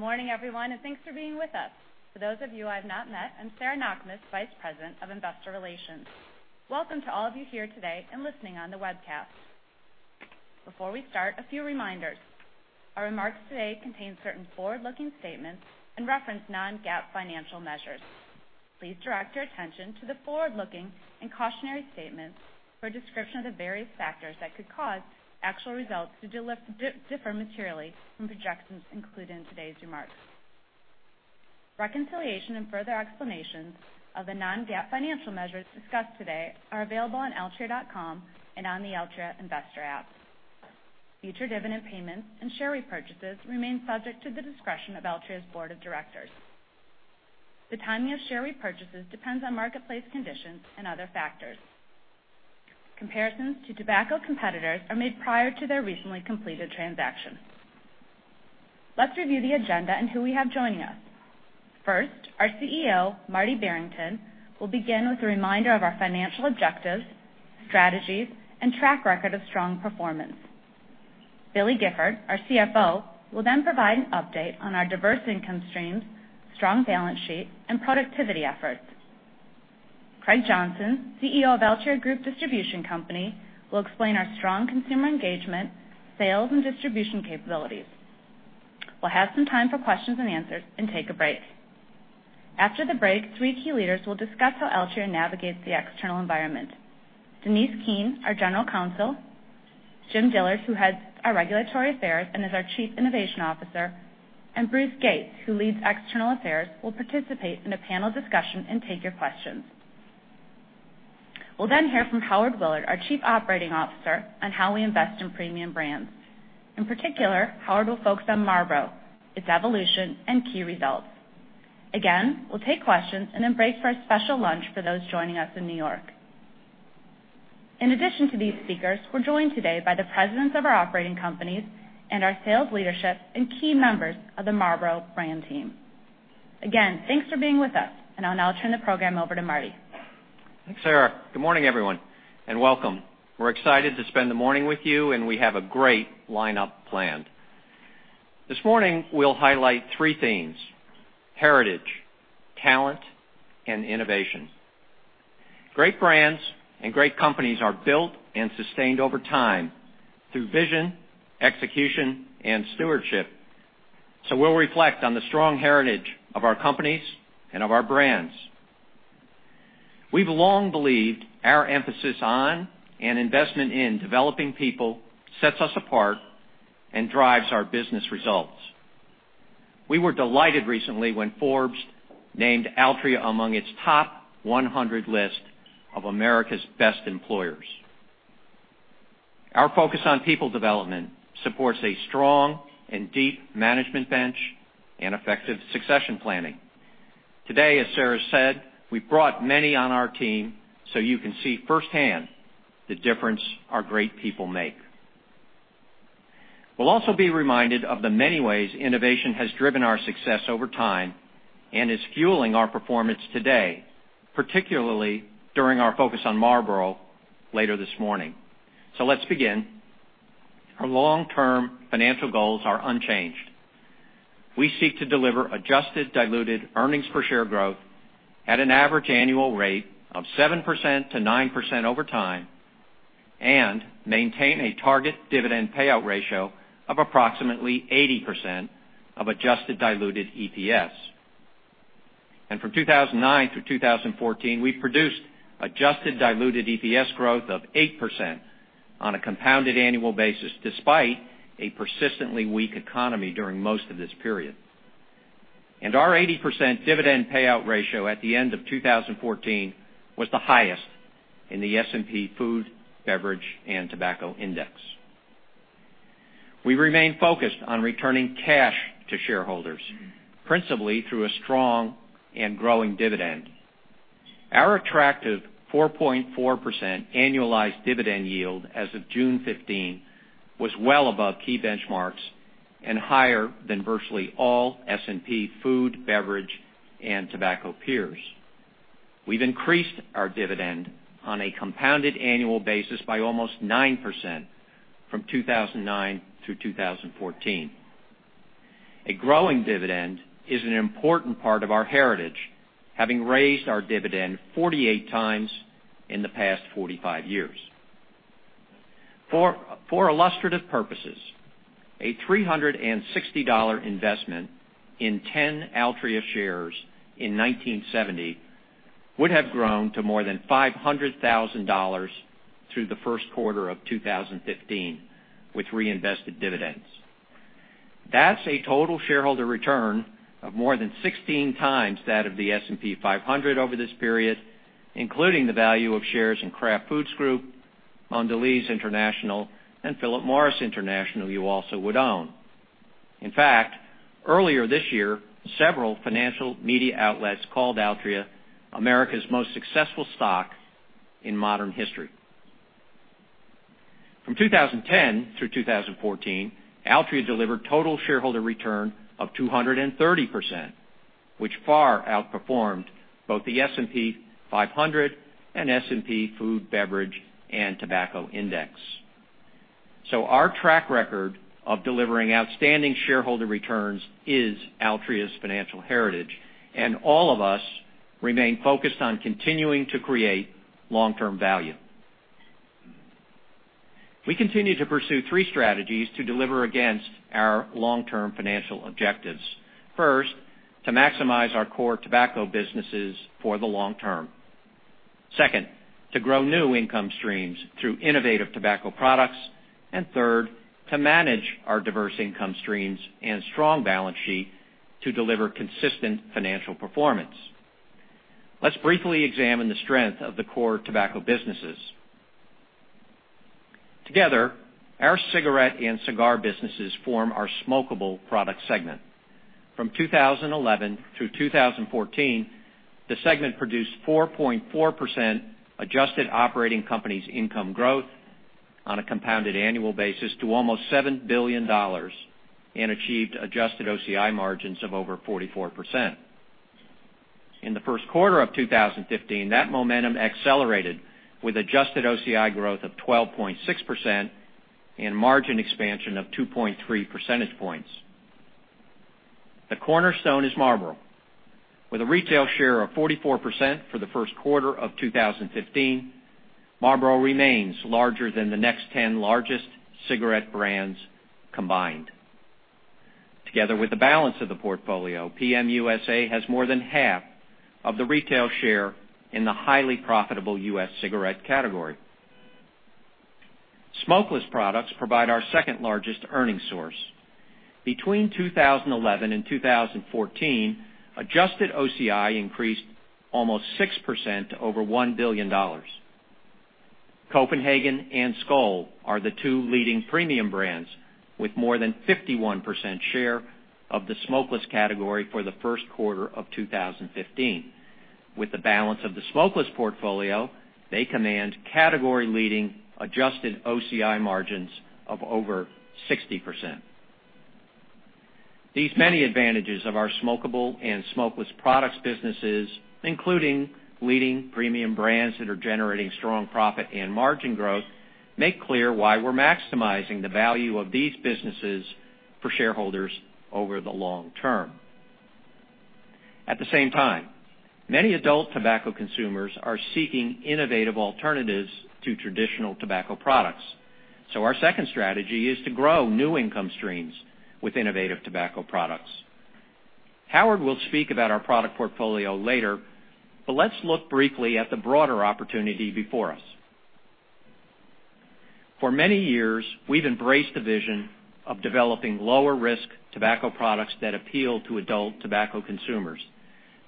Good morning, everyone, and thanks for being with us. For those of you I've not met, I'm Sarah Knakmuhs, Vice President of Investor Relations. Welcome to all of you here today and listening on the webcast. Before we start, a few reminders. Our remarks today contain certain forward-looking statements and reference non-GAAP financial measures. Please direct your attention to the forward-looking and cautionary statements for a description of the various factors that could cause actual results to differ materially from projections included in today's remarks. Reconciliation and further explanations of the non-GAAP financial measures discussed today are available on altria.com and on the Altria investor app. Future dividend payments and share repurchases remain subject to the discretion of Altria's board of directors. The timing of share repurchases depends on marketplace conditions and other factors. Comparisons to tobacco competitors are made prior to their recently completed transaction. Let's review the agenda and who we have joining us. First, our CEO, Marty Barrington, will begin with a reminder of our financial objectives, strategies, and track record of strong performance. Billy Gifford, our CFO, will then provide an update on our diverse income streams, strong balance sheet, and productivity efforts. Craig Johnson, CEO of Altria Group Distribution Company, will explain our strong consumer engagement, sales, and distribution capabilities. We'll have some time for questions and answers and take a break. After the break, three key leaders will discuss how Altria navigates the external environment. Denise Keane, our General Counsel, Jim Dillard, who heads our Regulatory Affairs and is our Chief Innovation Officer, and Bruce Gates, who leads external affairs, will participate in a panel discussion and take your questions. We'll then hear from Howard Willard, our Chief Operating Officer, on how we invest in premium brands. In particular, Howard will focus on Marlboro, its evolution, and key results. Again, we'll take questions and then break for a special lunch for those joining us in New York. In addition to these speakers, we're joined today by the presidents of our operating companies and our sales leadership and key members of the Marlboro brand team. Again, thanks for being with us. I'll now turn the program over to Marty. Thanks, Sarah. Good morning, everyone, and welcome. We're excited to spend the morning with you, and we have a great lineup planned. This morning, we'll highlight three themes: heritage, talent, and innovation. Great brands and great companies are built and sustained over time through vision, execution, and stewardship. We'll reflect on the strong heritage of our companies and of our brands. We've long believed our emphasis on and investment in developing people sets us apart and drives our business results. We were delighted recently when Forbes named Altria among its top 100 list of America's best employers. Our focus on people development supports a strong and deep management bench and effective succession planning. Today, as Sarah said, we've brought many on our team so you can see firsthand the difference our great people make. We'll also be reminded of the many ways innovation has driven our success over time and is fueling our performance today, particularly during our focus on Marlboro later this morning. Let's begin. Our long-term financial goals are unchanged. We seek to deliver adjusted diluted earnings per share growth at an average annual rate of 7% to 9% over time and maintain a target dividend payout ratio of approximately 80% of adjusted diluted EPS. From 2009 through 2014, we've produced adjusted diluted EPS growth of 8% on a compounded annual basis, despite a persistently weak economy during most of this period. Our 80% dividend payout ratio at the end of 2014 was the highest in the S&P Food, Beverage, and Tobacco Index. We remain focused on returning cash to shareholders, principally through a strong and growing dividend. Our attractive 4.4% annualized dividend yield as of June 15 was well above key benchmarks and higher than virtually all S&P food, beverage, and tobacco peers. We've increased our dividend on a compounded annual basis by almost 9% from 2009 to 2014. A growing dividend is an important part of our heritage, having raised our dividend 48 times in the past 45 years. For illustrative purposes, a $360 investment in 10 Altria shares in 1970 would have grown to more than $500,000 through the first quarter of 2015 with reinvested dividends. That's a total shareholder return of more than 16 times that of the S&P 500 over this period, including the value of shares in Kraft Foods Group, Mondelez International, and Philip Morris International you also would own. In fact, earlier this year, several financial media outlets called Altria America's most successful stock in modern history. From 2010 through 2014, Altria delivered total shareholder return of 230%, which far outperformed both the S&P 500 and S&P Food, Beverage, and Tobacco Index. Our track record of delivering outstanding shareholder returns is Altria's financial heritage, and all of us remain focused on continuing to create long-term value. We continue to pursue three strategies to deliver against our long-term financial objectives. First, to maximize our core tobacco businesses for the long term. Second, to grow new income streams through innovative tobacco products. Third, to manage our diverse income streams and strong balance sheet to deliver consistent financial performance. Let's briefly examine the strength of the core tobacco businesses. Together, our cigarette and cigar businesses form our smokable product segment. From 2011 through 2014, the segment produced 4.4% adjusted operating company's income growth on a compounded annual basis to almost $7 billion and achieved adjusted OCI margins of over 44%. In the first quarter of 2015, that momentum accelerated with adjusted OCI growth of 12.6% and margin expansion of 2.3 percentage points. The cornerstone is Marlboro. With a retail share of 44% for the first quarter of 2015, Marlboro remains larger than the next 10 largest cigarette brands combined. Together with the balance of the portfolio, PM USA has more than half of the retail share in the highly profitable U.S. cigarette category. Smokeless products provide our second-largest earning source. Between 2011 and 2014, adjusted OCI increased almost 6% to over $1 billion. Copenhagen and Skoal are the two leading premium brands, with more than 51% share of the smokeless category for the first quarter of 2015. With the balance of the smokeless portfolio, they command category-leading adjusted OCI margins of over 60%. These many advantages of our smokable and smokeless products businesses, including leading premium brands that are generating strong profit and margin growth, make clear why we're maximizing the value of these businesses for shareholders over the long term. At the same time, many adult tobacco consumers are seeking innovative alternatives to traditional tobacco products. Our second strategy is to grow new income streams with innovative tobacco products. Howard will speak about our product portfolio later, but let's look briefly at the broader opportunity before us. For many years, we've embraced the vision of developing lower-risk tobacco products that appeal to adult tobacco consumers.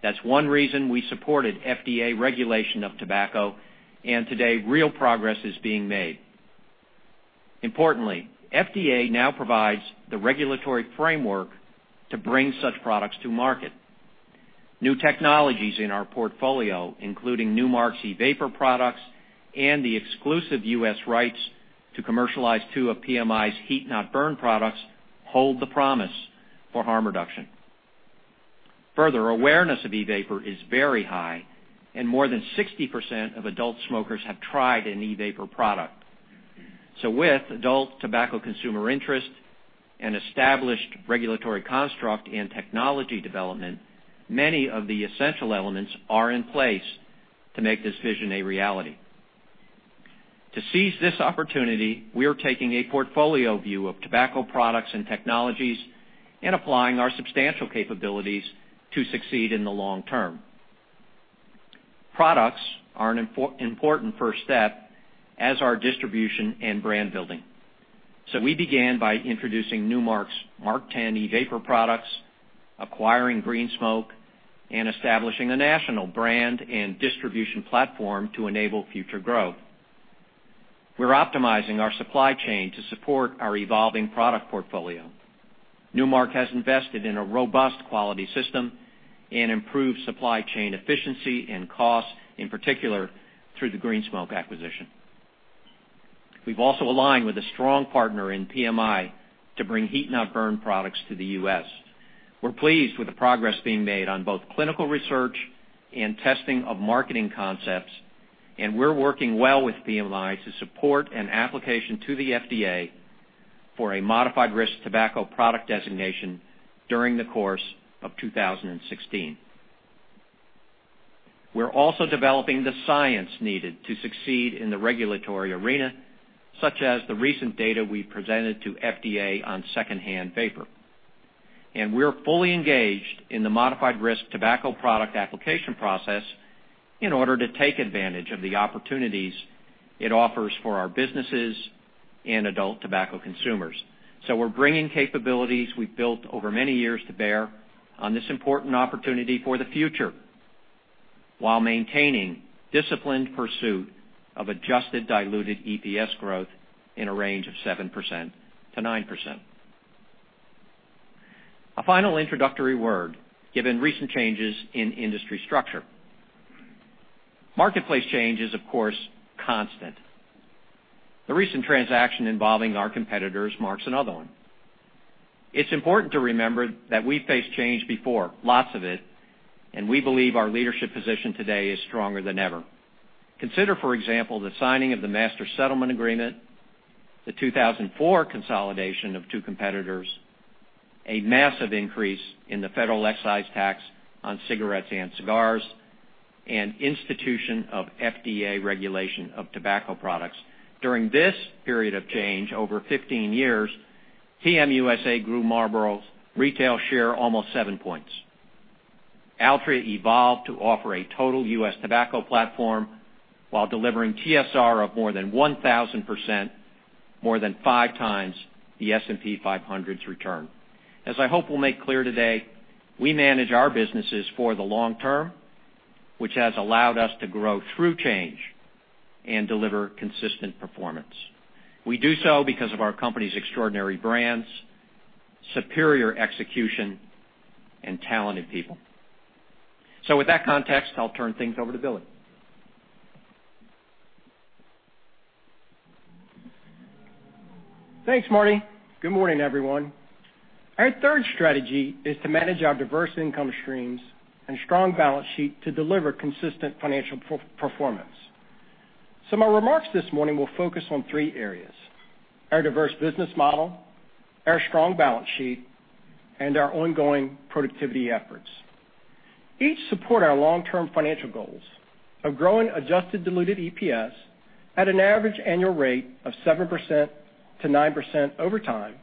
That's one reason we supported FDA regulation of tobacco, and today, real progress is being made. Importantly, FDA now provides the regulatory framework to bring such products to market. New technologies in our portfolio, including Nu Mark's e-vapor products and the exclusive U.S. rights to commercialize two of PMI's heat-not-burn products, hold the promise for harm reduction. Further, awareness of e-vapor is very high, and more than 60% of adult smokers have tried an e-vapor product. With adult tobacco consumer interest and established regulatory construct and technology development, many of the essential elements are in place to make this vision a reality. To seize this opportunity, we are taking a portfolio view of tobacco products and technologies and applying our substantial capabilities to succeed in the long term. Products are an important first step, as are distribution and brand building. We began by introducing Nu Mark's MarkTen e-vapor products, acquiring Green Smoke, and establishing a national brand and distribution platform to enable future growth. We're optimizing our supply chain to support our evolving product portfolio. Nu Mark has invested in a robust quality system and improved supply chain efficiency and cost, in particular through the Green Smoke acquisition. We've also aligned with a strong partner in PMI to bring heat-not-burn products to the U.S. We're pleased with the progress being made on both clinical research and testing of marketing concepts, and we're working well with PMI to support an application to the FDA for a modified risk tobacco product designation during the course of 2016. We're also developing the science needed to succeed in the regulatory arena, such as the recent data we presented to FDA on secondhand vapor. We're fully engaged in the modified risk tobacco product application process in order to take advantage of the opportunities it offers for our businesses and adult tobacco consumers. We're bringing capabilities we've built over many years to bear on this important opportunity for the future while maintaining disciplined pursuit of adjusted diluted EPS growth in a range of 7%-9%. A final introductory word, given recent changes in industry structure. Marketplace change is, of course, constant. The recent transaction involving our competitors marks another one. It's important to remember that we've faced change before, lots of it, and we believe our leadership position today is stronger than ever. Consider, for example, the signing of the Master Settlement Agreement, the 2004 consolidation of two competitors, a massive increase in the federal excise tax on cigarettes and cigars, and institution of FDA regulation of tobacco products. During this period of change, over 15 years, PM USA grew Marlboro's retail share almost seven points. Altria evolved to offer a total U.S. tobacco platform while delivering TSR of more than 1,000%, more than five times the S&P 500's return. As I hope we'll make clear today, we manage our businesses for the long term, which has allowed us to grow through change and deliver consistent performance. We do so because of our company's extraordinary brands, superior execution, and talented people. With that context, I'll turn things over to Billy. Thanks, Marty. Good morning, everyone. Our third strategy is to manage our diverse income streams and strong balance sheet to deliver consistent financial performance. My remarks this morning will focus on three areas: our diverse business model, our strong balance sheet, and our ongoing productivity efforts. Each support our long-term financial goals of growing adjusted diluted EPS at an average annual rate of 7% to 9% over time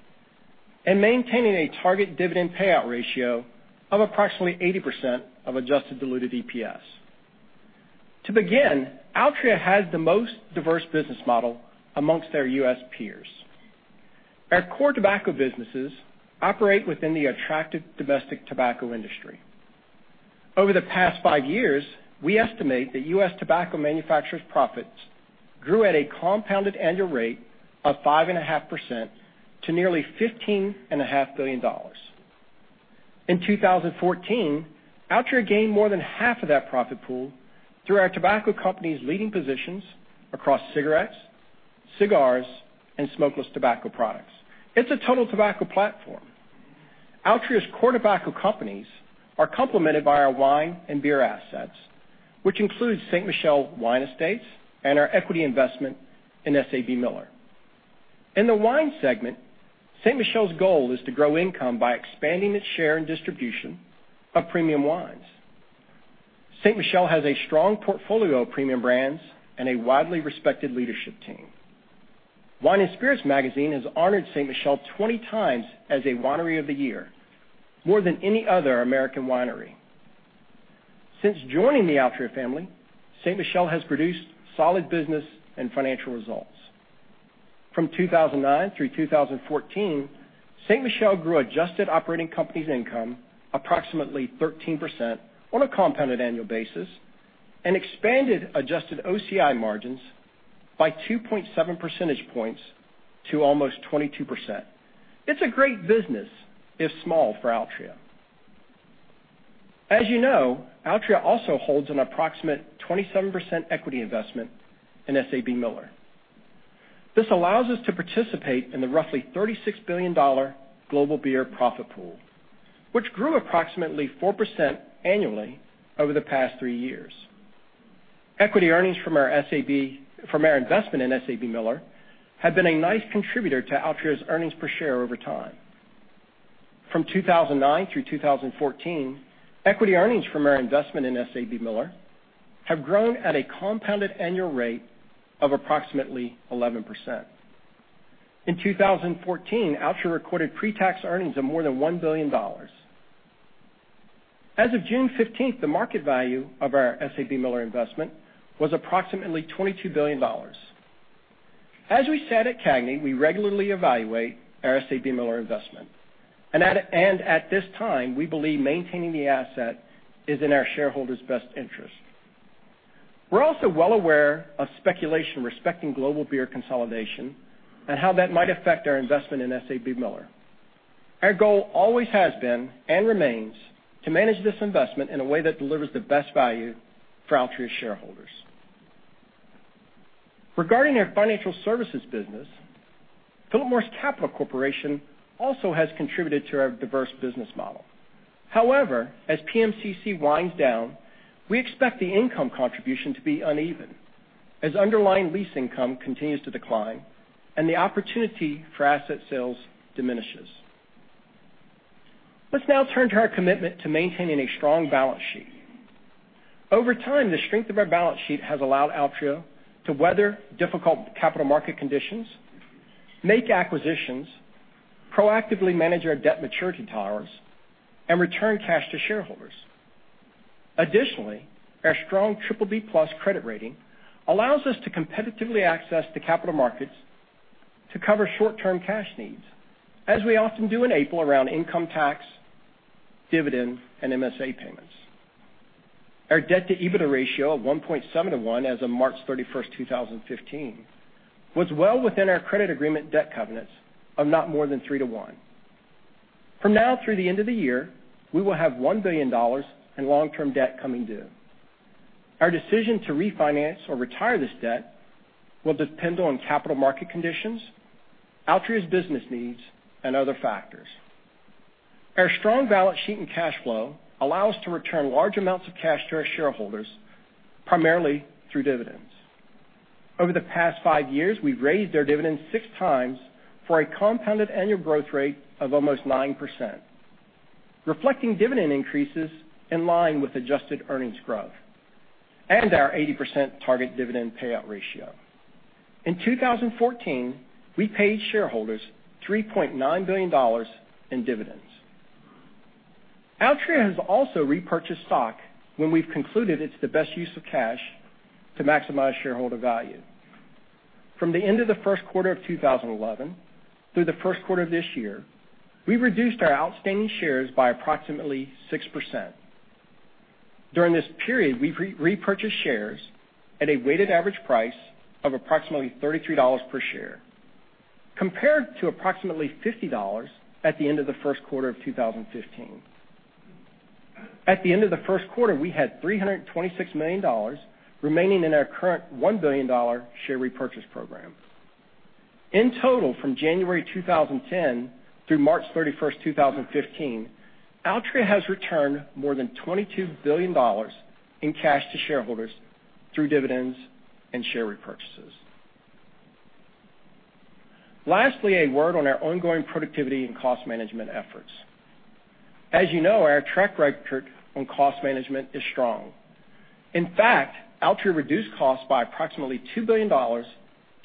and maintaining a target dividend payout ratio of approximately 80% of adjusted diluted EPS. To begin, Altria has the most diverse business model amongst our U.S. peers. Our core tobacco businesses operate within the attractive domestic tobacco industry. Over the past five years, we estimate that U.S. tobacco manufacturers' profits grew at a compounded annual rate of 5.5% to nearly $15.5 billion. In 2014, Altria gained more than half of that profit pool through our tobacco company's leading positions across cigarettes, cigars, and smokeless tobacco products. It's a total tobacco platform. Altria's core tobacco companies are complemented by our wine and beer assets, which includes Ste. Michelle Wine Estates and our equity investment in SABMiller. In the wine segment, Ste. Michelle's goal is to grow income by expanding its share and distribution of premium wines. Ste. Michelle has a strong portfolio of premium brands and a widely respected leadership team. Wine & Spirits Magazine has honored Ste. Michelle 20 times as a winery of the year, more than any other American winery. Since joining the Altria family, Ste. Michelle has produced solid business and financial results. From 2009 through 2014, Ste. Michelle grew adjusted operating company's income approximately 13% on a compounded annual basis and expanded adjusted OCI margins by 2.7 percentage points to almost 22%. It's a great business, if small for Altria. As you know, Altria also holds an approximate 27% equity investment in SABMiller. This allows us to participate in the roughly $36 billion global beer profit pool, which grew approximately 4% annually over the past three years. Equity earnings from our investment in SABMiller have been a nice contributor to Altria's earnings per share over time. From 2009 through 2014, equity earnings from our investment in SABMiller have grown at a compounded annual rate of approximately 11%. In 2014, Altria recorded pre-tax earnings of more than $1 billion. As of June 15th, the market value of our SABMiller investment was approximately $22 billion. As we said at CAGNY, we regularly evaluate our SABMiller investment. We believe maintaining the asset is in our shareholders' best interest. We're also well aware of speculation respecting global beer consolidation and how that might affect our investment in SABMiller. Our goal always has been, and remains, to manage this investment in a way that delivers the best value for Altria shareholders. Regarding our financial services business, Philip Morris Capital Corporation also has contributed to our diverse business model. However, as PMCC winds down, we expect the income contribution to be uneven as underlying lease income continues to decline and the opportunity for asset sales diminishes. Let's now turn to our commitment to maintaining a strong balance sheet. Over time, the strength of our balance sheet has allowed Altria to weather difficult capital market conditions, make acquisitions, proactively manage our debt maturity towers, and return cash to shareholders. Additionally, our strong BBB+ credit rating allows us to competitively access the capital markets to cover short-term cash needs, as we often do in April around income tax, dividend, and MSA payments. Our debt to EBITDA ratio of 1.7:1 as of March 31st, 2015, was well within our credit agreement debt covenants of not more than 3:1. From now through the end of the year, we will have $1 billion in long-term debt coming due. Our decision to refinance or retire this debt will depend on capital market conditions, Altria's business needs, and other factors. Our strong balance sheet and cash flow allow us to return large amounts of cash to our shareholders, primarily through dividends. Over the past five years, we've raised our dividends six times for a compounded annual growth rate of almost 9%, reflecting dividend increases in line with adjusted earnings growth and our 80% target dividend payout ratio. In 2014, we paid shareholders $3.9 billion in dividends. Altria has also repurchased stock when we've concluded it's the best use of cash to maximize shareholder value. From the end of the first quarter of 2011 through the first quarter of this year, we reduced our outstanding shares by approximately 6%. During this period, we've repurchased shares at a weighted average price of approximately $33 per share, compared to approximately $50 at the end of the first quarter of 2015. At the end of the first quarter, we had $326 million remaining in our current $1 billion share repurchase program. In total, from January 2010 through March 31st, 2015, Altria has returned more than $22 billion in cash to shareholders through dividends and share repurchases. Lastly, a word on our ongoing productivity and cost management efforts. As you know, our track record on cost management is strong. In fact, Altria reduced costs by approximately $2 billion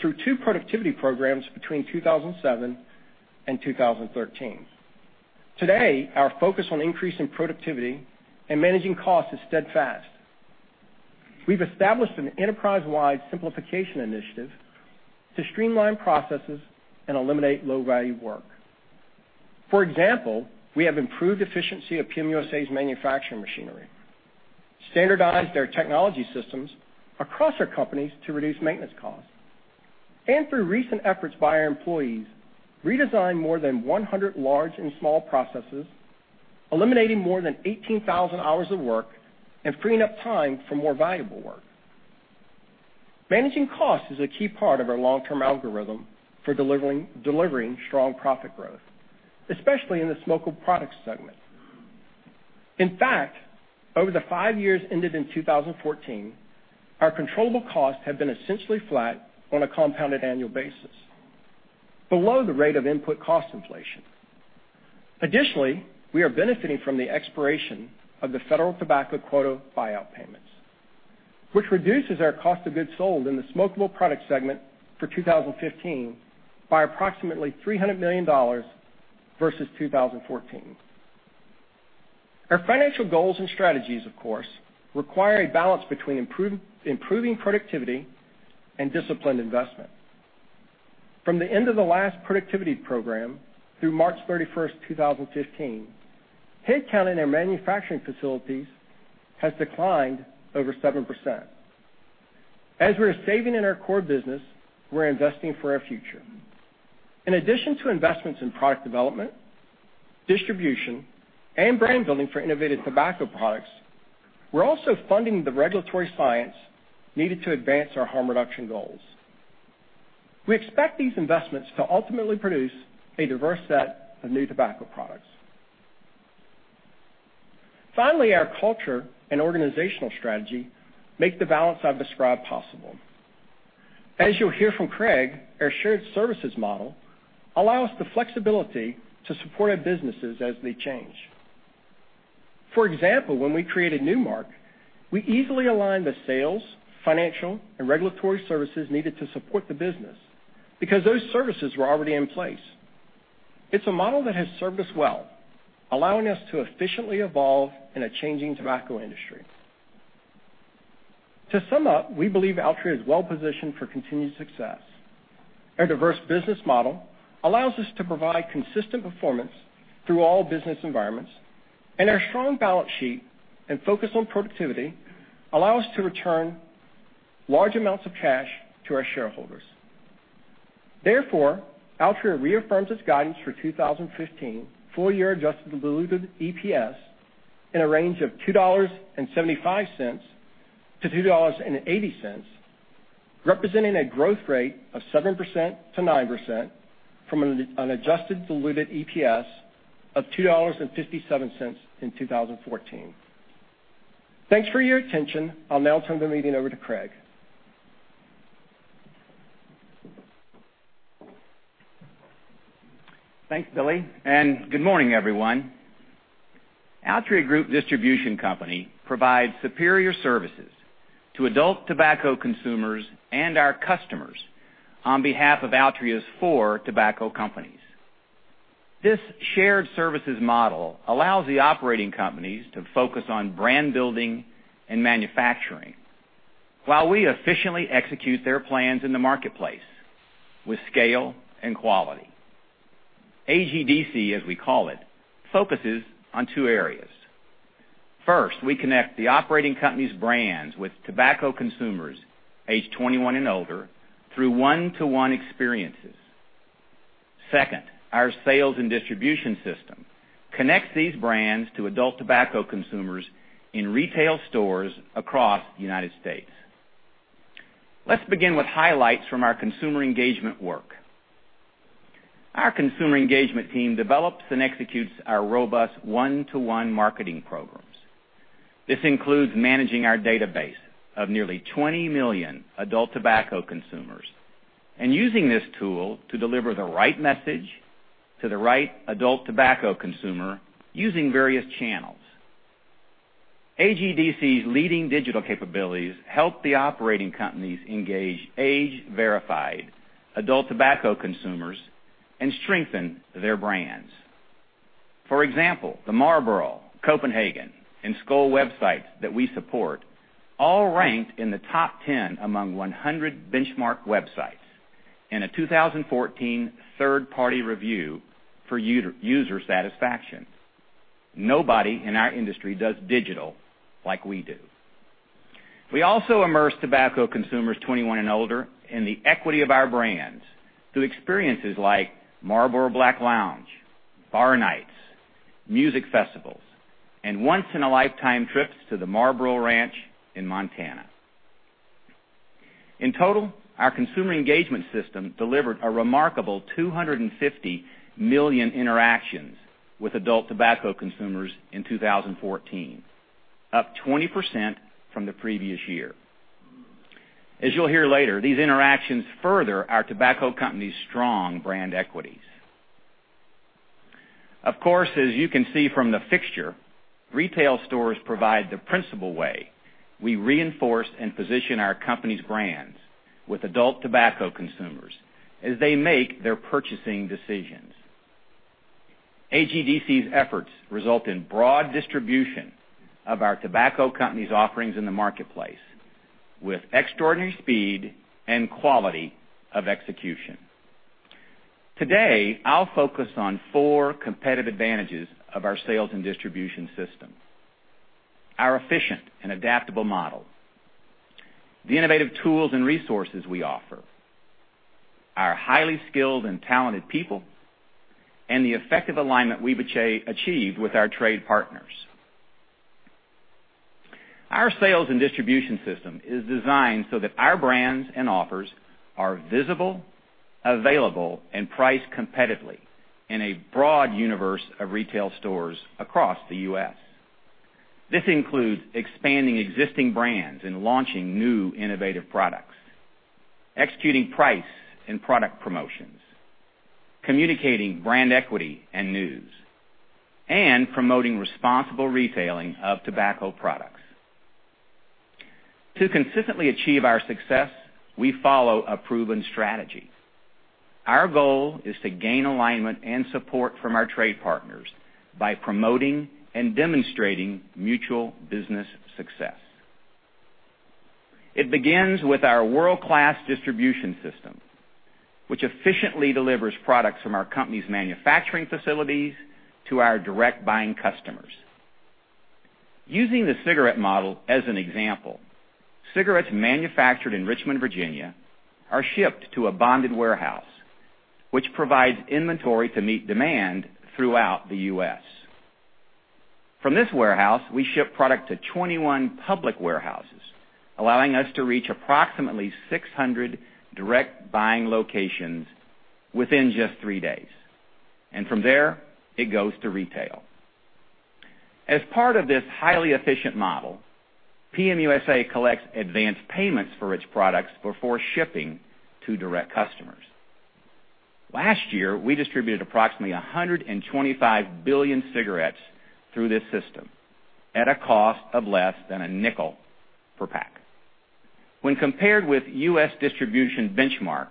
through two productivity programs between 2007 and 2013. Today, our focus on increasing productivity and managing costs is steadfast. We've established an enterprise-wide simplification initiative to streamline processes and eliminate low-value work. For example, we have improved efficiency of PM USA's manufacturing machinery, standardized their technology systems across our companies to reduce maintenance costs. Through recent efforts by our employees, redesigned more than 100 large and small processes, eliminating more than 18,000 hours of work, and freeing up time for more valuable work. Managing costs is a key part of our long-term algorithm for delivering strong profit growth, especially in the smokeable products segment. In fact, over the five years ended in 2014, our controllable costs have been essentially flat on a compounded annual basis, below the rate of input cost inflation. Additionally, we are benefiting from the expiration of the federal tobacco quota buyout payments, which reduces our cost of goods sold in the smokeable products segment for 2015 by approximately $300 million versus 2014. Our financial goals and strategies, of course, require a balance between improving productivity and disciplined investment. From the end of the last productivity program through March 31st, 2015, headcount in our manufacturing facilities has declined over 7%. As we're saving in our core business, we're investing for our future. In addition to investments in product development, distribution, and brand building for innovative tobacco products, we're also funding the regulatory science needed to advance our harm reduction goals. We expect these investments to ultimately produce a diverse set of new tobacco products. Finally, our culture and organizational strategy make the balance I've described possible. As you'll hear from Craig, our shared services model allow us the flexibility to support our businesses as they change. For example, when we created Nu Mark, we easily aligned the sales, financial, and regulatory services needed to support the business because those services were already in place. It's a model that has served us well, allowing us to efficiently evolve in a changing tobacco industry. To sum up, we believe Altria is well-positioned for continued success. Our diverse business model allows us to provide consistent performance through all business environments, and our strong balance sheet and focus on productivity allow us to return large amounts of cash to our shareholders. Altria reaffirms its guidance for 2015 full-year adjusted diluted EPS in a range of $2.75-$2.80, representing a growth rate of 7%-9% from an adjusted diluted EPS of $2.57 in 2014. Thanks for your attention. I'll now turn the meeting over to Craig. Thanks, Billy, and good morning, everyone. Altria Group Distribution Company provides superior services to adult tobacco consumers and our customers on behalf of Altria's four tobacco companies. This shared services model allows the operating companies to focus on brand-building and manufacturing while we efficiently execute their plans in the marketplace with scale and quality. AGDC, as we call it, focuses on two areas. First, we connect the operating company's brands with tobacco consumers aged 21 and older through one-to-one experiences. Second, our sales and distribution system connects these brands to adult tobacco consumers in retail stores across the United States. Let's begin with highlights from our consumer engagement work. Our consumer engagement team develops and executes our robust one-to-one marketing programs. This includes managing our database of nearly 20 million adult tobacco consumers, and using this tool to deliver the right message to the right adult tobacco consumer using various channels. AGDC's leading digital capabilities help the operating companies engage age-verified adult tobacco consumers and strengthen their brands. For example, the Marlboro, Copenhagen, and Skoal websites that we support all ranked in the top 10 among 100 benchmark websites in a 2014 third-party review for user satisfaction. Nobody in our industry does digital like we do. We also immerse tobacco consumers 21 and older in the equity of our brands through experiences like Marlboro Black Lounge, bar nights, music festivals, and once-in-a-lifetime trips to the Marlboro Ranch in Montana. In total, our consumer engagement system delivered a remarkable 250 million interactions with adult tobacco consumers in 2014, up 20% from the previous year. As you'll hear later, these interactions further our tobacco company's strong brand equities. Of course, as you can see from the fixture, retail stores provide the principal way we reinforce and position our company's brands with adult tobacco consumers as they make their purchasing decisions. AGDC's efforts result in broad distribution of our tobacco company's offerings in the marketplace with extraordinary speed and quality of execution. Today, I'll focus on four competitive advantages of our sales and distribution system. Our efficient and adaptable model, the innovative tools and resources we offer, our highly skilled and talented people, and the effective alignment we've achieved with our trade partners. Our sales and distribution system is designed so that our brands and offers are visible, available, and priced competitively in a broad universe of retail stores across the U.S. This includes expanding existing brands and launching new innovative products, executing price and product promotions, communicating brand equity and news, and promoting responsible retailing of tobacco products. To consistently achieve our success, we follow a proven strategy. Our goal is to gain alignment and support from our trade partners by promoting and demonstrating mutual business success. It begins with our world-class distribution system, which efficiently delivers products from our company's manufacturing facilities to our direct buying customers. Using the cigarette model as an example, cigarettes manufactured in Richmond, Virginia, are shipped to a bonded warehouse, which provides inventory to meet demand throughout the U.S. From this warehouse, we ship product to 21 public warehouses, allowing us to reach approximately 600 direct buying locations within just three days. From there, it goes to retail. As part of this highly efficient model, PM USA collects advance payments for its products before shipping to direct customers. Last year, we distributed approximately 125 billion cigarettes through this system at a cost of less than $0.05 per pack. When compared with U.S. distribution benchmarks,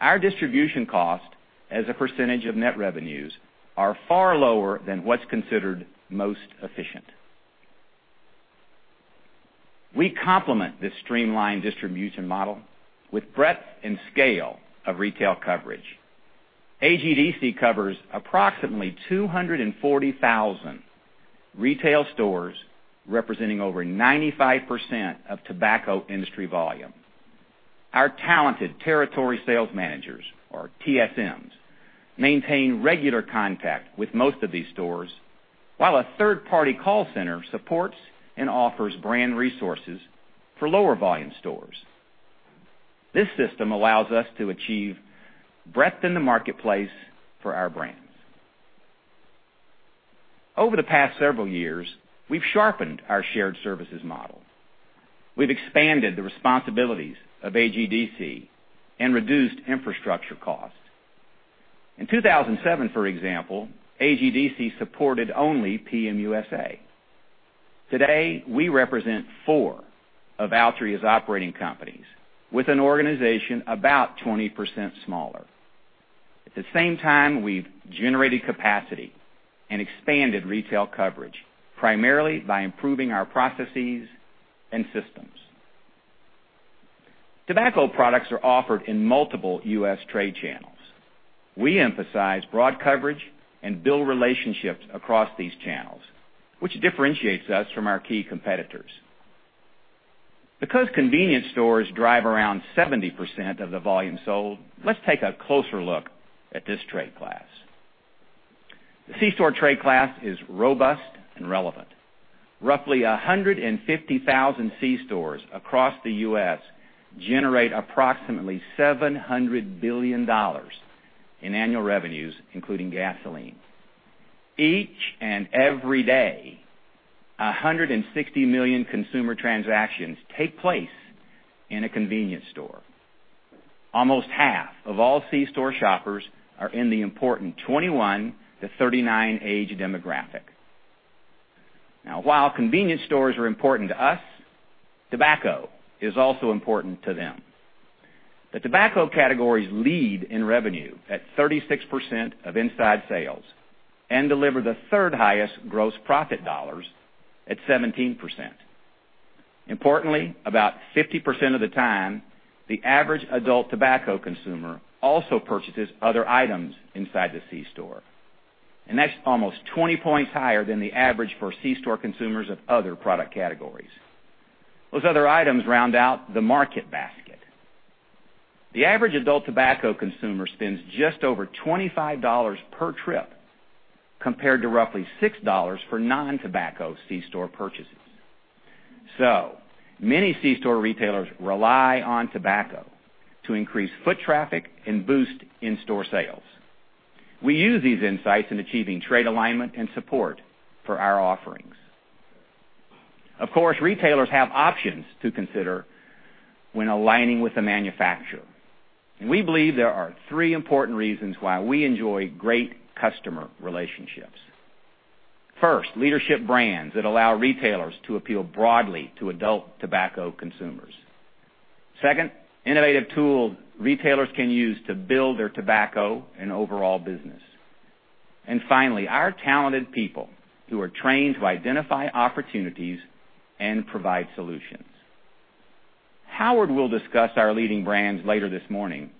our distribution cost as a percentage of net revenues are far lower than what's considered most efficient. We complement this streamlined distribution model with breadth and scale of retail coverage. AGDC covers approximately 240,000 retail stores, representing over 95% of tobacco industry volume. Our talented territory sales managers, or TSMs, maintain regular contact with most of these stores, while a third-party call center supports and offers brand resources for lower volume stores. This system allows us to achieve breadth in the marketplace for our brands. Over the past several years, we've sharpened our shared services model. We've expanded the responsibilities of AGDC and reduced infrastructure costs. In 2007, for example, AGDC supported only PM USA. Today, we represent four of Altria's operating companies with an organization about 20% smaller. At the same time, we've generated capacity and expanded retail coverage, primarily by improving our processes and systems. Tobacco products are offered in multiple U.S. trade channels. We emphasize broad coverage and build relationships across these channels, which differentiates us from our key competitors. Because convenience stores drive around 70% of the volume sold, let's take a closer look at this trade class. The c-store trade class is robust and relevant. Roughly 150,000 c-stores across the U.S. generate approximately $700 billion in annual revenues, including gasoline. Each and every day, 160 million consumer transactions take place in a convenience store. Almost half of all c-store shoppers are in the important 21 to 39 age demographic. While convenience stores are important to us, tobacco is also important to them. The tobacco categories lead in revenue at 36% of inside sales and deliver the third highest gross profit dollars at 17%. Importantly, about 50% of the time, the average adult tobacco consumer also purchases other items inside the c-store, and that's almost 20 points higher than the average for c-store consumers of other product categories. Those other items round out the market basket. The average adult tobacco consumer spends just over $25 per trip, compared to roughly $6 for non-tobacco c-store purchases. Many c-store retailers rely on tobacco to increase foot traffic and boost in-store sales. We use these insights in achieving trade alignment and support for our offerings. Of course, retailers have options to consider when aligning with the manufacturer. We believe there are three important reasons why we enjoy great customer relationships. First, leadership brands that allow retailers to appeal broadly to adult tobacco consumers. Second, innovative tools retailers can use to build their tobacco and overall business. Finally, our talented people who are trained to identify opportunities and provide solutions. Howard will discuss our leading brands later this morning.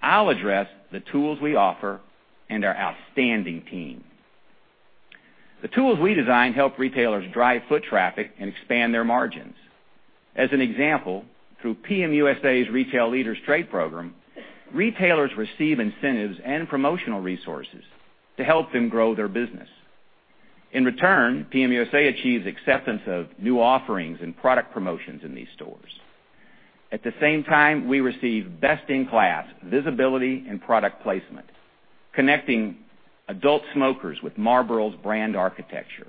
I'll address the tools we offer and our outstanding team. The tools we design help retailers drive foot traffic and expand their margins. As an example, through PM USA's Retail Leaders Program, retailers receive incentives and promotional resources to help them grow their business. In return, PM USA achieves acceptance of new offerings and product promotions in these stores. At the same time, we receive best-in-class visibility and product placement, connecting adult smokers with Marlboro's brand architecture.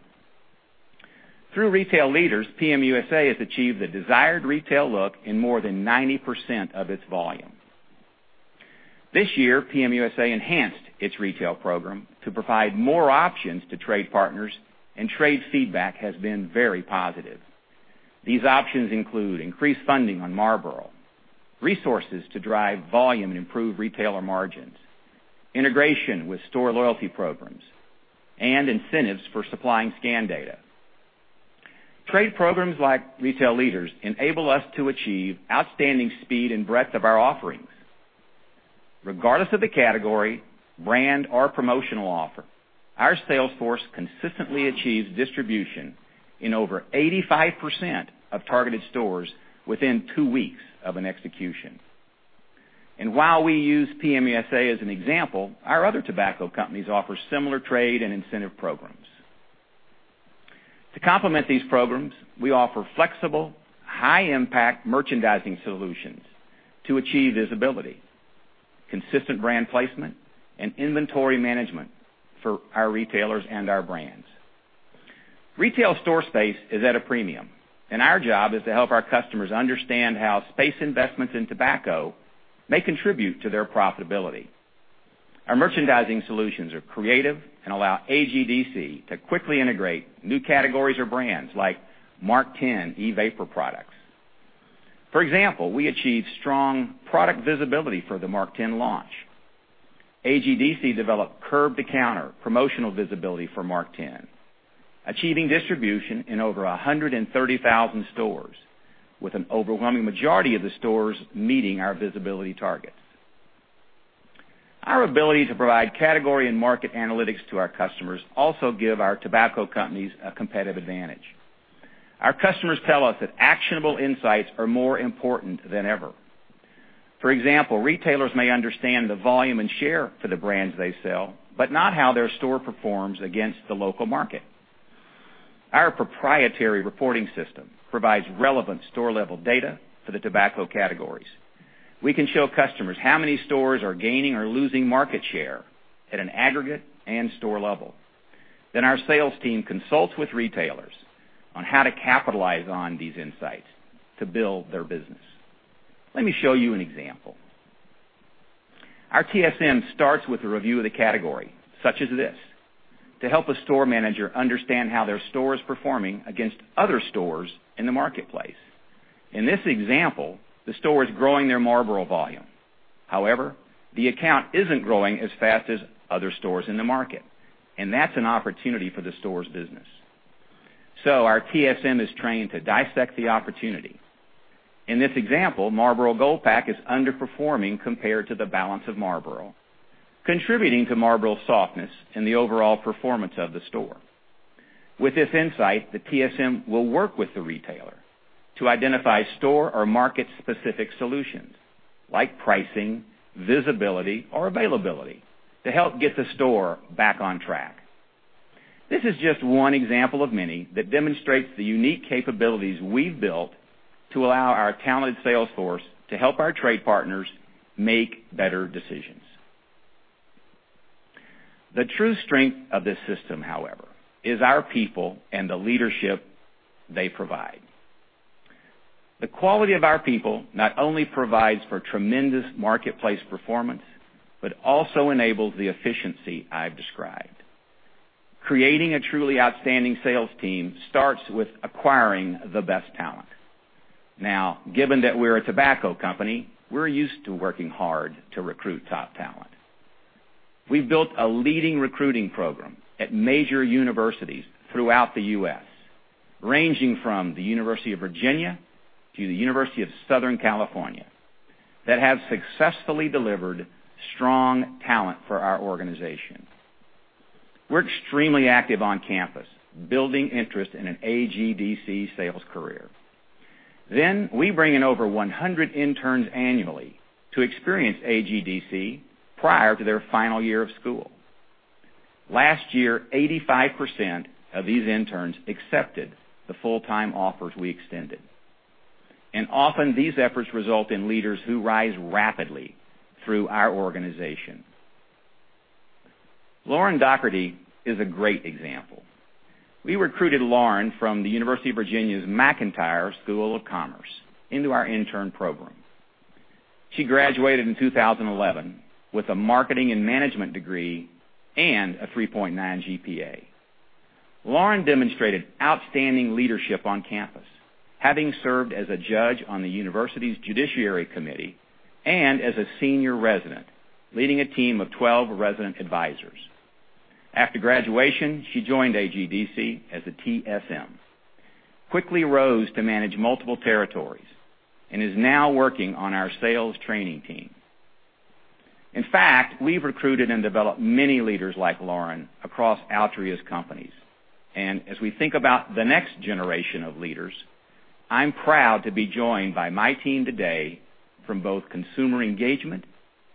Through Retail Leaders, PM USA has achieved the desired retail look in more than 90% of its volume. This year, PM USA enhanced its retail program to provide more options to trade partners, trade feedback has been very positive. These options include increased funding on Marlboro, resources to drive volume and improve retailer margins, integration with store loyalty programs, and incentives for supplying scan data. Trade programs like Retail Leaders enable us to achieve outstanding speed and breadth of our offerings. Regardless of the category, brand, or promotional offer, our sales force consistently achieves distribution in over 85% of targeted stores within two weeks of an execution. While we use PM USA as an example, our other tobacco companies offer similar trade and incentive programs. To complement these programs, we offer flexible, high-impact merchandising solutions to achieve visibility, consistent brand placement, and inventory management for our retailers and our brands. Retail store space is at a premium. Our job is to help our customers understand how space investments in tobacco may contribute to their profitability. Our merchandising solutions are creative and allow AGDC to quickly integrate new categories or brands like MarkTen e-vapor products. For example, we achieved strong product visibility for the MarkTen launch. AGDC developed curb-to-counter promotional visibility for MarkTen, achieving distribution in over 130,000 stores, with an overwhelming majority of the stores meeting our visibility targets. Our ability to provide category and market analytics to our customers also give our tobacco companies a competitive advantage. Our customers tell us that actionable insights are more important than ever. For example, retailers may understand the volume and share for the brands they sell, but not how their store performs against the local market. Our proprietary reporting system provides relevant store-level data for the tobacco categories. We can show customers how many stores are gaining or losing market share at an aggregate and store level. Our sales team consults with retailers on how to capitalize on these insights to build their business. Let me show you an example. Our TSM starts with a review of the category, such as this, to help a store manager understand how their store is performing against other stores in the marketplace. In this example, the store is growing their Marlboro volume. However, the account isn't growing as fast as other stores in the market, and that's an opportunity for the store's business. Our TSM is trained to dissect the opportunity. In this example, Marlboro Gold Pack is underperforming compared to the balance of Marlboro, contributing to Marlboro's softness and the overall performance of the store. With this insight, the TSM will work with the retailer to identify store or market-specific solutions like pricing, visibility, or availability to help get the store back on track. This is just one example of many that demonstrates the unique capabilities we've built to allow our talented sales force to help our trade partners make better decisions. The true strength of this system, however, is our people and the leadership they provide. The quality of our people not only provides for tremendous marketplace performance, but also enables the efficiency I've described. Creating a truly outstanding sales team starts with acquiring the best talent. Given that we're a tobacco company, we're used to working hard to recruit top talent. We've built a leading recruiting program at major universities throughout the U.S., ranging from the University of Virginia to the University of Southern California, that have successfully delivered strong talent for our organization. We're extremely active on campus, building interest in an AGDC sales career. We bring in over 100 interns annually to experience AGDC prior to their final year of school. Last year, 85% of these interns accepted the full-time offers we extended. Often these efforts result in leaders who rise rapidly through our organization. Lauren Dougherty is a great example. We recruited Lauren from the University of Virginia's McIntire School of Commerce into our intern program. She graduated in 2011 with a marketing and management degree and a 3.9 GPA. Lauren demonstrated outstanding leadership on campus, having served as a judge on the university's judiciary committee and as a senior resident, leading a team of 12 resident advisors. After graduation, she joined AGDC as a TSM, quickly rose to manage multiple territories, and is now working on our sales training team. In fact, we've recruited and developed many leaders like Lauren across Altria's companies. As we think about the next generation of leaders, I'm proud to be joined by my team today from both consumer engagement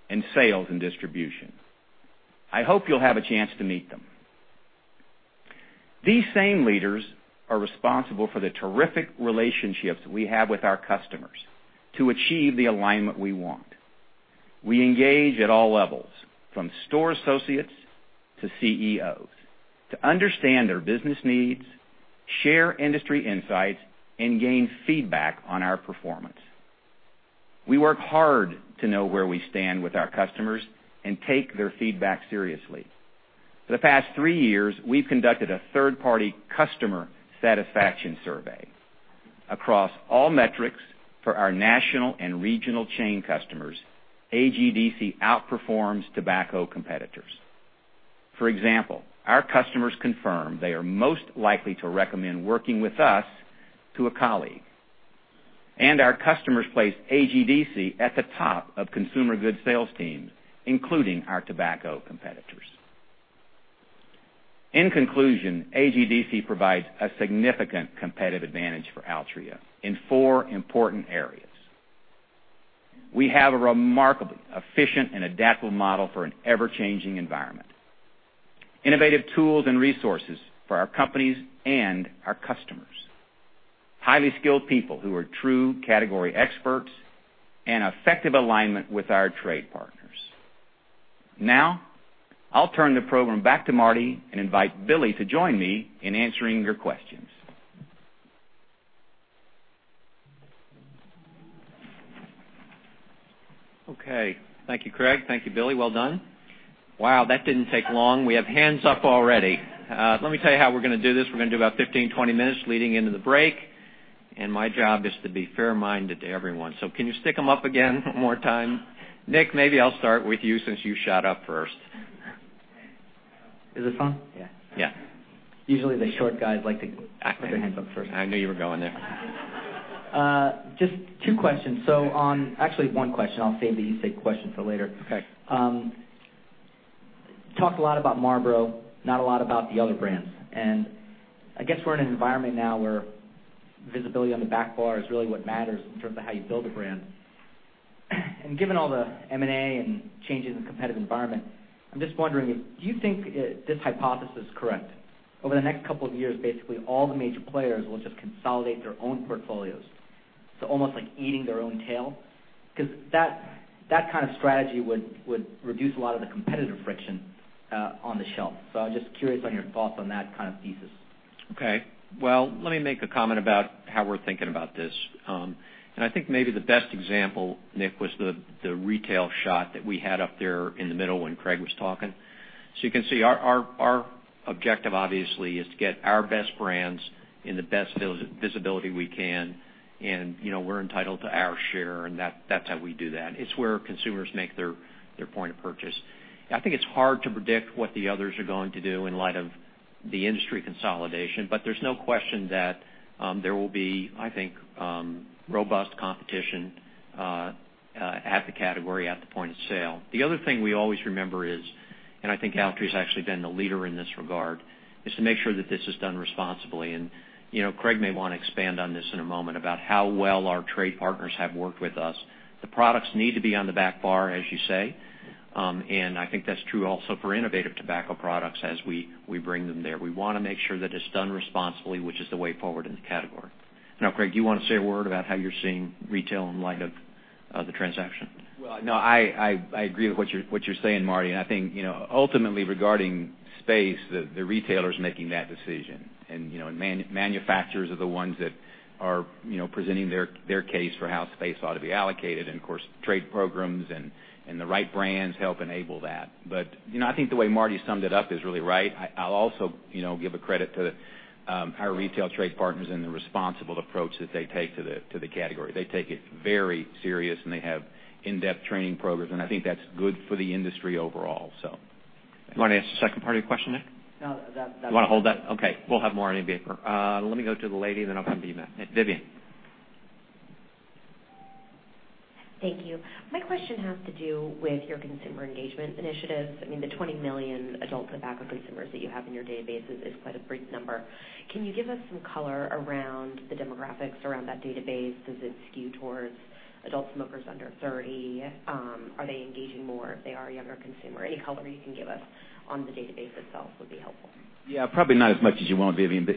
and sales and distribution. I hope you'll have a chance to meet them. These same leaders are responsible for the terrific relationships we have with our customers to achieve the alignment we want. We engage at all levels, from store associates to CEOs, to understand their business needs, share industry insights, and gain feedback on our performance. We work hard to know where we stand with our customers and take their feedback seriously. For the past three years, we've conducted a third-party customer satisfaction survey. Across all metrics for our national and regional chain customers, AGDC outperforms tobacco competitors. For example, our customers confirm they are most likely to recommend working with us to a colleague. Our customers place AGDC at the top of consumer goods sales teams, including our tobacco competitors. In conclusion, AGDC provides a significant competitive advantage for Altria in four important areas. We have a remarkably efficient and adaptable model for an ever-changing environment. Innovative tools and resources for our companies and our customers. Highly skilled people who are true category experts and effective alignment with our trade partners. Now, I'll turn the program back to Marty and invite Billy to join me in answering your questions. Okay. Thank you, Craig. Thank you, Billy. Well done. Wow, that didn't take long. We have hands up already. Let me tell you how we're going to do this. We're going to do about 15, 20 minutes leading into the break, and my job is to be fair-minded to everyone. Can you stick them up again one more time? Nick, maybe I'll start with you since you shot up first. Is this on? Yeah. Usually the short guys like to put their hands up first. I knew you were going there. Just two questions. Actually, one question. I'll save the EC question for later. Okay. You talked a lot about Marlboro, not a lot about the other brands. I guess we're in an environment now where visibility on the back bar is really what matters in terms of how you build a brand. Given all the M&A and changes in competitive environment, I'm just wondering if you think this hypothesis is correct. Over the next couple of years, basically, all the major players will just consolidate their own portfolios to almost like eating their own tail. That kind of strategy would reduce a lot of the competitive friction on the shelf. I'm just curious on your thoughts on that kind of thesis. Well, let me make a comment about how we're thinking about this. I think maybe the best example, Nick, was the retail shot that we had up there in the middle when Craig was talking. You can see our objective obviously is to get our best brands in the best visibility we can, and we're entitled to our share, and that's how we do that. It's where consumers make their point of purchase. I think it's hard to predict what the others are going to do in light of the industry consolidation. There's no question that there will be, I think, robust competition at the category, at the point of sale. The other thing we always remember is, and I think Altria's actually been the leader in this regard, is to make sure that this is done responsibly. Craig may want to expand on this in a moment about how well our trade partners have worked with us. The products need to be on the back bar, as you say. I think that's true also for innovative tobacco products as we bring them there. We want to make sure that it's done responsibly, which is the way forward in the category. Craig, do you want to say a word about how you're seeing retail in light of the transaction? No, I agree with what you're saying, Marty, I think, ultimately regarding space, the retailer's making that decision. Manufacturers are the ones that are presenting their case for how space ought to be allocated. Of course, trade programs and the right brands help enable that. I think the way Marty summed it up is really right. I'll also give a credit to our retail trade partners and the responsible approach that they take to the category. They take it very serious, they have in-depth training programs, I think that's good for the industry overall. You want to ask the second part of your question, Nick? No. You want to hold that? Okay. We'll have more on vapor. Let me go to the lady, then I'll come to you, Matt. Vivian. Thank you. My question has to do with your consumer engagement initiatives. I mean, the 20 million adult tobacco consumers that you have in your database is quite a big number. Can you give us some color around the demographics around that database? Does it skew towards Adult Smokers Under 30? Are they engaging more if they are a younger consumer? Any color you can give us on the database itself would be helpful. Yeah, probably not as much as you want, Vivian. Cliff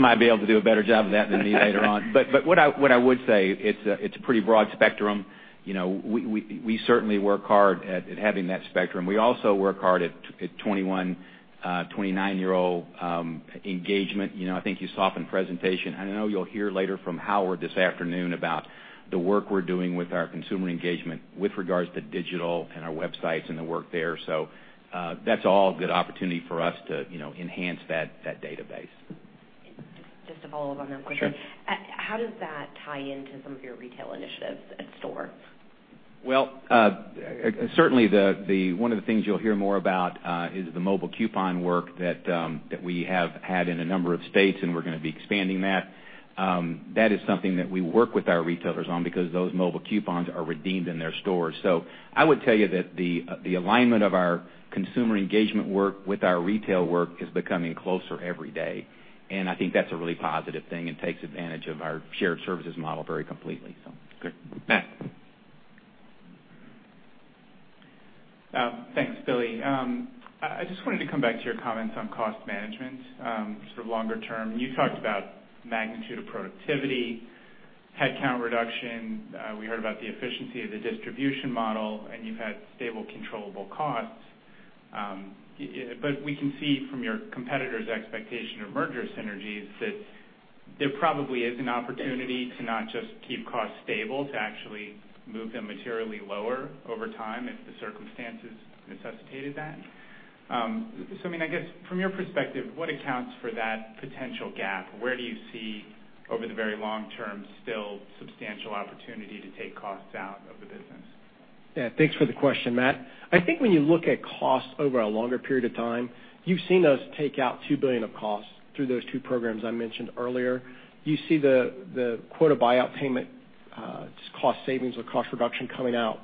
might be able to do a better job of that than me later on. What I would say, it's a pretty broad spectrum. We certainly work hard at having that spectrum. We also work hard at 21 to 29-year-old engagement. I think you saw it in the presentation, I know you'll hear later from Howard this afternoon about the work we're doing with our consumer engagement with regards to digital and our websites and the work there. That's all a good opportunity for us to enhance that database. Just to follow up on that question. Sure. How does that tie into some of your retail initiatives at store? Well, certainly one of the things you'll hear more about is the mobile coupon work that we have had in a number of states, and we're going to be expanding that. That is something that we work with our retailers on because those mobile coupons are redeemed in their stores. I would tell you that the alignment of our consumer engagement work with our retail work is becoming closer every day, and I think that's a really positive thing and takes advantage of our shared services model very completely. Good. Matt. Thanks, Billy. I just wanted to come back to your comments on cost management, sort of longer term. You talked about magnitude of productivity, headcount reduction. We heard about the efficiency of the distribution model, and you've had stable, controllable costs. We can see from your competitors' expectation of merger synergies that there probably is an opportunity to not just keep costs stable, to actually move them materially lower over time if the circumstances necessitated that. I mean, I guess from your perspective, what accounts for that potential gap? Where do you see over the very long term still substantial opportunity to take costs out of the business? Thanks for the question, Matt. I think when you look at cost over a longer period of time, you've seen us take out $2 billion of costs through those two programs I mentioned earlier. You see the quota buyout payment cost savings or cost reduction coming out,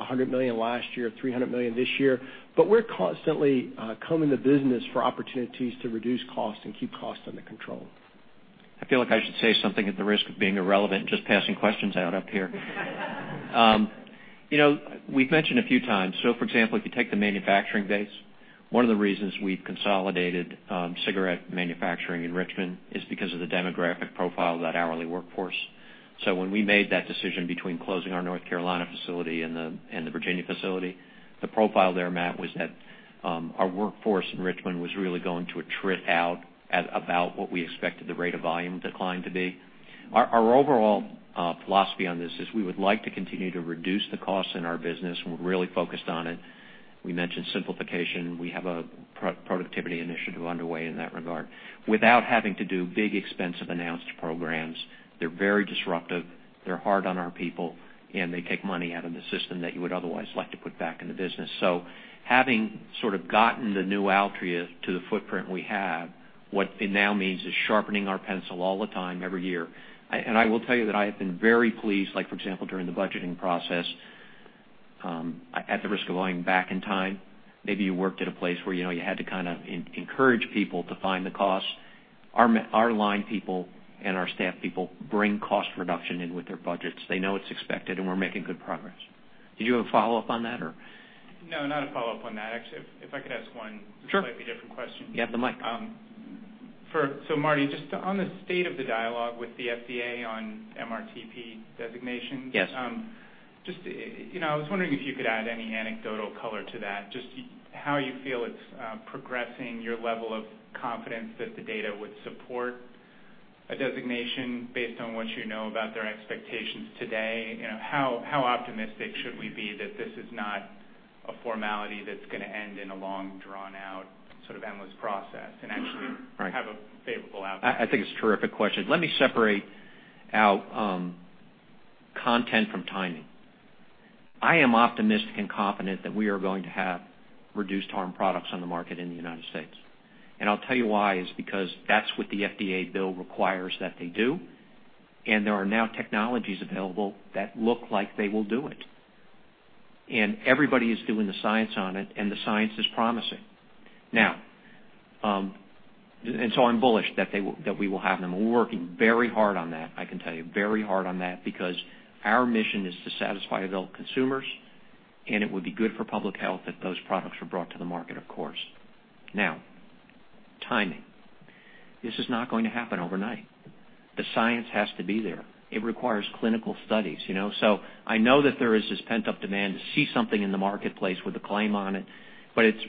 $100 million last year, $300 million this year. We're constantly combing the business for opportunities to reduce costs and keep costs under control. I feel like I should say something at the risk of being irrelevant, just passing questions out up here. We've mentioned a few times. For example, if you take the manufacturing base, one of the reasons we've consolidated cigarette manufacturing in Richmond is because of the demographic profile of that hourly workforce. When we made that decision between closing our North Carolina facility and the Virginia facility, the profile there, Matt, was that our workforce in Richmond was really going to attrit out at about what we expected the rate of volume decline to be. Our overall philosophy on this is we would like to continue to reduce the costs in our business. We're really focused on it. We mentioned simplification. We have a productivity initiative underway in that regard without having to do big, expensive announced programs. They're very disruptive, they're hard on our people, and they take money out of the system that you would otherwise like to put back in the business. Having sort of gotten the new Altria to the footprint we have, what it now means is sharpening our pencil all the time, every year. I will tell you that I have been very pleased, like for example, during the budgeting process, at the risk of going back in time, maybe you worked at a place where you had to kind of encourage people to find the costs. Our line people and our staff people bring cost reduction in with their budgets. They know it's expected, and we're making good progress. Did you have a follow-up on that or? No, not a follow-up on that. Actually, if I could ask one Sure slightly different question. You have the mic. Marty, just on the state of the dialogue with the FDA on MRTP designation. Yes. I was wondering if you could add any anecdotal color to that, just how you feel it's progressing, your level of confidence that the data would support a designation based on what you know about their expectations today. How optimistic should we be that this is not a formality that's going to end in a long, drawn-out, sort of endless process and actually have a favorable outcome? I think it's a terrific question. Let me separate out Content from timing. I am optimistic and confident that we are going to have reduced harm products on the market in the United States. I'll tell you why is because that's what the FDA bill requires that they do, there are now technologies available that look like they will do it. Everybody is doing the science on it, the science is promising. I'm bullish that we will have them. We're working very hard on that, I can tell you. Very hard on that because our mission is to satisfy adult consumers, and it would be good for public health if those products were brought to the market, of course. Now, timing. This is not going to happen overnight. The science has to be there. It requires clinical studies. I know that there is this pent-up demand to see something in the marketplace with a claim on it.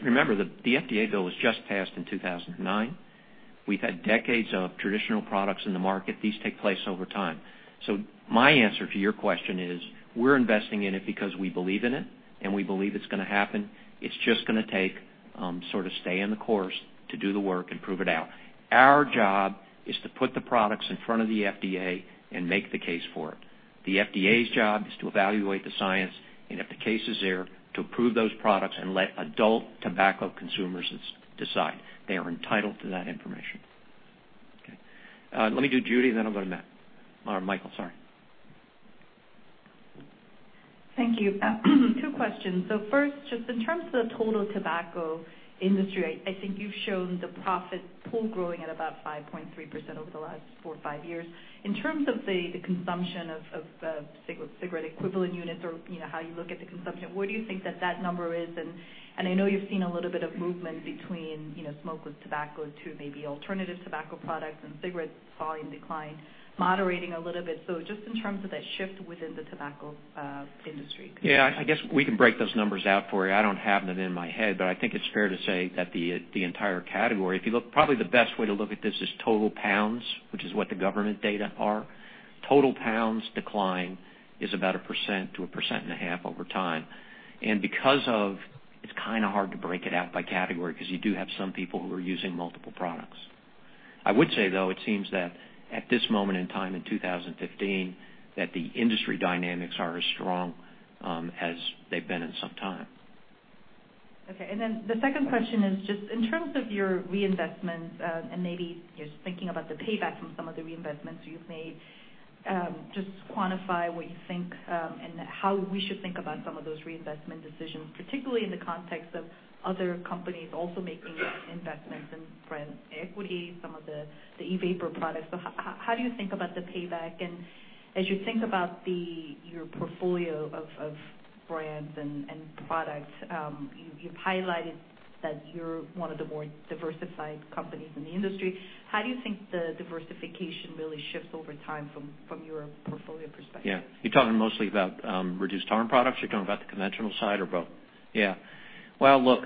Remember, the FDA bill was just passed in 2009. We've had decades of traditional products in the market. These take place over time. My answer to your question is, we're investing in it because we believe in it and we believe it's going to happen. It's just going to take staying the course to do the work and prove it out. Our job is to put the products in front of the FDA and make the case for it. The FDA's job is to evaluate the science, and if the case is there, to approve those products and let adult tobacco consumers decide. They are entitled to that information. Okay. Let me do Judy, then I'll go to Matt. Or Michael, sorry. Thank you. Two questions. First, just in terms of the total tobacco industry, I think you've shown the profit pool growing at about 5.3% over the last four or five years. In terms of the consumption of cigarette equivalent units or how you look at the consumption, where do you think that number is? I know you've seen a little bit of movement between smoked with tobacco to maybe alternative tobacco products and cigarette volume decline moderating a little bit. Just in terms of that shift within the tobacco industry. I guess we can break those numbers out for you. I don't have them in my head, but I think it's fair to say that the entire category, probably the best way to look at this is total pounds, which is what the government data are. Total pounds decline is about 1% to 1.5% over time. It's kind of hard to break it out by category because you do have some people who are using multiple products. I would say, though, it seems that at this moment in time in 2015, that the industry dynamics are as strong as they've been in some time. Okay. The second question is just in terms of your reinvestments, and maybe just thinking about the payback from some of the reinvestments you've made, just quantify what you think and how we should think about some of those reinvestment decisions, particularly in the context of other companies also making investments in brand equity, some of the e-vapor products. How do you think about the payback? As you think about your portfolio of brands and products, you've highlighted that you're one of the more diversified companies in the industry. How do you think the diversification really shifts over time from your portfolio perspective? You're talking mostly about reduced harm products? You're talking about the conventional side or both? Bill,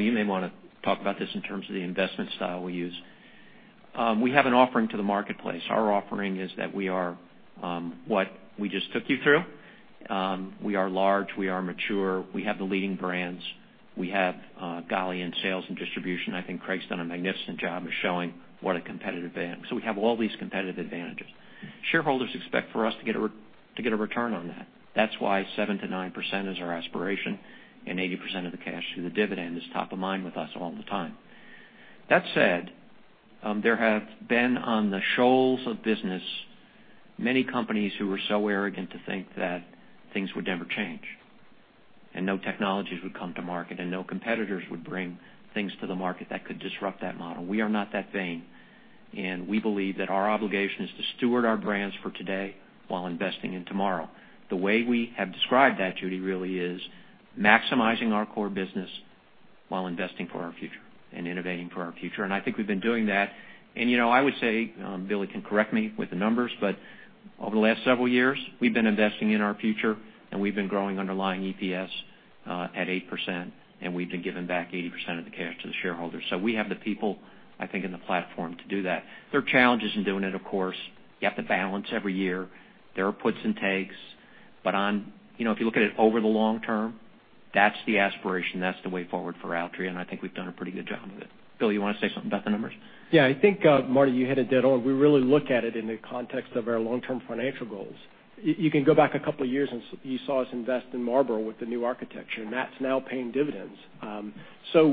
you may want to talk about this in terms of the investment style we use. We have an offering to the marketplace. Our offering is that we are what we just took you through. We are large. We are mature. We have the leading brands. We have, golly, in sales and distribution, I think Craig's done a magnificent job of showing what a competitive advantage. We have all these competitive advantages. Shareholders expect for us to get a return on that. That's why 7%-9% is our aspiration, and 80% of the cash through the dividend is top of mind with us all the time. That said, there have been on the shoals of business, many companies who were so arrogant to think that things would never change and no technologies would come to market and no competitors would bring things to the market that could disrupt that model. We are not that vain, and we believe that our obligation is to steward our brands for today while investing in tomorrow. The way we have described that, Judy, really is maximizing our core business while investing for our future and innovating for our future. I think we've been doing that. I would say, Bill can correct me with the numbers, but over the last several years, we've been investing in our future and we've been growing underlying EPS at 8% and we've been giving back 80% of the cash to the shareholders. We have the people, I think, and the platform to do that. There are challenges in doing it, of course. You have to balance every year. There are puts and takes, but if you look at it over the long term, that's the aspiration. That's the way forward for Altria, and I think we've done a pretty good job of it. Bill, you want to say something about the numbers? Yeah, I think, Marty, you hit it dead on. We really look at it in the context of our long-term financial goals. You can go back a couple of years, and you saw us invest in Marlboro with the new architecture, and that's now paying dividends.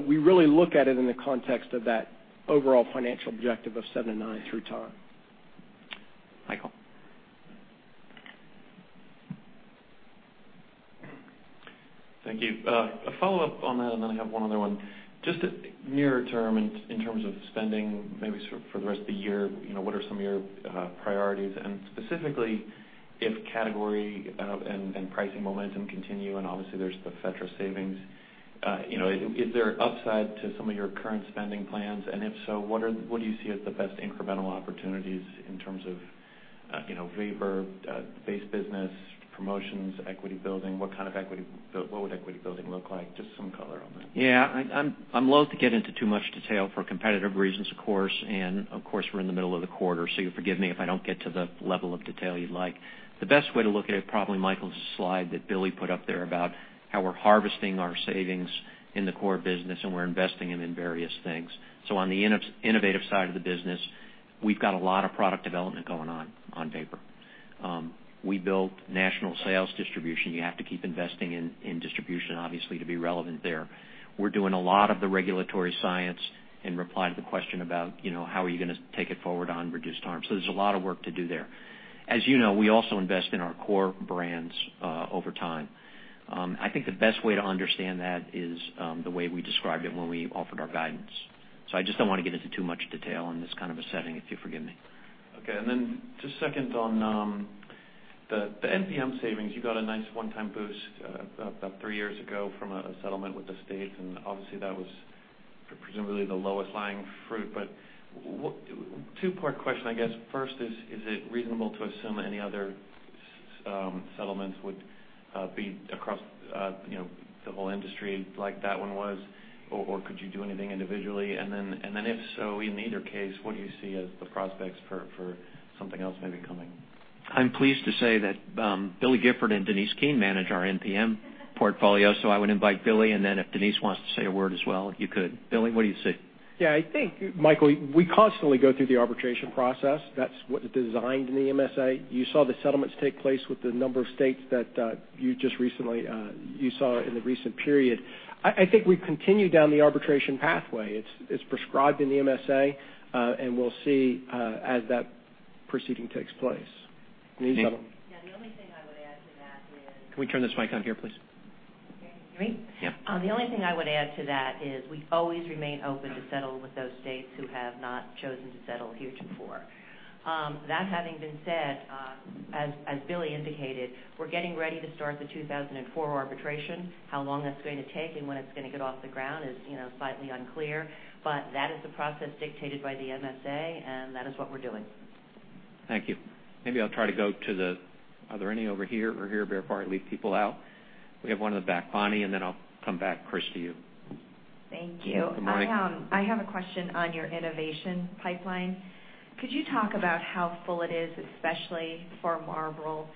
We really look at it in the context of that overall financial objective of 7 to 9 through time. Michael. Thank you. A follow-up on that, and then I have one other one. Just nearer term in terms of spending, maybe for the rest of the year, what are some of your priorities? Specifically, if category and pricing momentum continue, and obviously there's the FETRA savings, is there upside to some of your current spending plans? If so, what do you see as the best incremental opportunities in terms of vapor, base business, promotions, equity building? What would equity building look like? Just some color on that. I'm loath to get into too much detail for competitive reasons, of course. We're in the middle of the quarter, you'll forgive me if I don't get to the level of detail you'd like. The best way to look at it, probably Michael's slide that Billy put up there about how we're harvesting our savings in the core business and we're investing it in various things. On the innovative side of the business, we've got a lot of product development going on vapor. We built national sales distribution. You have to keep investing in distribution, obviously, to be relevant there. We're doing a lot of the regulatory science in reply to the question about how are you going to take it forward on reduced harm. There's a lot of work to do there. As you know, we also invest in our core brands over time. I think the best way to understand that is the way we described it when we offered our guidance. I just don't want to get into too much detail in this kind of a setting, if you forgive me. Second on the NPM savings. You got a nice one-time boost about three years ago from a settlement with the state, obviously, that was presumably the lowest lying fruit. 2-part question, I guess. First, is it reasonable to assume any other settlements would be across the whole industry like that one was, or could you do anything individually? If so, in either case, what do you see as the prospects for something else maybe coming? I'm pleased to say that Billy Gifford and Denise Keane manage our NPM portfolio. I would invite Billy, if Denise wants to say a word as well, you could. Billy, what do you see? Yeah. I think, Michael, we constantly go through the arbitration process. That's what is designed in the MSA. You saw the settlements take place with the number of states that you saw in the recent period. I think we've continued down the arbitration pathway. It's prescribed in the MSA, and we'll see as that proceeding takes place. Denise? Yeah, the only thing I would add to that is. Can we turn this mic on here, please? Can you hear me? Yeah. The only thing I would add to that is we always remain open to settle with those states who have not chosen to settle heretofore. That having been said, as Billy indicated, we're getting ready to start the 2004 arbitration. How long that's going to take and when it's going to get off the ground is slightly unclear. That is the process dictated by the MSA, and that is what we're doing. Thank you. Maybe I'll try to go to the Are there any over here or here, bear part leave people out. We have one in the back. Bonnie, and then I'll come back, Chris, to you. Thank you. Good morning. I have a question on your innovation pipeline. Could you talk about how full it is, especially for Marlboro?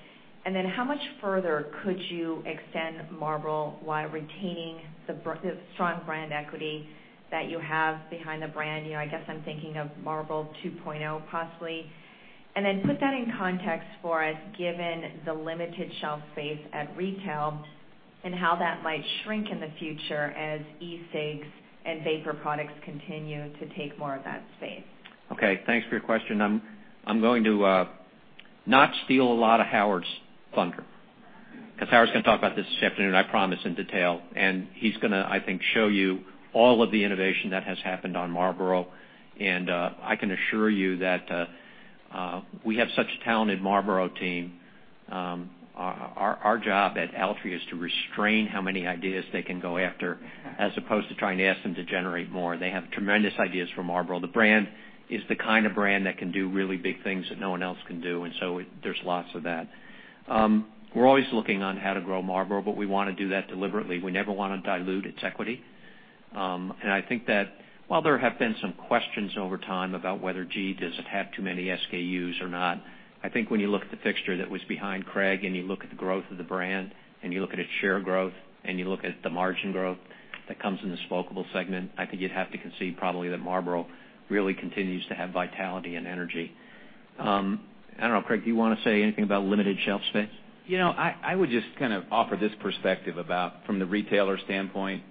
How much further could you extend Marlboro while retaining the strong brand equity that you have behind the brand? I guess I'm thinking of Marlboro 2.0 possibly. Put that in context for us, given the limited shelf space at retail and how that might shrink in the future as e-cigs and vapor products continue to take more of that space. Okay. Thanks for your question. I'm going to not steal a lot of Howard's thunder because Howard's going to talk about this this afternoon, I promise, in detail. He's going to, I think, show you all of the innovation that has happened on Marlboro. I can assure you that we have such a talented Marlboro team. Our job at Altria is to restrain how many ideas they can go after as opposed to trying to ask them to generate more. They have tremendous ideas for Marlboro. The brand is the kind of brand that can do really big things that no one else can do, there's lots of that. We're always looking on how to grow Marlboro, but we want to do that deliberately. We never want to dilute its equity. I think that while there have been some questions over time about whether, gee, does it have too many SKUs or not, I think when you look at the fixture that was behind Craig and you look at the growth of the brand and you look at its share growth and you look at the margin growth that comes in the smokable segment, I think you'd have to concede probably that Marlboro really continues to have vitality and energy. I don't know, Craig, do you want to say anything about limited shelf space? I would just offer this perspective about from the retailer standpoint.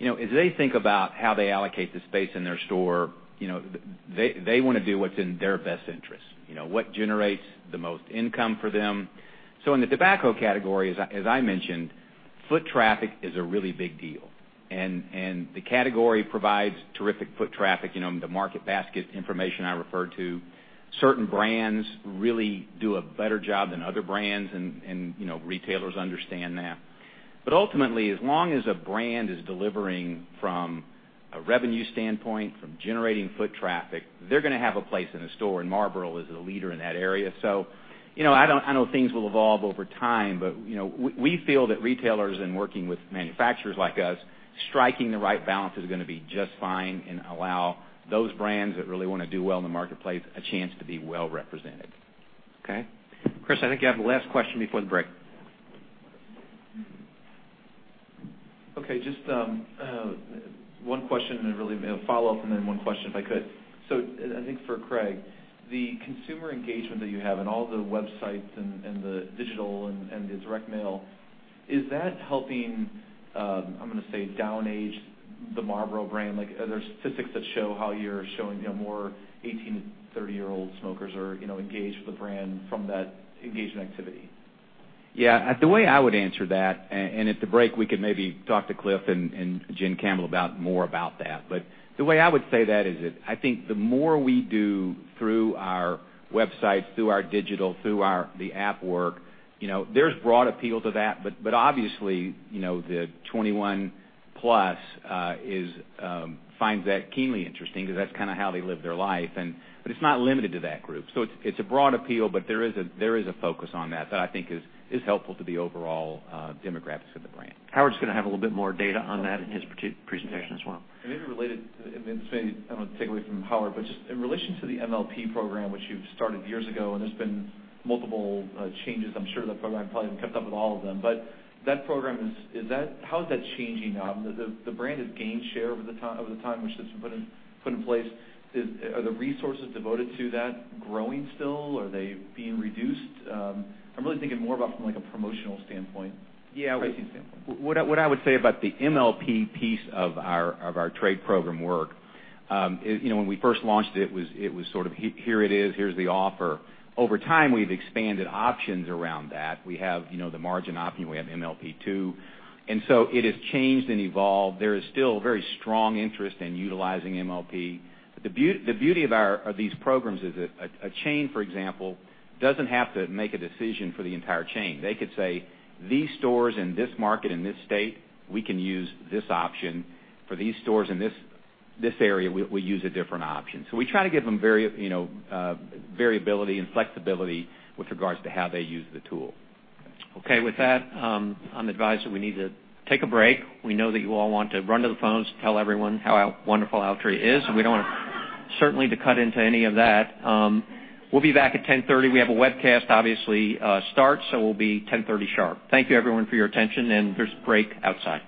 As they think about how they allocate the space in their store, they want to do what's in their best interest, what generates the most income for them. In the tobacco category, as I mentioned, foot traffic is a really big deal, the category provides terrific foot traffic, the market basket information I referred to. Certain brands really do a better job than other brands, retailers understand that. Ultimately, as long as a brand is delivering from a revenue standpoint, from generating foot traffic, they're going to have a place in a store, Marlboro is a leader in that area. I know things will evolve over time, we feel that retailers in working with manufacturers like us, striking the right balance is going to be just fine and allow those brands that really want to do well in the marketplace a chance to be well represented. Chris, I think you have the last question before the break. Just one question and really a follow-up and then one question, if I could. I think for Craig. The consumer engagement that you have and all the websites and the digital and the direct mail, is that helping, I'm going to say, down age the Marlboro brand? Are there statistics that show how you're showing more 18 to 30-year-old smokers are engaged with the brand from that engagement activity? The way I would answer that, at the break, we could maybe talk to Cliff and Jim Campbell more about that. The way I would say that is I think the more we do through our websites, through our digital, through the app work, there's broad appeal to that. Obviously, the 21 plus finds that keenly interesting because that's kind of how they live their life. It's not limited to that group. It's a broad appeal, but there is a focus on that that I think is helpful to the overall demographics of the brand. Howard's going to have a little bit more data on that in his presentation as well. Maybe related to, I don't want to take away from Howard, but just in relation to the MLP Program, which you've started years ago, and there's been multiple changes. I'm sure the program probably haven't kept up with all of them. That program, how is that changing now? The brand has gained share over the time, which has been put in place. Are the resources devoted to that growing still? Are they being reduced? I'm really thinking more about from a promotional standpoint. Yeah. Pricing standpoint. What I would say about the MLP piece of our trade program work. When we first launched it was sort of, here it is. Here's the offer. Over time, we've expanded options around that. We have the margin option. We have MLP2. So it has changed and evolved. There is still very strong interest in utilizing MLP. The beauty of these programs is that a chain, for example, doesn't have to make a decision for the entire chain. They could say, these stores in this market, in this state, we can use this option. For these stores in this. This area, we use a different option. We try to give them variability and flexibility with regards to how they use the tool. Okay. With that, I'm advised that we need to take a break. We know that you all want to run to the phones to tell everyone how wonderful Altria is. We don't want certainly to cut into any of that. We'll be back at 10:30. We have a webcast obviously start, so we'll be 10:30 sharp. Thank you everyone for your attention, and there's break outside.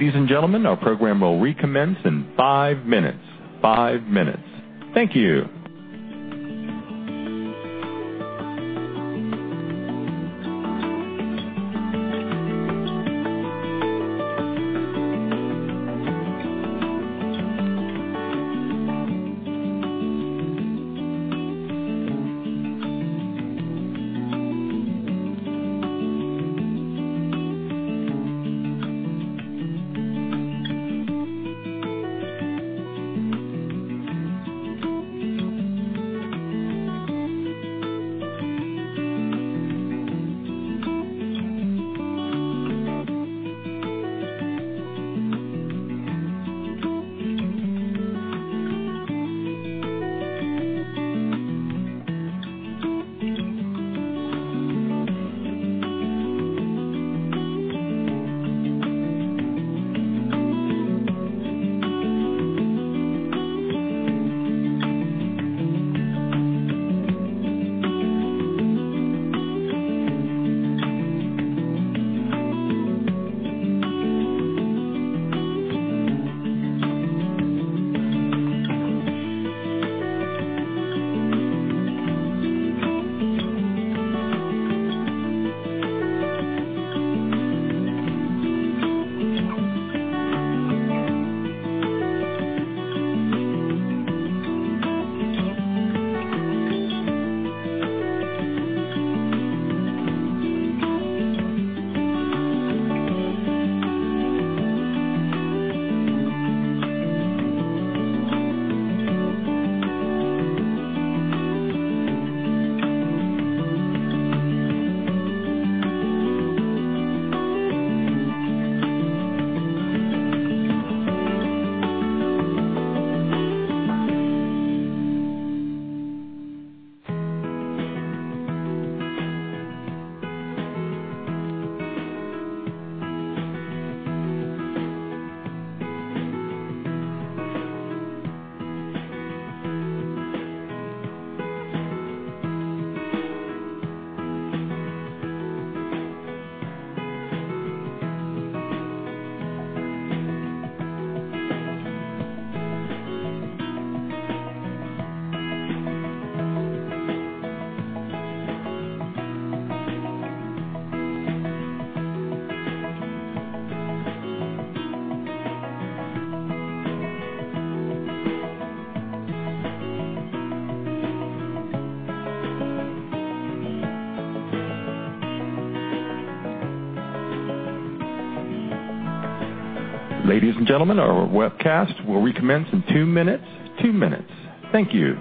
Ladies and gentlemen, our program will recommence in five minutes. Five minutes. Thank you. Ladies and gentlemen, our webcast will recommence in two minutes. Two minutes. Thank you.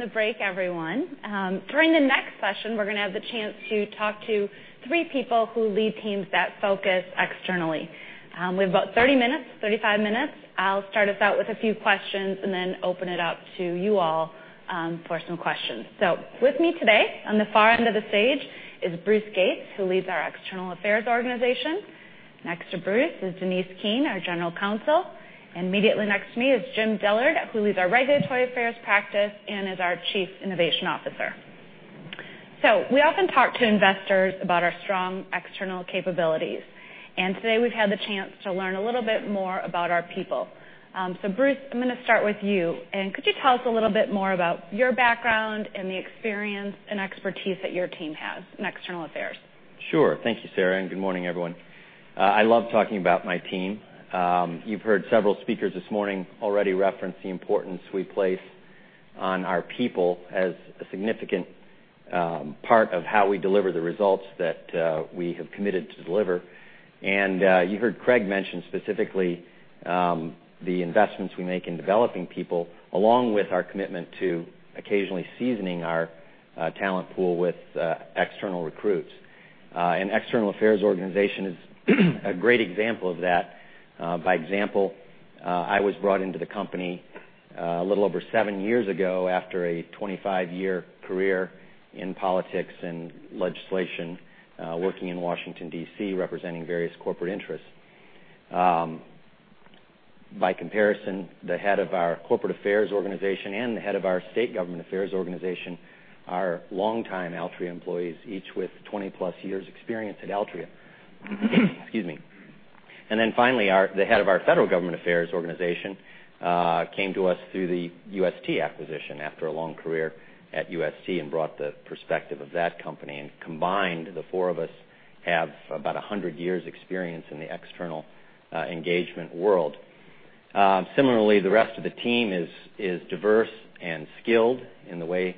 Welcome back from the break, everyone. During the next session, we're going to have the chance to talk to three people who lead teams that focus externally. We have about 30 minutes, 35 minutes. I'll start us out with a few questions and then open it up to you all for some questions. With me today, on the far end of the stage, is Bruce Gates, who leads our external affairs organization. Next to Bruce is Denise Keane, our General Counsel. Immediately next to me is Jim Dillard, who leads our regulatory affairs practice and is our Chief Innovation Officer. We often talk to investors about our strong external capabilities, and today we've had the chance to learn a little bit more about our people. Bruce, I'm going to start with you. Could you tell us a little bit more about your background and the experience and expertise that your team has in external affairs? Sure. Thank you, Sarah, and good morning, everyone. I love talking about my team. You've heard several speakers this morning already reference the importance we place on our people as a significant part of how we deliver the results that we have committed to deliver. You heard Craig mention specifically the investments we make in developing people, along with our commitment to occasionally seasoning our talent pool with external recruits. An external affairs organization is a great example of that. By example, I was brought into the company a little over 7 years ago after a 25-year career in politics and legislation, working in Washington, D.C., representing various corporate interests. By comparison, the head of our corporate affairs organization and the head of our state government affairs organization are longtime Altria employees, each with 20-plus years' experience at Altria. Excuse me. Finally, the head of our federal government affairs organization came to us through the UST acquisition after a long career at UST and brought the perspective of that company. Combined, the four of us have about 100 years' experience in the external engagement world. Similarly, the rest of the team is diverse and skilled in the way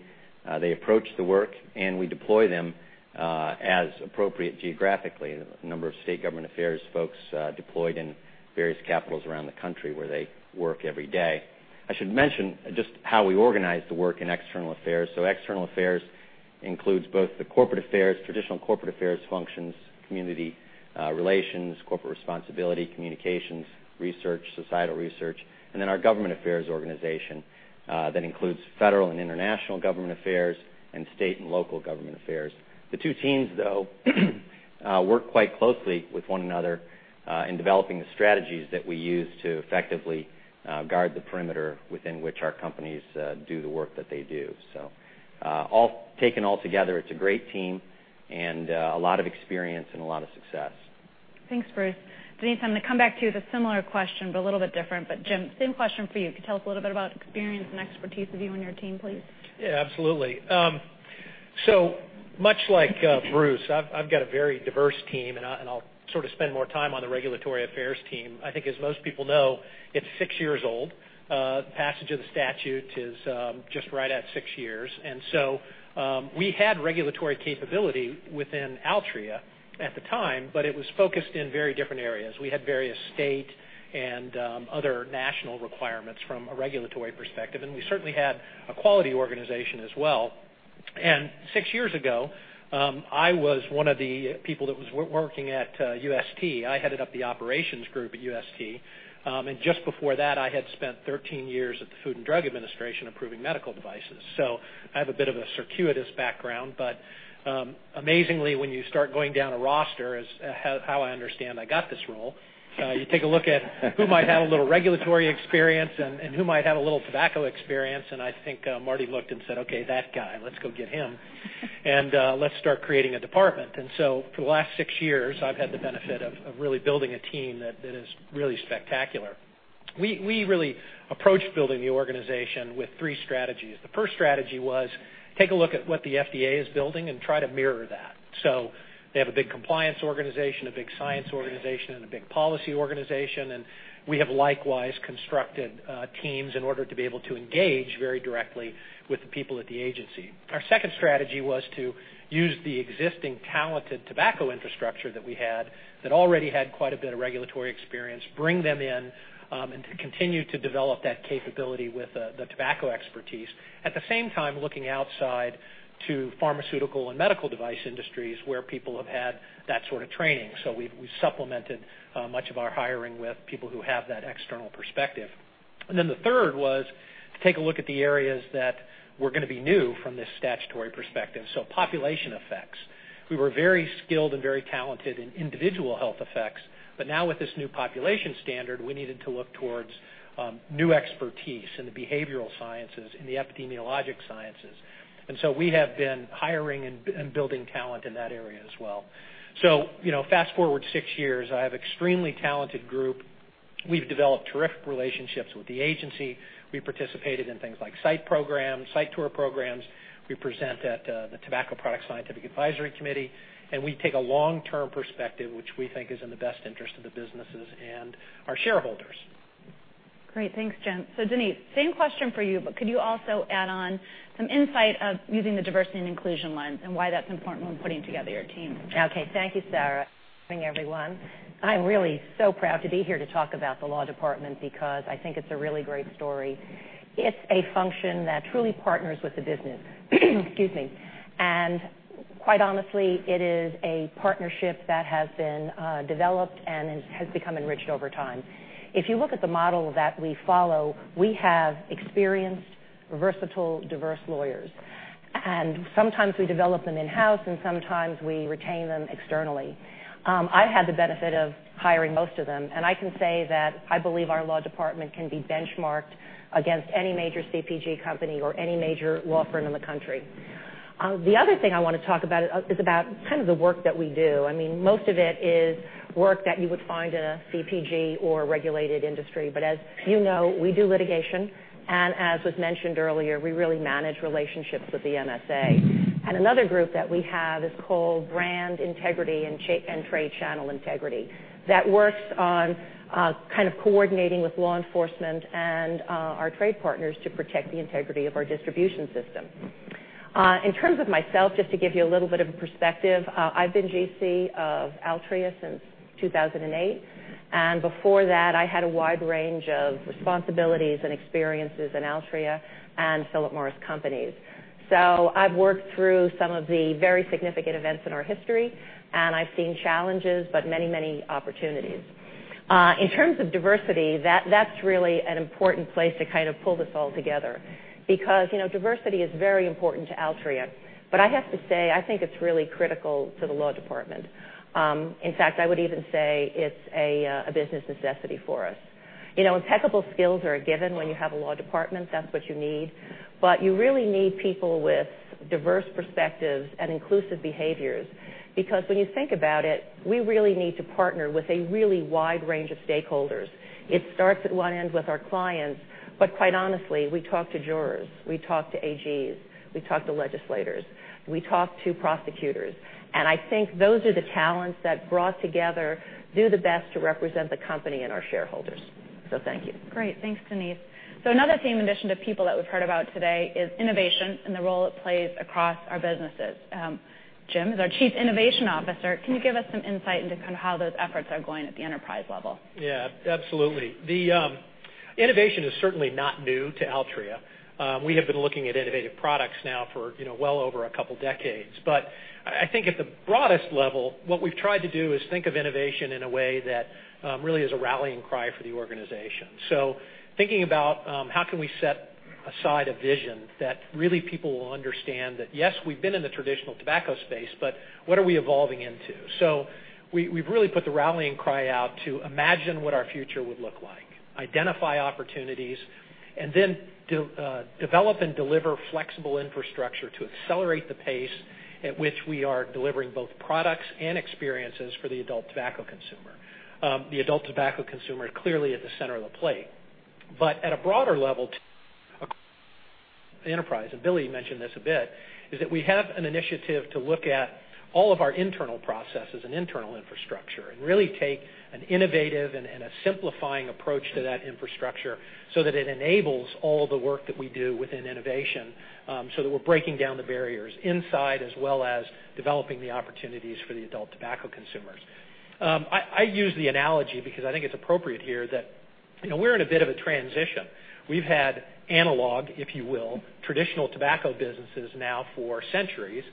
they approach the work, and we deploy them as appropriate geographically. A number of state government affairs folks deployed in various capitals around the country where they work every day. I should mention just how we organize the work in external affairs. External affairs includes both the corporate affairs, traditional corporate affairs functions, community relations, corporate responsibility, communications, research, societal research, and then our government affairs organization. That includes federal and international government affairs and state and local government affairs. The two teams, though, work quite closely with one another in developing the strategies that we use to effectively guard the perimeter within which our companies do the work that they do. Taken all together, it's a great team and a lot of experience and a lot of success. Thanks, Bruce. Denise, I'm going to come back to you with a similar question, a little bit different. Jim, same question for you. Could you tell us a little bit about experience and expertise of you and your team, please? Yeah, absolutely. Much like Bruce, I've got a very diverse team, and I'll sort of spend more time on the regulatory affairs team. I think, as most people know, it's six years old. Passage of the statute is just right at six years. We had regulatory capability within Altria at the time, but it was focused in very different areas. We had various state and other national requirements from a regulatory perspective, and we certainly had a quality organization as well. six years ago, I was one of the people that was working at UST. I headed up the operations group at UST. Just before that, I had spent 13 years at the Food and Drug Administration approving medical devices. I have a bit of a circuitous background. Amazingly, when you start going down a roster, as how I understand I got this role, you take a look at who might have a little regulatory experience and who might have a little tobacco experience. I think Marty looked and said, "Okay, that guy. Let's go get him, and let's start creating a department." For the last six years, I've had the benefit of really building a team that is really spectacular. We really approached building the organization with three strategies. The first strategy was take a look at what the FDA is building and try to mirror that. They have a big compliance organization, a big science organization, and a big policy organization, and we have likewise constructed teams in order to be able to engage very directly with the people at the agency. Our second strategy was to use the existing talented tobacco infrastructure that we had, that already had quite a bit of regulatory experience, bring them in, and to continue to develop that capability with the tobacco expertise. At the same time, looking outside to pharmaceutical and medical device industries where people have had that sort of training. We've supplemented much of our hiring with people who have that external perspective. The third was to take a look at the areas that were going to be new from this statutory perspective, population effects. We were very skilled and very talented in individual health effects. Now with this new population standard, we needed to look towards new expertise in the behavioral sciences, in the epidemiologic sciences. We have been hiring and building talent in that area as well. Fast-forward six years, I have extremely talented group. We've developed terrific relationships with the agency. We participated in things like site programs, site tour programs. We present at the Tobacco Products Scientific Advisory Committee. We take a long-term perspective, which we think is in the best interest of the businesses and our shareholders. Great. Thanks, Jim. Denise, same question for you, but could you also add on some insight of using the diversity and inclusion lens and why that's important when putting together your team? Okay. Thank you, Sarah. Good morning, everyone. I'm really so proud to be here to talk about the law department because I think it's a really great story. It's a function that truly partners with the business. Excuse me. Quite honestly, it is a partnership that has been developed and has become enriched over time. If you look at the model that we follow, we have experienced, versatile, diverse lawyers. Sometimes we develop them in-house, and sometimes we retain them externally. I had the benefit of hiring most of them, and I can say that I believe our law department can be benchmarked against any major CPG company or any major law firm in the country. The other thing I want to talk about is about kind of the work that we do. I mean, most of it is work that you would find in a CPG or a regulated industry. As you know, we do litigation, and as was mentioned earlier, we really manage relationships with the MSA. Another group that we have is called Brand Integrity and Trade Channel Integrity. That works on kind of coordinating with law enforcement and our trade partners to protect the integrity of our distribution system. In terms of myself, just to give you a little bit of a perspective, I've been GC of Altria since 2008. Before that, I had a wide range of responsibilities and experiences in Altria and Philip Morris companies. I've worked through some of the very significant events in our history, and I've seen challenges, but many opportunities. In terms of diversity, that's really an important place to kind of pull this all together because diversity is very important to Altria. I have to say, I think it's really critical to the law department. In fact, I would even say it's a business necessity for us. Impeccable skills are a given when you have a law department. That's what you need. You really need people with diverse perspectives and inclusive behaviors. When you think about it, we really need to partner with a really wide range of stakeholders. It starts at one end with our clients. Quite honestly, we talk to jurors. We talk to AGs. We talk to legislators. We talk to prosecutors. I think those are the talents that brought together do the best to represent the company and our shareholders. Thank you. Great. Thanks, Denise. Another theme, in addition to people that we've heard about today, is innovation and the role it plays across our businesses. Jim, as our chief innovation officer, can you give us some insight into kind of how those efforts are going at the enterprise level? Yeah, absolutely. The innovation is certainly not new to Altria. We have been looking at innovative products now for well over a couple of decades. I think at the broadest level, what we've tried to do is think of innovation in a way that really is a rallying cry for the organization. Thinking about how can we set aside a vision that really people will understand that, yes, we've been in the traditional tobacco space, but what are we evolving into? We've really put the rallying cry out to imagine what our future would look like, identify opportunities, and then develop and deliver flexible infrastructure to accelerate the pace at which we are delivering both products and experiences for the adult tobacco consumer. The adult tobacco consumer is clearly at the center of the plate. At a broader level enterprise, and Billy mentioned this a bit, is that we have an initiative to look at all of our internal processes and internal infrastructure and really take an innovative and a simplifying approach to that infrastructure so that it enables all the work that we do within innovation, so that we're breaking down the barriers inside as well as developing the opportunities for the adult tobacco consumers. I use the analogy because I think it's appropriate here that we're in a bit of a transition. We've had analog, if you will, traditional tobacco businesses now for centuries, and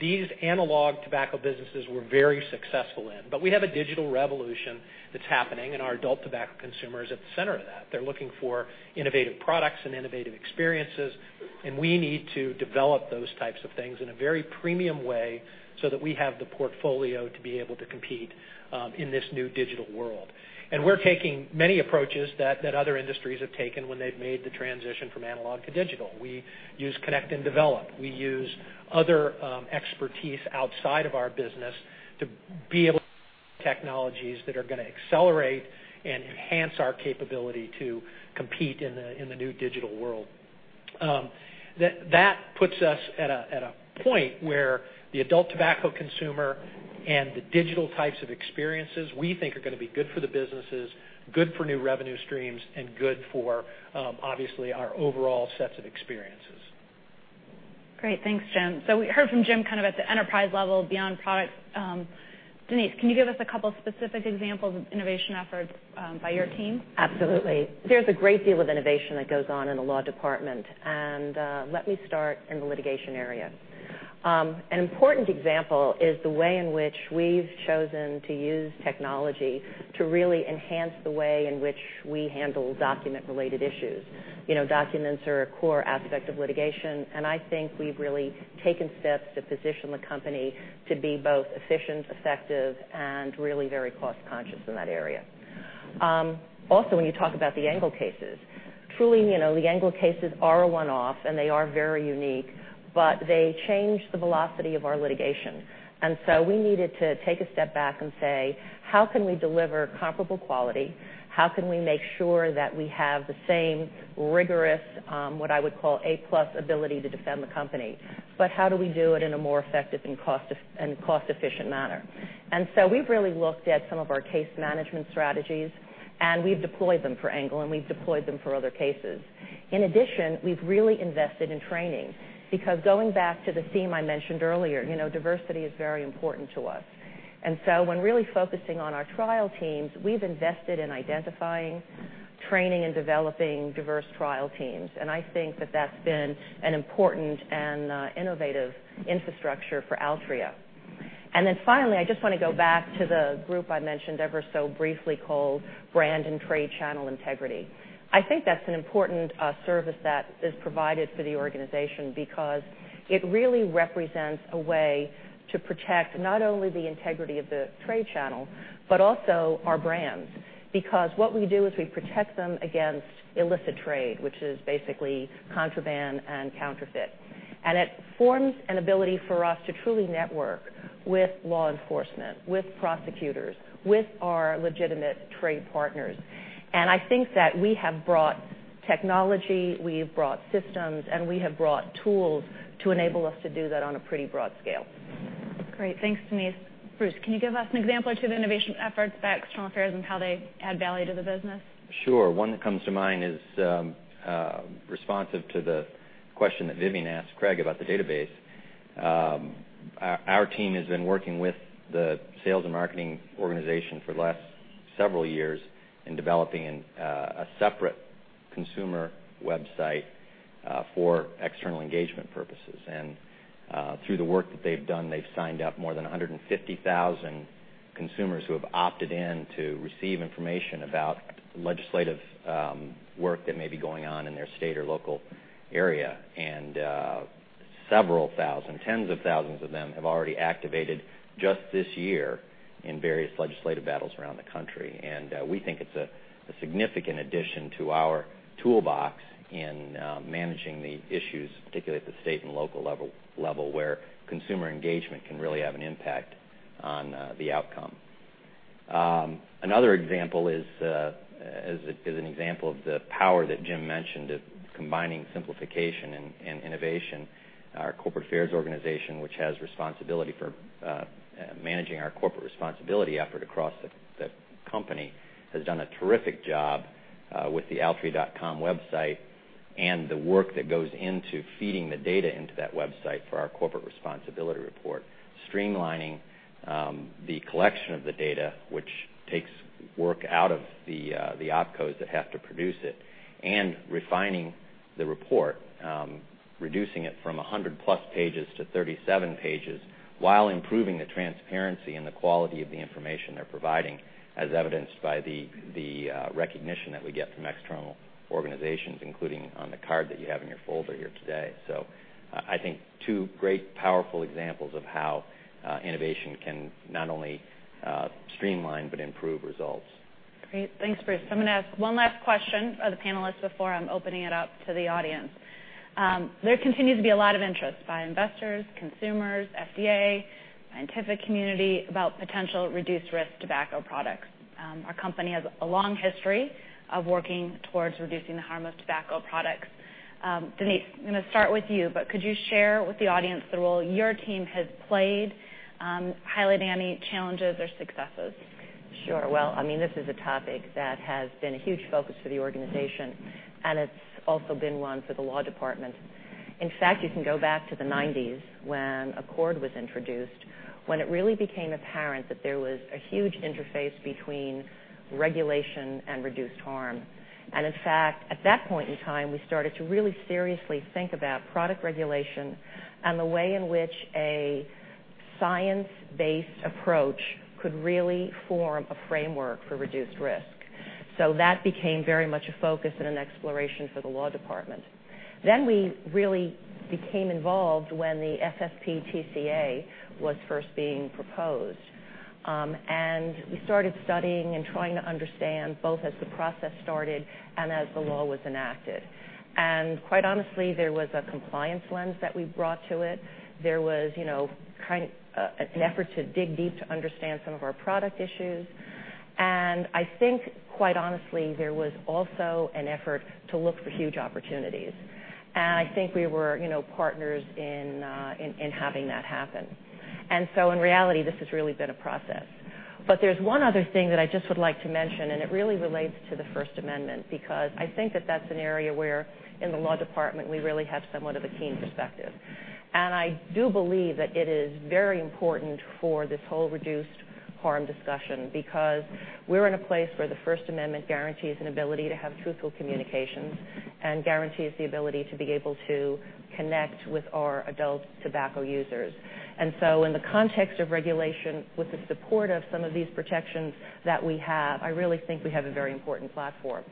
these analog tobacco businesses we're very successful in. We have a digital revolution that's happening, and our adult tobacco consumer is at the center of that. They're looking for innovative products and innovative experiences, and we need to develop those types of things in a very premium way so that we have the portfolio to be able to compete in this new digital world. We're taking many approaches that other industries have taken when they've made the transition from analog to digital. We use connect and develop. We use other expertise outside of our business to be able technologies that are going to accelerate and enhance our capability to compete in the new digital world. That puts us at a point where the adult tobacco consumer and the digital types of experiences we think are going to be good for the businesses, good for new revenue streams, and good for, obviously, our overall sets of experiences. Great. Thanks, Jim. We heard from Jim at the enterprise level beyond product. Denise, can you give us a couple specific examples of innovation efforts by your team? Absolutely. There's a great deal of innovation that goes on in the law department. Let me start in the litigation area. An important example is the way in which we've chosen to use technology to really enhance the way in which we handle document-related issues. Documents are a core aspect of litigation. I think we've really taken steps to position the company to be both efficient, effective, and really very cost-conscious in that area. Also, when you talk about the Engle cases. Truly, the Engle cases are a one-off, and they are very unique, but they changed the velocity of our litigation. We needed to take a step back and say: How can we deliver comparable quality? How can we make sure that we have the same rigorous, what I would call A-plus ability to defend the company? How do we do it in a more effective and cost-efficient manner? We've really looked at some of our case management strategies, and we've deployed them for Engle, and we've deployed them for other cases. In addition, we've really invested in training because going back to the theme I mentioned earlier, diversity is very important to us. When really focusing on our trial teams, we've invested in identifying, training, and developing diverse trial teams. I think that that's been an important and innovative infrastructure for Altria. Finally, I just want to go back to the group I mentioned ever so briefly called Brand and Trade Channel Integrity. I think that's an important service that is provided for the organization because it really represents a way to protect not only the integrity of the trade channel, but also our brands. Because what we do is we protect them against illicit trade, which is basically contraband and counterfeit. It forms an ability for us to truly network with law enforcement, with prosecutors, with our legitimate trade partners. I think that we have brought technology, we've brought systems, and we have brought tools to enable us to do that on a pretty broad scale. Great. Thanks, Denise. Bruce, can you give us an example or two of innovation efforts by External Affairs and how they add value to the business? Sure. One that comes to mind is responsive to the question that Vivian asked Craig about the database. Our team has been working with the sales and marketing organization for the last several years in developing a separate consumer website for external engagement purposes. Through the work that they've done, they've signed up more than 150,000 consumers who have opted in to receive information about legislative work that may be going on in their state or local area. Several thousand, tens of thousands of them, have already activated just this year in various legislative battles around the country. We think it's a significant addition to our toolbox in managing the issues, particularly at the state and local level, where consumer engagement can really have an impact on the outcome. Another example is an example of the power that Jim mentioned of combining simplification and innovation. Our corporate affairs organization, which has responsibility for managing our corporate responsibility effort across the company, has done a terrific job with the altria.com website and the work that goes into feeding the data into that website for our corporate responsibility report. Streamlining the collection of the data, which takes work out of the opcos that have to produce it, and refining the report, reducing it from 100-plus pages to 37 pages while improving the transparency and the quality of the information they're providing as evidenced by the recognition that we get from external organizations, including on the card that you have in your folder here today. I think two great, powerful examples of how innovation can not only streamline, but improve results. Great. Thanks, Bruce. I'm going to ask one last question of the panelists before I'm opening it up to the audience. There continues to be a lot of interest by investors, consumers, FDA, scientific community, about potential reduced-risk tobacco products. Our company has a long history of working towards reducing the harm of tobacco products. Denise, I'm going to start with you, could you share with the audience the role your team has played, highlighting any challenges or successes? Sure. Well, this is a topic that has been a huge focus for the organization, it's also been one for the law department. In fact, you can go back to the '90s when Accord was introduced, when it really became apparent that there was a huge interface between regulation and reduced harm. In fact, at that point in time, we started to really seriously think about product regulation and the way in which a science-based approach could really form a framework for reduced risk. That became very much a focus and an exploration for the law department. We really became involved when the Family Smoking Prevention and Tobacco Control Act was first being proposed. We started studying and trying to understand both as the process started and as the law was enacted. Quite honestly, there was a compliance lens that we brought to it. There was an effort to dig deep to understand some of our product issues. I think, quite honestly, there was also an effort to look for huge opportunities. I think we were partners in having that happen. In reality, this has really been a process. There's one other thing that I just would like to mention, it really relates to the First Amendment, because I think that that's an area where in the law department, we really have somewhat of a keen perspective. I do believe that it is very important for this whole reduced harm discussion because we're in a place where the First Amendment guarantees an ability to have truthful communications and guarantees the ability to be able to connect with our adult tobacco users. In the context of regulation, with the support of some of these protections that we have, I really think we have a very important platform.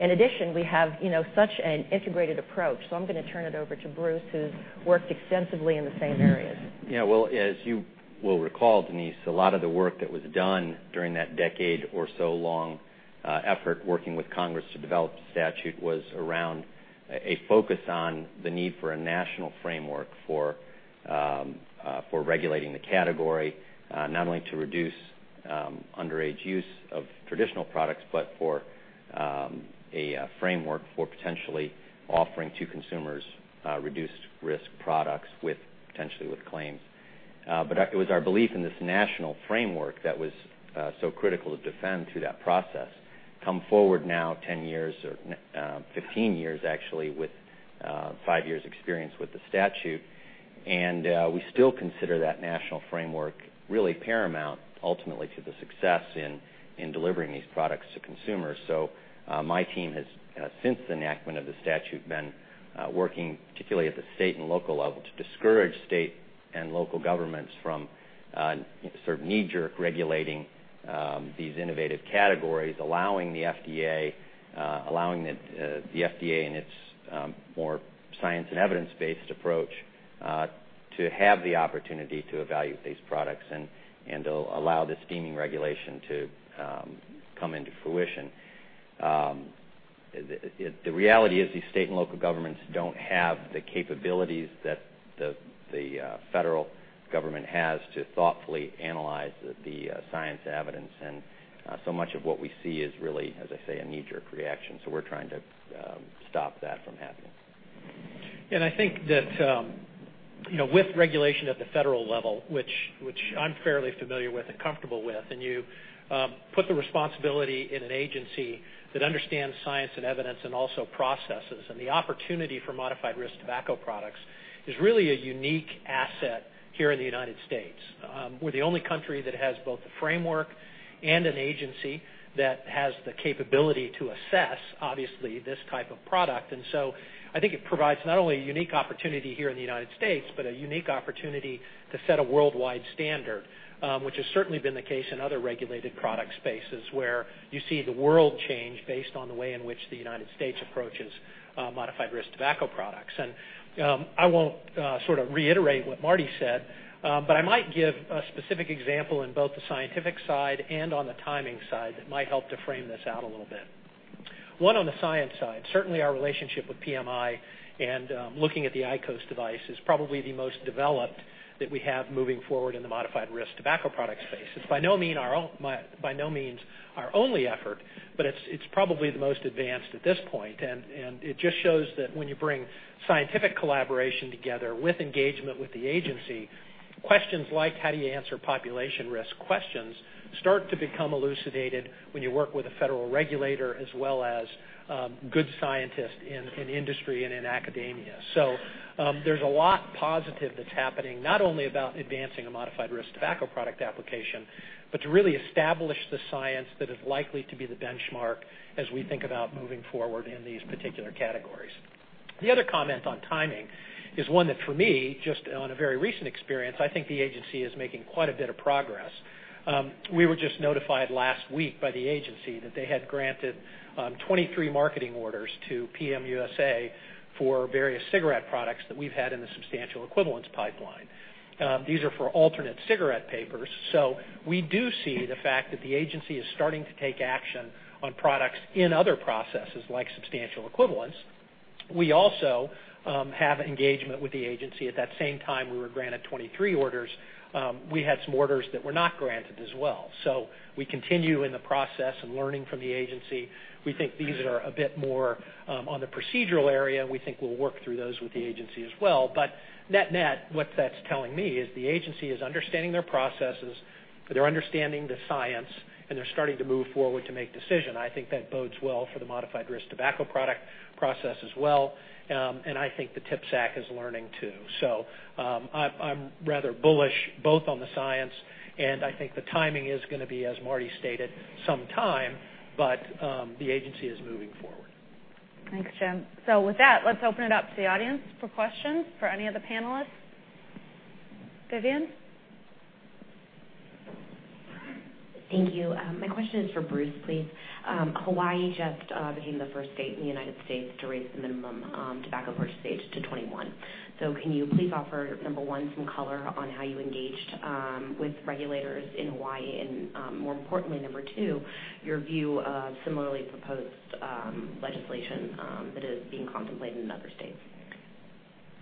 In addition, we have such an integrated approach. I'm going to turn it over to Bruce, who's worked extensively in the same areas. Yeah. Well, as you will recall, Denise, a lot of the work that was done during that decade or so long effort, working with Congress to develop the statute was around a focus on the need for a national framework for regulating the category. Not only to reduce underage use of traditional products, but for a framework for potentially offering to consumers reduced-risk products potentially with claims. It was our belief in this national framework that was so critical to defend through that process. Come forward now, 10 years or 15 years, actually, with five years' experience with the statute, we still consider that national framework really paramount, ultimately to the success in delivering these products to consumers. My team has, since the enactment of the statute, been working particularly at the state and local level, to discourage state and local governments from sort of knee-jerk regulating these innovative categories. Allowing the FDA and its more science and evidence-based approach to have the opportunity to evaluate these products and allow the streamlining regulation to come into fruition. The reality is these state and local governments don't have the capabilities that the federal government has to thoughtfully analyze the science evidence, and so much of what we see is really, as I say, a knee-jerk reaction. We're trying to stop that from happening. I think that with regulation at the federal level, which I'm fairly familiar with and comfortable with, you put the responsibility in an agency that understands science and evidence and also processes, the opportunity for modified risk tobacco products is really a unique asset here in the United States. We're the only country that has both the framework and an agency that has the capability to assess, obviously, this type of product. I think it provides not only a unique opportunity here in the United States, but a unique opportunity to set a worldwide standard, which has certainly been the case in other regulated product spaces where you see the world change based on the way in which the United States approaches modified risk tobacco products. I won't sort of reiterate what Marty said. I might give a specific example in both the scientific side and on the timing side that might help to frame this out a little bit. One on the science side, certainly our relationship with PMI and looking at the IQOS device is probably the most developed that we have moving forward in the modified risk tobacco product space. It's by no means our only effort, but it's probably the most advanced at this point. It just shows that when you bring scientific collaboration together with engagement with the agency, questions like how do you answer population risk questions start to become elucidated when you work with a federal regulator as well as good scientists in industry and in academia. There's a lot positive that's happening, not only about advancing a modified risk tobacco product application, but to really establish the science that is likely to be the benchmark as we think about moving forward in these particular categories. The other comment on timing is one that for me, just on a very recent experience, I think the agency is making quite a bit of progress. We were just notified last week by the agency that they had granted 23 marketing orders to PM USA for various cigarette products that we've had in the substantial equivalence pipeline. These are for alternate cigarette papers. We do see the fact that the agency is starting to take action on products in other processes, like substantial equivalence. We also have engagement with the agency. At that same time, we were granted 23 orders. We had some orders that were not granted as well. We continue in the process and learning from the agency. We think these are a bit more on the procedural area, and we think we'll work through those with the agency as well. Net net, what that's telling me is the agency is understanding their processes, they're understanding the science, and they're starting to move forward to make decision. I think that bodes well for the modified risk tobacco product process as well. I think the TPSAC is learning, too. I'm rather bullish both on the science, and I think the timing is going to be, as Marty stated, some time, but the agency is moving forward. Thanks, Jim. With that, let's open it up to the audience for questions for any of the panelists. Vivian? Thank you. My question is for Bruce, please. Hawaii just became the first state in the U.S. to raise the minimum tobacco purchase age to 21. Can you please offer, number 1, some color on how you engaged with regulators in Hawaii, and more importantly, number 2, your view of similarly proposed legislation that is being contemplated in other states?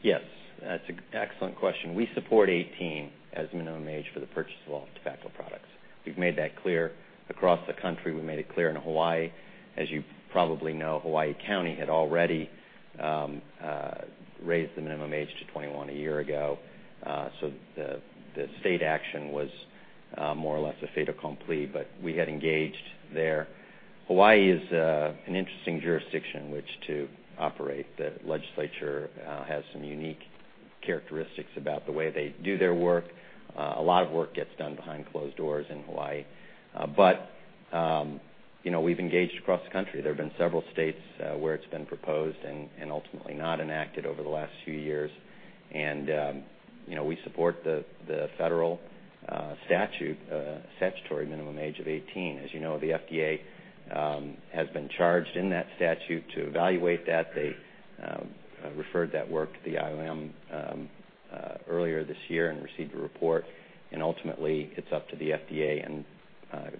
Yes. That's an excellent question. We support 18 as the minimum age for the purchase of all tobacco products. We've made that clear across the country. We made it clear in Hawaii. As you probably know, Hawaii County had already raised the minimum age to 21 a year ago. The state action was more or less a fait accompli, but we had engaged there. Hawaii is an interesting jurisdiction in which to operate. The legislature has some unique characteristics about the way they do their work. A lot of work gets done behind closed doors in Hawaii. We've engaged across the country. There have been several states where it's been proposed and ultimately not enacted over the last few years. We support the federal statutory minimum age of 18. As you know, the FDA has been charged in that statute to evaluate that. They referred that work to the IOM earlier this year and received a report. Ultimately, it's up to the FDA and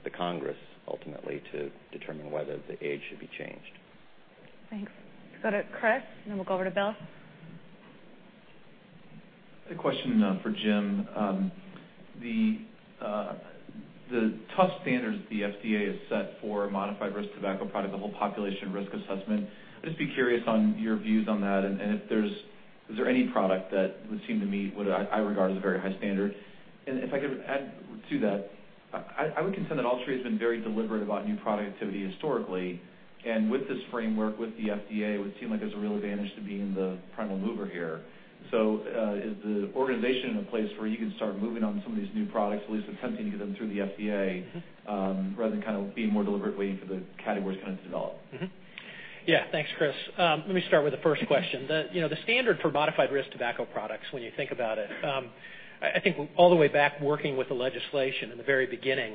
the Congress, ultimately, to determine whether the age should be changed. Thanks. Let's go to Chris, and then we'll go over to Bill. A question for Jim. The tough standards the FDA has set for modified risk tobacco product, the whole population risk assessment. I'd just be curious on your views on that, and if there's any product that would seem to meet what I regard as a very high standard. If I could add to that, I would contend that Altria has been very deliberate about new product activity historically. With this framework, with the FDA, it would seem like there's a real advantage to being the primal mover here. Is the organization in a place where you can start moving on some of these new products, at least attempting to get them through the FDA, rather than being more deliberate waiting for the categories to develop? Mm-hmm. Yeah, thanks, Chris. Let me start with the first question. The standard for modified risk tobacco products, when you think about it, I think all the way back working with the legislation in the very beginning,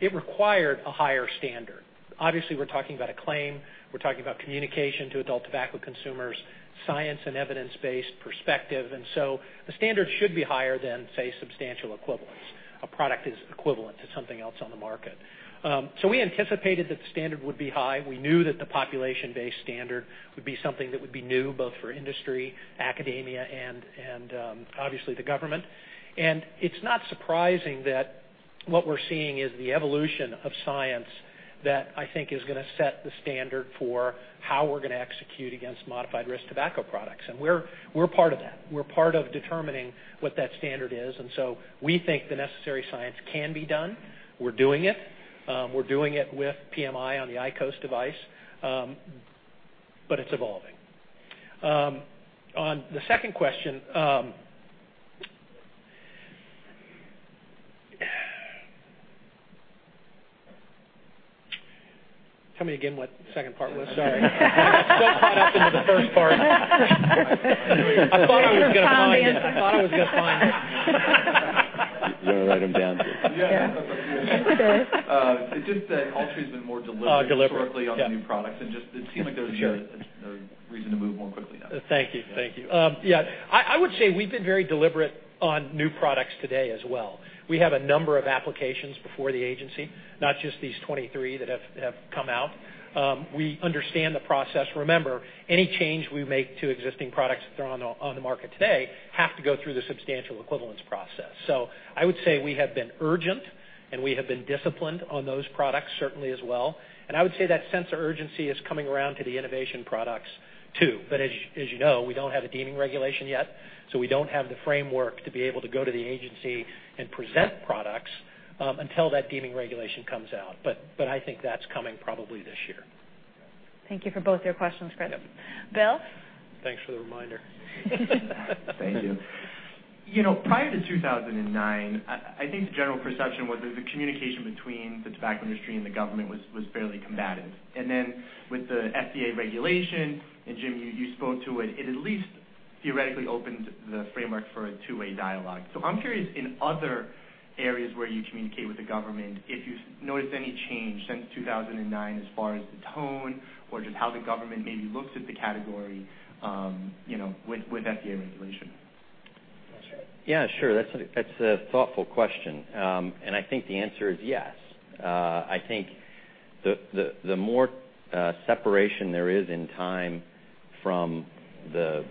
it required a higher standard. Obviously, we're talking about a claim. We're talking about communication to adult tobacco consumers, science and evidence-based perspective. The standard should be higher than, say, substantial equivalence. A product is equivalent to something else on the market. We anticipated that the standard would be high. We knew that the population-based standard would be something that would be new both for industry, academia, and obviously the government. It's not surprising that what we're seeing is the evolution of science that I think is going to set the standard for how we're going to execute against modified risk tobacco products. We're part of that. We're part of determining what that standard is. We think the necessary science can be done. We're doing it. We're doing it with PMI on the IQOS device. It's evolving. On the second question, tell me again what the second part was. Sorry. I got so caught up into the first part. I thought I was going to find it. Found the answer. You got to write them down. Yeah. He does. It's just that Altria has been more deliberate. Deliberate. Yeah. historically on the new products, just it seems like there's. Sure a reason to move more quickly now. Thank you. I would say we've been very deliberate on new products today as well. We have a number of applications before the agency, not just these 23 that have come out. We understand the process. Remember, any change we make to existing products that are on the market today have to go through the substantial equivalence process. I would say we have been urgent, and we have been disciplined on those products certainly as well. I would say that sense of urgency is coming around to the innovation products, too. As you know, we don't have a deeming regulation yet, so we don't have the framework to be able to go to the agency and present products until that deeming regulation comes out. I think that's coming probably this year. Thank you for both your questions, Chris. Yep. Bill? Thanks for the reminder. Thank you. Prior to 2009, I think the general perception was that the communication between the tobacco industry and the government was fairly combative. With the FDA regulation, Jim, you spoke to it at least theoretically opened the framework for a two-way dialogue. I'm curious, in other areas where you communicate with the government, if you've noticed any change since 2009 as far as the tone or just how the government maybe looks at the category with FDA regulation? Yeah, sure. That's a thoughtful question. I think the answer is yes. I think the more separation there is in time from the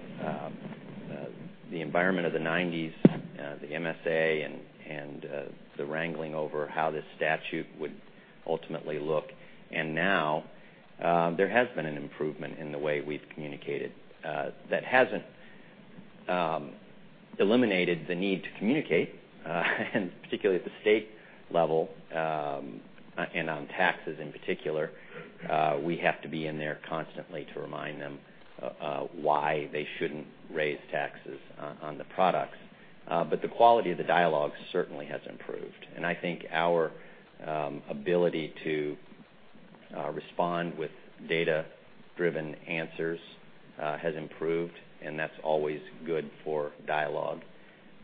environment of the '90s, the MSA, and the wrangling over how this statute would ultimately look. Now, there has been an improvement in the way we've communicated, that hasn't eliminated the need to communicate. Particularly at the state level, on taxes in particular, we have to be in there constantly to remind them why they shouldn't raise taxes on the products. The quality of the dialogue certainly has improved. I think our ability to respond with data-driven answers has improved, and that's always good for dialogue.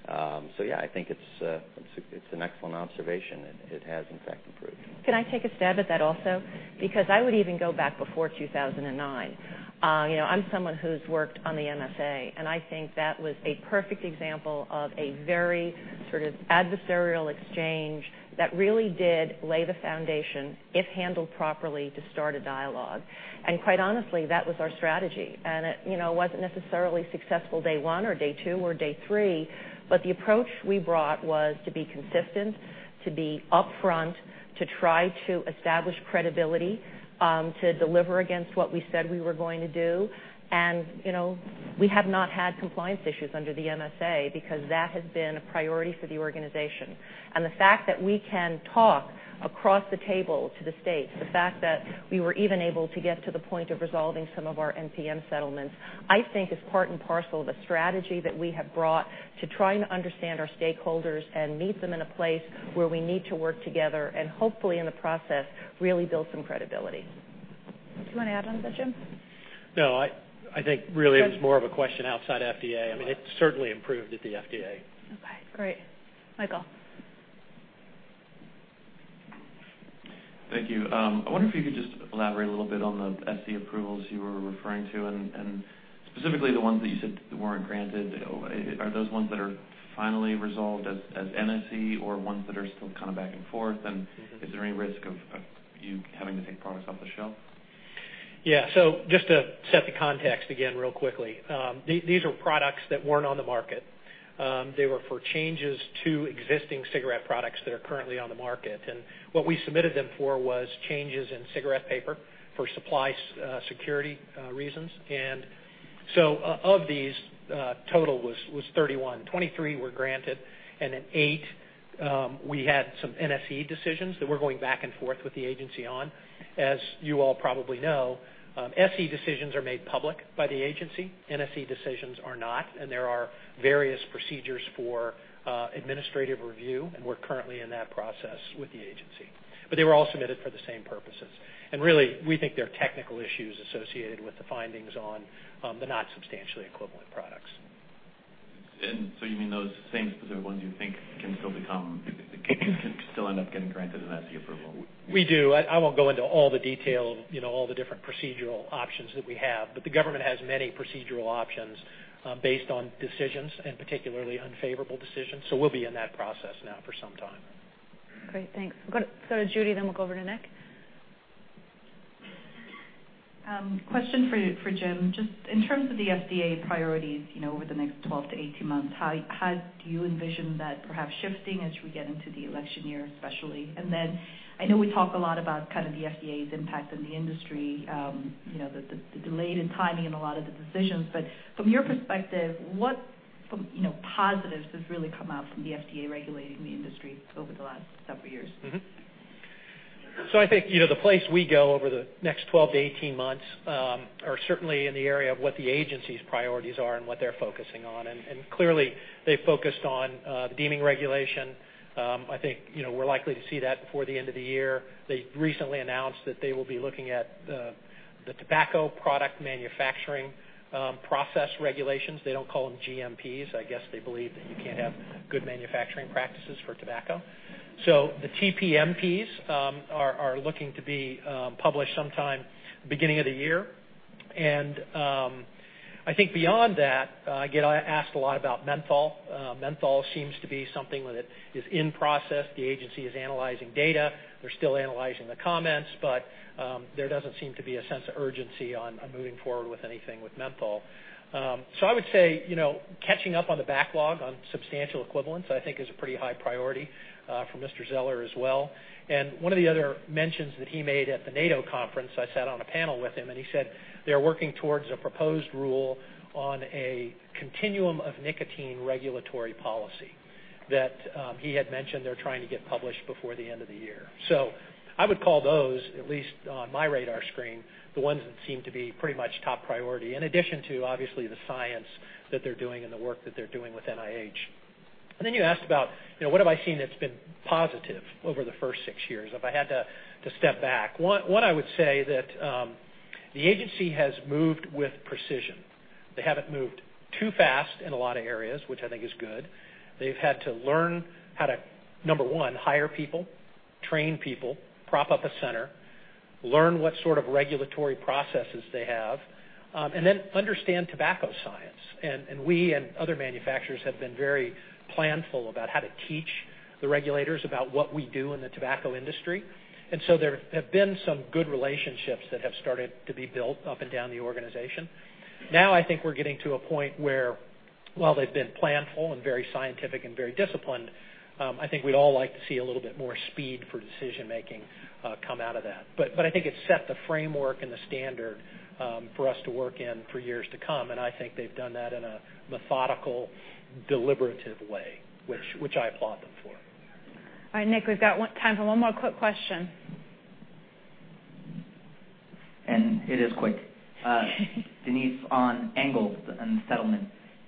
Yeah, I think it's an excellent observation. It has, in fact, improved. Can I take a stab at that also? Because I would even go back before 2009. I'm someone who's worked on the MSA, and I think that was a perfect example of a very adversarial exchange that really did lay the foundation, if handled properly, to start a dialogue. Quite honestly, that was our strategy. It wasn't necessarily successful day one or day two or day three. The approach we brought was to be consistent, to be upfront, to try to establish credibility, to deliver against what we said we were going to do, and we have not had compliance issues under the MSA because that has been a priority for the organization. The fact that we can talk across the table to the states, the fact that we were even able to get to the point of resolving some of our NPM settlements, I think is part and parcel of a strategy that we have brought to trying to understand our stakeholders and meet them in a place where we need to work together, and hopefully, in the process, really build some credibility. Do you want to add on to that, Jim? No, I think really it was more of a question outside FDA. It's certainly improved at the FDA. Okay, great. Michael. Thank you. I wonder if you could just elaborate a little bit on the SE approvals you were referring to and specifically the ones that you said that weren't granted. Are those ones that are finally resolved as NSE or ones that are still back and forth? Is there any risk of you having to take products off the shelf? Yeah. Just to set the context again real quickly. These were products that weren't on the market. They were for changes to existing cigarette products that are currently on the market. What we submitted them for was changes in cigarette paper for supply security reasons. Of these, total was 31. 23 were granted, then 8, we had some NSE decisions that we're going back and forth with the agency on. As you all probably know, SE decisions are made public by the agency. NSE decisions are not, there are various procedures for administrative review, and we're currently in that process with the agency. They were all submitted for the same purposes. Really, we think there are technical issues associated with the findings on the not substantially equivalent products. You mean those same specific ones you think can still end up getting granted an SE approval? We do. I won't go into all the detail, all the different procedural options that we have. The government has many procedural options based on decisions and particularly unfavorable decisions. We'll be in that process now for some time. Great, thanks. Go to Judy, then we'll go over to Nick. Question for Jim. In terms of the FDA priorities over the next 12-18 months, how do you envision that perhaps shifting as we get into the election year, especially? I know we talk a lot about the FDA's impact on the industry, the delayed in timing in a lot of the decisions. From your perspective, what positives has really come out from the FDA regulating the industry over the last several years? I think, the place we go over the next 12-18 months are certainly in the area of what the agency's priorities are and what they're focusing on. Clearly, they've focused on the deeming regulation. I think, we're likely to see that before the end of the year. They recently announced that they will be looking at the tobacco product manufacturing process regulations. They don't call them GMPs. I guess they believe that you can't have good manufacturing practices for tobacco. The TPMPs are looking to be published sometime beginning of the year. I think beyond that, I get asked a lot about menthol. Menthol seems to be something that is in process. The agency is analyzing data. They're still analyzing the comments, there doesn't seem to be a sense of urgency on moving forward with anything with menthol. I would say, catching up on the backlog on substantial equivalents, I think is a pretty high priority for Mr. Zeller as well. One of the other mentions that he made at the NATO conference, I sat on a panel with him, he said they're working towards a proposed rule on a continuum of nicotine regulatory policy that he had mentioned they're trying to get published before the end of the year. I would call those, at least on my radar screen, the ones that seem to be pretty much top priority, in addition to, obviously, the science that they're doing and the work that they're doing with NIH. You asked about what have I seen that's been positive over the first six years, if I had to step back. One, I would say that the agency has moved with precision. They haven't moved too fast in a lot of areas, which I think is good. They've had to learn how to, number 1, hire people, train people, prop up a center, learn what sort of regulatory processes they have, then understand tobacco science. We and other manufacturers have been very planful about how to teach the regulators about what we do in the tobacco industry. There have been some good relationships that have started to be built up and down the organization. Now, I think we're getting to a point where while they've been planful and very scientific and very disciplined, I think we'd all like to see a little bit more speed for decision-making come out of that. I think it set the framework and the standard for us to work in for years to come. I think they've done that in a methodical, deliberative way, which I applaud them for. All right, Nick, we've got time for one more quick question. It is quick. Denise, on Engle and the settlement,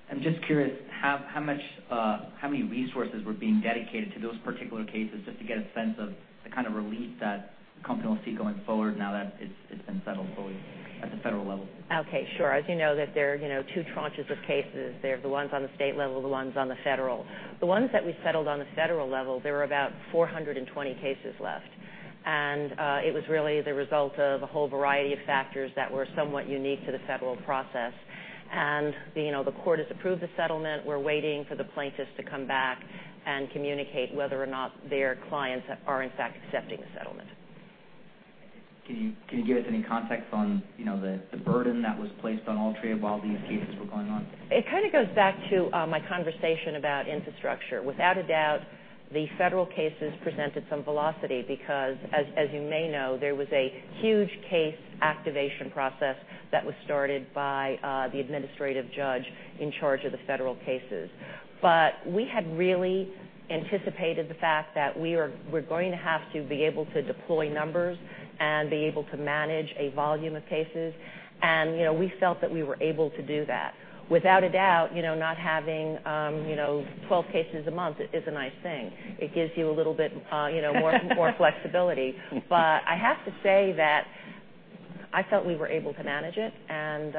I'm just curious how many resources were being dedicated to those particular cases just to get a sense of the kind of relief that the company will see going forward now that it's been settled fully at the federal level? Okay, sure. As you know, there are two tranches of cases. There are the ones on the state level, the ones on the federal. The ones that we settled on the federal level, there were about 420 cases left. It was really the result of a whole variety of factors that were somewhat unique to the federal process. The court has approved the settlement. We're waiting for the plaintiffs to come back and communicate whether or not their clients are in fact accepting the settlement. Can you give us any context on the burden that was placed on Altria while these cases were going on? It kind of goes back to my conversation about infrastructure. Without a doubt, the federal cases presented some velocity because, as you may know, there was a huge case activation process that was started by the administrative judge in charge of the federal cases. We had really anticipated the fact that we're going to have to be able to deploy numbers and be able to manage a volume of cases. We felt that we were able to do that. Without a doubt, not having 12 cases a month is a nice thing. It gives you a little bit more flexibility. I have to say that I felt we were able to manage it, and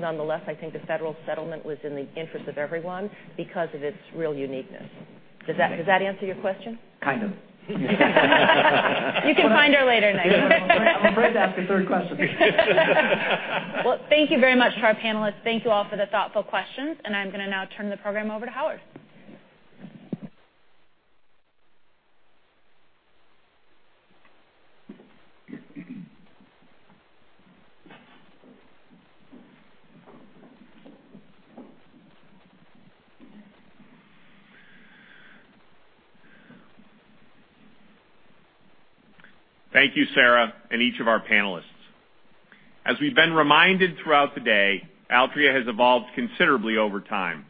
nonetheless, I think the federal settlement was in the interest of everyone because of its real uniqueness. Does that answer your question? Kind of. You can find her later, Nick. I'm afraid to ask a third question. Well, thank you very much to our panelists. Thank you all for the thoughtful questions. I'm going to now turn the program over to Howard. Thank you, Sarah, and each of our panelists. As we've been reminded throughout the day, Altria has evolved considerably over time.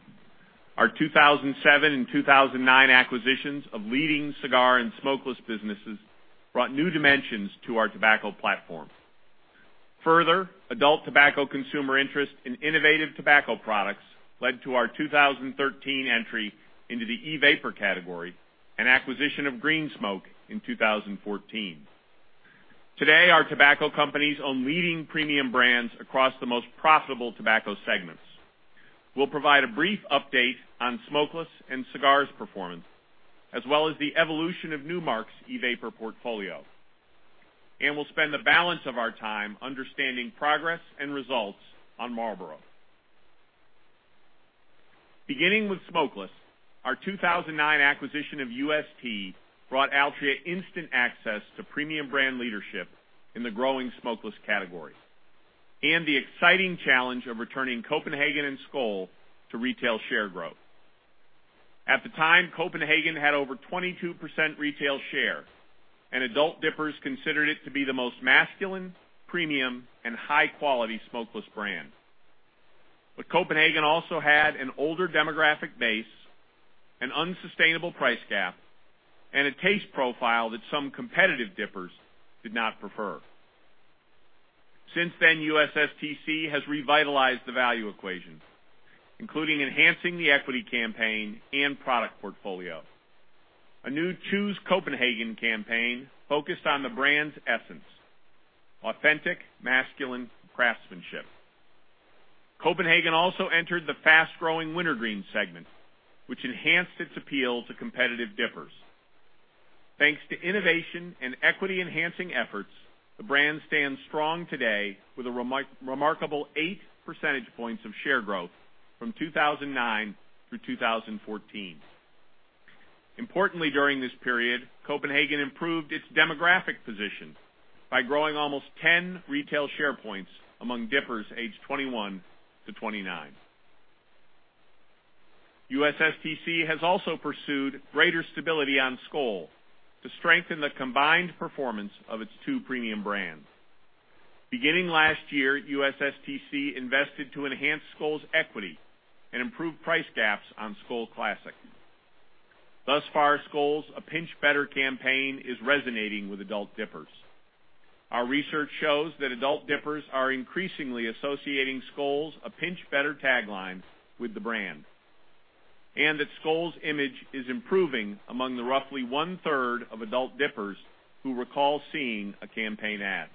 Our 2007 and 2009 acquisitions of leading cigar and smokeless businesses brought new dimensions to our tobacco platform. Further, adult tobacco consumer interest in innovative tobacco products led to our 2013 entry into the e-vapor category and acquisition of Green Smoke in 2014. Today, our tobacco companies own leading premium brands across the most profitable tobacco segments. We'll provide a brief update on smokeless and cigars performance, as well as the evolution of Nu Mark's e-vapor portfolio. We'll spend the balance of our time understanding progress and results on Marlboro. Beginning with smokeless, our 2009 acquisition of UST brought Altria instant access to premium brand leadership in the growing smokeless category and the exciting challenge of returning Copenhagen and Skoal to retail share growth. At the time, Copenhagen had over 22% retail share, adult dippers considered it to be the most masculine, premium and high-quality smokeless brand. Copenhagen also had an older demographic base, an unsustainable price gap, and a taste profile that some competitive dippers did not prefer. Since then, USSTC has revitalized the value equation, including enhancing the equity campaign and product portfolio. A new Choose Copenhagen campaign focused on the brand's essence: authentic masculine craftsmanship. Copenhagen also entered the fast-growing wintergreen segment, which enhanced its appeal to competitive dippers. Thanks to innovation and equity-enhancing efforts, the brand stands strong today with a remarkable eight percentage points of share growth from 2009 through 2014. Importantly, during this period, Copenhagen improved its demographic position by growing almost 10 retail share points among dippers aged 21 to 29. USSTC has also pursued greater stability on Skoal to strengthen the combined performance of its two premium brands. Beginning last year, USSTC invested to enhance Skoal's equity and improve price gaps on Skoal Classic. Thus far, Skoal's A Pinch Better campaign is resonating with adult dippers. Our research shows that adult dippers are increasingly associating Skoal's A Pinch Better tagline with the brand and that Skoal's image is improving among the roughly one-third of adult dippers who recall seeing a campaign ad.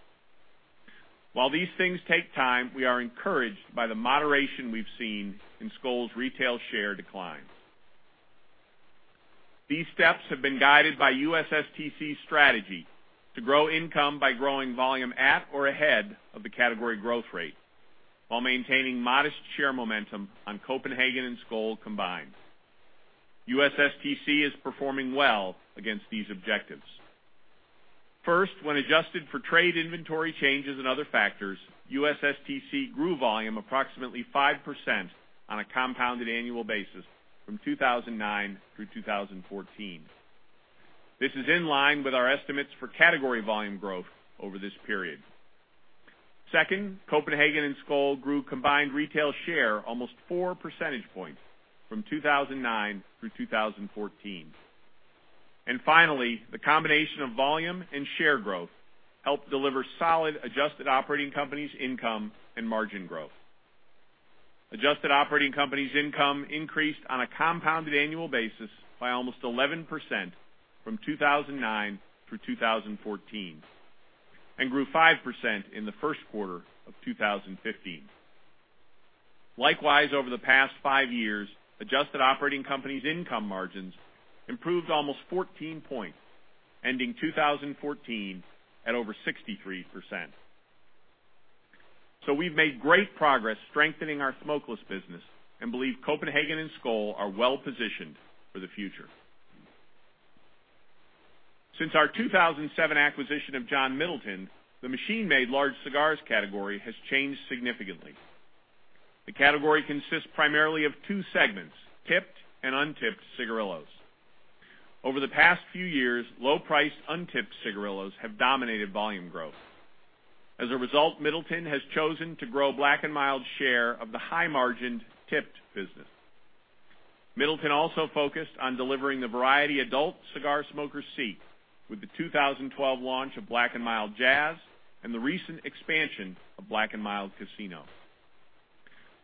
While these things take time, we are encouraged by the moderation we've seen in Skoal's retail share decline. These steps have been guided by USSTC's strategy to grow income by growing volume at or ahead of the category growth rate while maintaining modest share momentum on Copenhagen and Skoal combined. USSTC is performing well against these objectives. First, when adjusted for trade inventory changes and other factors, USSTC grew volume approximately 5% on a compounded annual basis from 2009 through 2014. This is in line with our estimates for category volume growth over this period. Second, Copenhagen and Skoal grew combined retail share almost four percentage points from 2009 through 2014. Finally, the combination of volume and share growth helped deliver solid adjusted operating companies income and margin growth. Adjusted operating companies income increased on a compounded annual basis by almost 11% from 2009 through 2014, and grew 5% in the first quarter of 2015. Likewise, over the past five years, adjusted operating companies income margins improved almost 14 points, ending 2014 at over 63%. We've made great progress strengthening our smokeless business and believe Copenhagen and Skoal are well-positioned for the future. Since our 2007 acquisition of John Middleton, the machine-made large cigars category has changed significantly. The category consists primarily of two segments, tipped and untipped cigarillos. Over the past few years, low-priced untipped cigarillos have dominated volume growth. As a result, Middleton has chosen to grow Black & Mild's share of the high-margined tipped business. Middleton also focused on delivering the variety adult cigar smokers seek with the 2012 launch of Black & Mild Jazz and the recent expansion of Black & Mild Casino.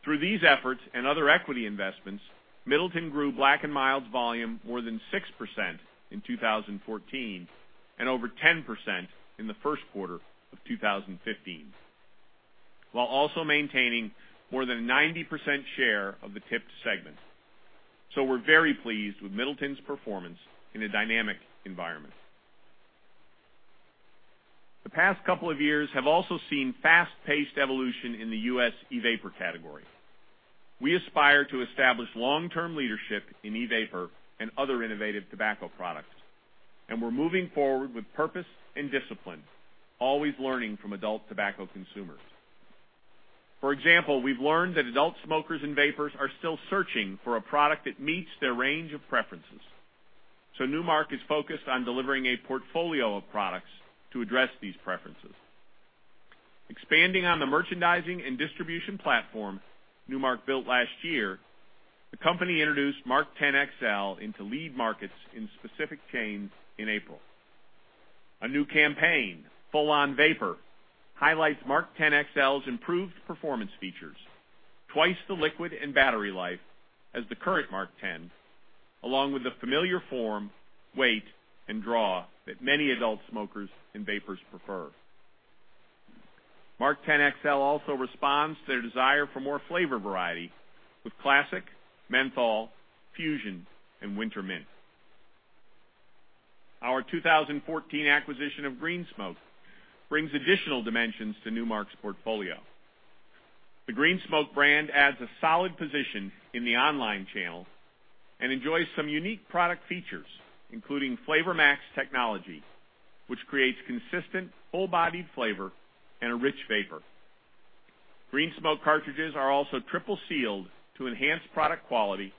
Through these efforts and other equity investments, Middleton grew Black & Mild's volume more than 6% in 2014 and over 10% in the first quarter of 2015, while also maintaining more than 90% share of the tipped segment. We're very pleased with Middleton's performance in a dynamic environment. The past couple of years have also seen fast-paced evolution in the U.S. e-vapor category. We aspire to establish long-term leadership in e-vapor and other innovative tobacco products, and we're moving forward with purpose and discipline, always learning from adult tobacco consumers. For example, we've learned that adult smokers and vapers are still searching for a product that meets their range of preferences. Nu Mark is focused on delivering a portfolio of products to address these preferences. Expanding on the merchandising and distribution platform Nu Mark built last year, the company introduced MarkTen XL into lead markets in specific chains in April. A new campaign, Full On Vapor, highlights MarkTen XL's improved performance features. Twice the liquid and battery life as the current MarkTen, along with the familiar form, weight, and draw that many adult smokers and vapers prefer. MarkTen XL also responds to their desire for more flavor variety with classic, menthol, fusion, and winter mint. Our 2014 acquisition of Green Smoke brings additional dimensions to Nu Mark's portfolio. The Green Smoke brand adds a solid position in the online channel and enjoys some unique product features, including Flavor MAX technology, which creates consistent, full-bodied flavor and a rich vapor. Green Smoke cartridges are also triple sealed to enhance product quality,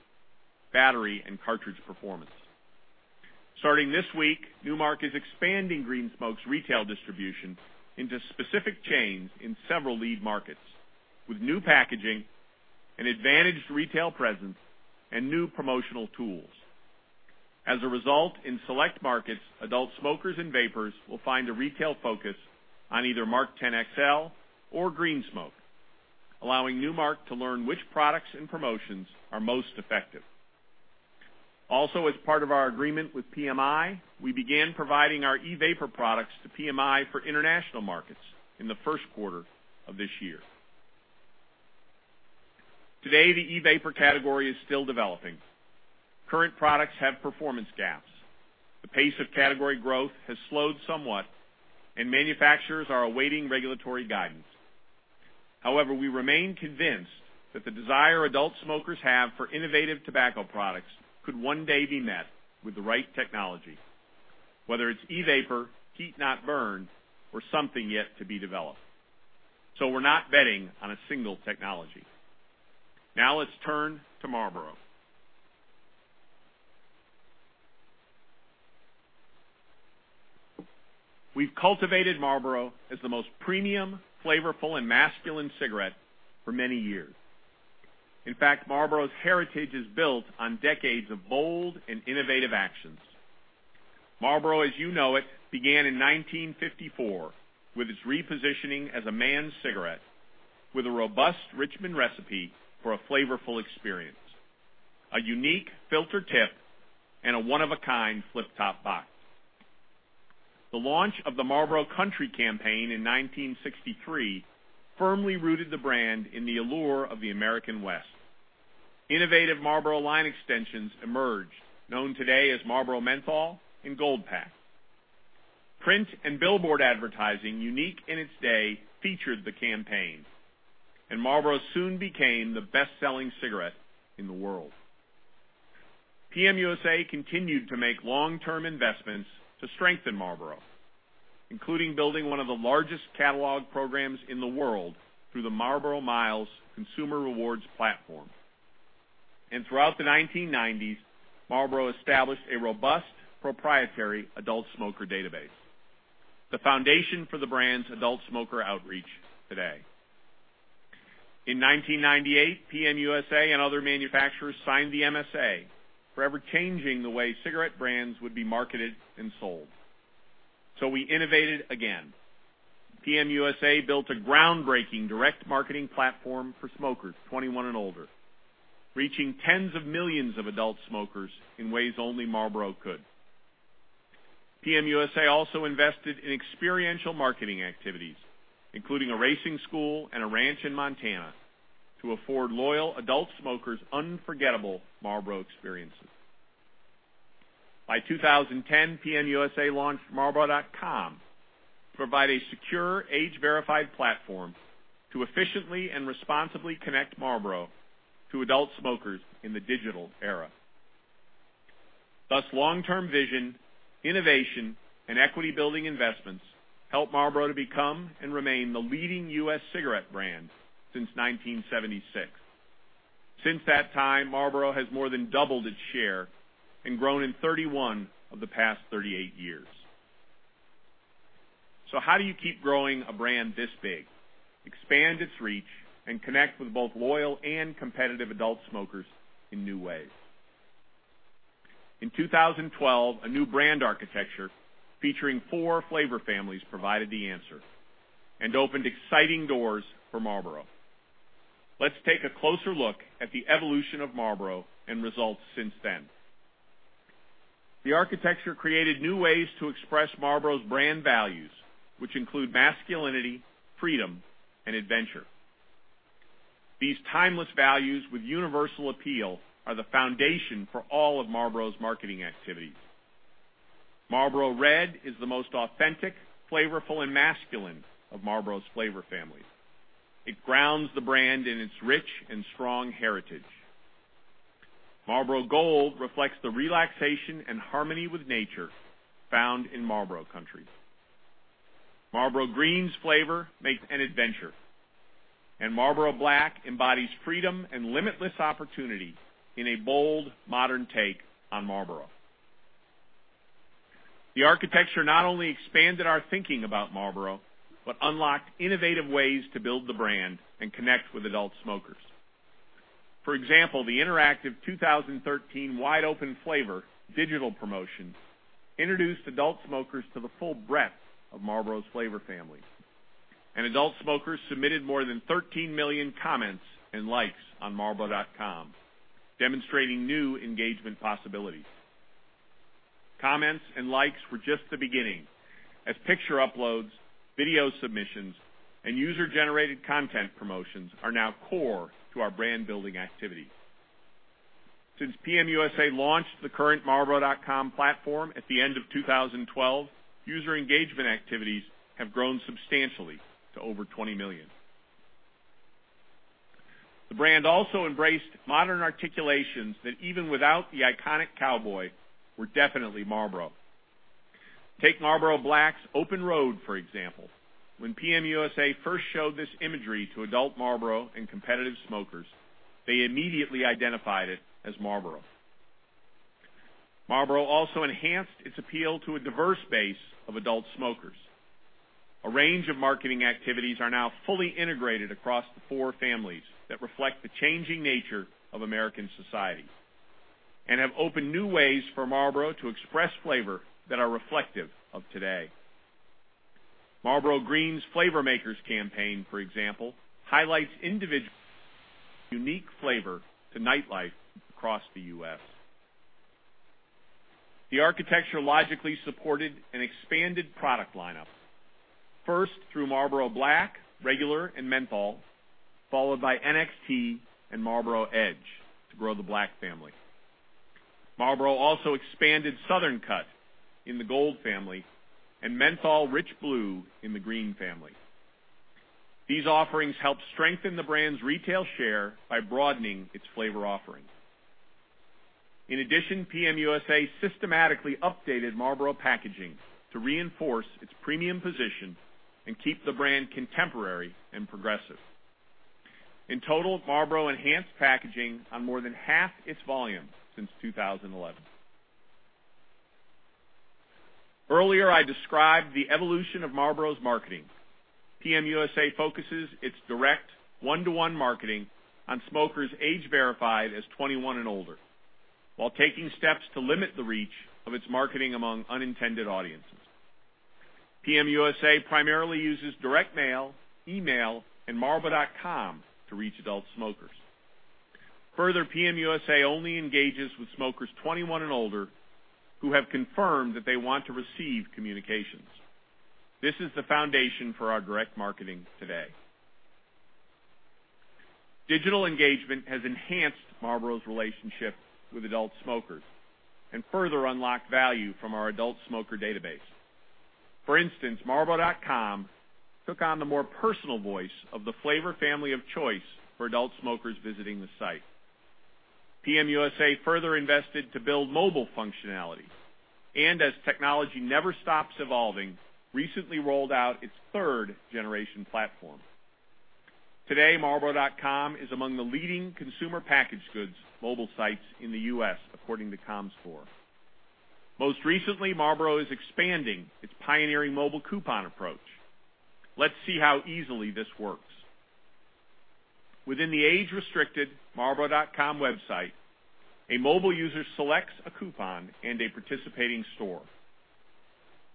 battery, and cartridge performance. Starting this week, Nu Mark is expanding Green Smoke's retail distribution into specific chains in several lead markets with new packaging, an advantaged retail presence, and new promotional tools. As a result, in select markets, adult smokers and vapers will find a retail focus on either MarkTen XL or Green Smoke, allowing Nu Mark to learn which products and promotions are most effective. As part of our agreement with PMI, we began providing our e-vapor products to PMI for international markets in the first quarter of this year. Today, the e-vapor category is still developing. Current products have performance gaps. The pace of category growth has slowed somewhat, and manufacturers are awaiting regulatory guidance. We remain convinced that the desire adult smokers have for innovative tobacco products could one day be met with the right technology, whether it's e-vapor, heat not burned, or something yet to be developed. We're not betting on a single technology. Let's turn to Marlboro. We've cultivated Marlboro as the most premium, flavorful, and masculine cigarette for many years. In fact, Marlboro's heritage is built on decades of bold and innovative actions. Marlboro, as you know it, began in 1954 with its repositioning as a man's cigarette with a robust Richmond recipe for a flavorful experience. A unique filter tip and a one-of-a-kind flip-top box. The launch of the Marlboro Country campaign in 1963 firmly rooted the brand in the allure of the American West. Innovative Marlboro line extensions emerged, known today as Marlboro Menthol and Gold Pack. Print and billboard advertising, unique in its day, featured the campaign, and Marlboro soon became the best-selling cigarette in the world. PM USA continued to make long-term investments to strengthen Marlboro, including building one of the largest catalog programs in the world through the Marlboro Miles consumer rewards platform. Throughout the 1990s, Marlboro established a robust proprietary adult smoker database, the foundation for the brand's adult smoker outreach today. In 1998, PM USA and other manufacturers signed the MSA, forever changing the way cigarette brands would be marketed and sold. We innovated again. PM USA built a groundbreaking direct marketing platform for smokers 21 and older, reaching tens of millions of adult smokers in ways only Marlboro could. PM USA also invested in experiential marketing activities, including a racing school and a ranch in Montana to afford loyal adult smokers unforgettable Marlboro experiences. By 2010, PM USA launched marlboro.com to provide a secure age-verified platform to efficiently and responsibly connect Marlboro to adult smokers in the digital era. Thus, long-term vision, innovation, and equity building investments helped Marlboro to become and remain the leading U.S. cigarette brand since 1976. Since that time, Marlboro has more than doubled its share and grown in 31 of the past 38 years. How do you keep growing a brand this big, expand its reach, and connect with both loyal and competitive adult smokers in new ways? In 2012, a new brand architecture featuring four flavor families provided the answer and opened exciting doors for Marlboro. Let's take a closer look at the evolution of Marlboro and results since then. The architecture created new ways to express Marlboro's brand values, which include masculinity, freedom, and adventure. These timeless values with universal appeal are the foundation for all of Marlboro's marketing activities. Marlboro Red is the most authentic, flavorful, and masculine of Marlboro's flavor families. It grounds the brand in its rich and strong heritage. Marlboro Gold reflects the relaxation and harmony with nature found in Marlboro Country. Marlboro Green's flavor makes an adventure. Marlboro Black embodies freedom and limitless opportunity in a bold, modern take on Marlboro. The architecture not only expanded our thinking about Marlboro, but unlocked innovative ways to build the brand and connect with adult smokers. For example, the interactive 2013 Wide Open Flavor digital promotion introduced adult smokers to the full breadth of Marlboro's flavor families. Adult smokers submitted more than 13 million comments and likes on marlboro.com, demonstrating new engagement possibilities. Comments and likes were just the beginning, as picture uploads, video submissions, and user-generated content promotions are now core to our brand-building activity. Since PM USA launched the current marlboro.com platform at the end of 2012, user engagement activities have grown substantially to over 20 million. The brand also embraced modern articulations that, even without the iconic cowboy, were definitely Marlboro. Take Marlboro Black's Open Road, for example. When PM USA first showed this imagery to adult Marlboro and competitive smokers, they immediately identified it as Marlboro. Marlboro also enhanced its appeal to a diverse base of adult smokers. A range of marketing activities are now fully integrated across the four families that reflect the changing nature of American society and have opened new ways for Marlboro to express flavor that are reflective of today. Marlboro Green's Flavor Makers campaign, for example, highlights individual unique flavor to nightlife across the U.S. The architecture logically supported an expanded product lineup, first through Marlboro Black, regular, and Menthol, followed by NXT and Marlboro Edge to grow the Black family. Marlboro also expanded Marlboro Southern Cut in the Gold family and Marlboro Rich Blue in the Green family. These offerings helped strengthen the brand's retail share by broadening its flavor offerings. In addition, PM USA systematically updated Marlboro packaging to reinforce its premium position and keep the brand contemporary and progressive. In total, Marlboro enhanced packaging on more than half its volume since 2011. Earlier, I described the evolution of Marlboro's marketing. PM USA focuses its direct one-to-one marketing on smokers age-verified as 21 and older while taking steps to limit the reach of its marketing among unintended audiences. PM USA primarily uses direct mail, email, and marlboro.com to reach adult smokers. Further, PM USA only engages with smokers 21 and older who have confirmed that they want to receive communications. This is the foundation for our direct marketing today. Digital engagement has enhanced Marlboro's relationship with adult smokers and further unlocked value from our adult smoker database. For instance, marlboro.com took on the more personal voice of the flavor family of choice for adult smokers visiting the site. PM USA further invested to build mobile functionality, as technology never stops evolving, recently rolled out its third generation platform. Today, marlboro.com is among the leading consumer packaged goods mobile sites in the U.S., according to Comscore. Most recently, Marlboro is expanding its pioneering mobile coupon approach. Let's see how easily this works. Within the age-restricted marlboro.com website, a mobile user selects a coupon and a participating store.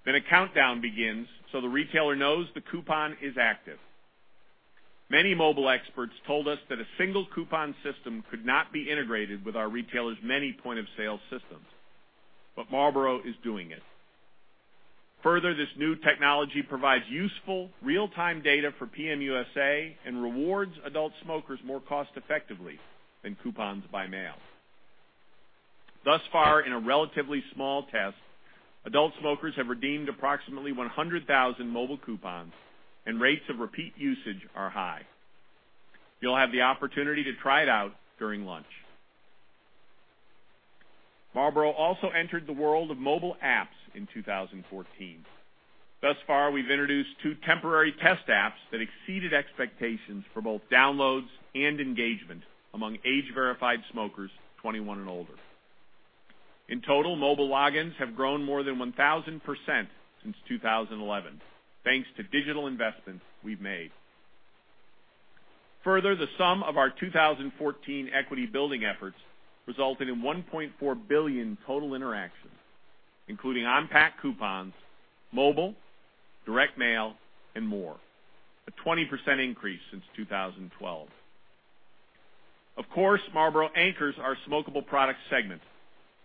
A countdown begins so the retailer knows the coupon is active. Many mobile experts told us that a single coupon system could not be integrated with our retailers' many point-of-sale systems. Marlboro is doing it. Further, this new technology provides useful real-time data for PM USA and rewards adult smokers more cost-effectively than coupons by mail. Thus far, in a relatively small test, adult smokers have redeemed approximately 100,000 mobile coupons and rates of repeat usage are high. You'll have the opportunity to try it out during lunch. Marlboro also entered the world of mobile apps in 2014. Thus far, we've introduced two temporary test apps that exceeded expectations for both downloads and engagement among age-verified smokers 21 and older. In total, mobile logins have grown more than 1,000% since 2011, thanks to digital investments we've made. Further, the sum of our 2014 equity building efforts resulted in 1.4 billion total interactions, including on-pack coupons, mobile, direct mail, and more. A 20% increase since 2012. Of course, Marlboro anchors our smokable product segment.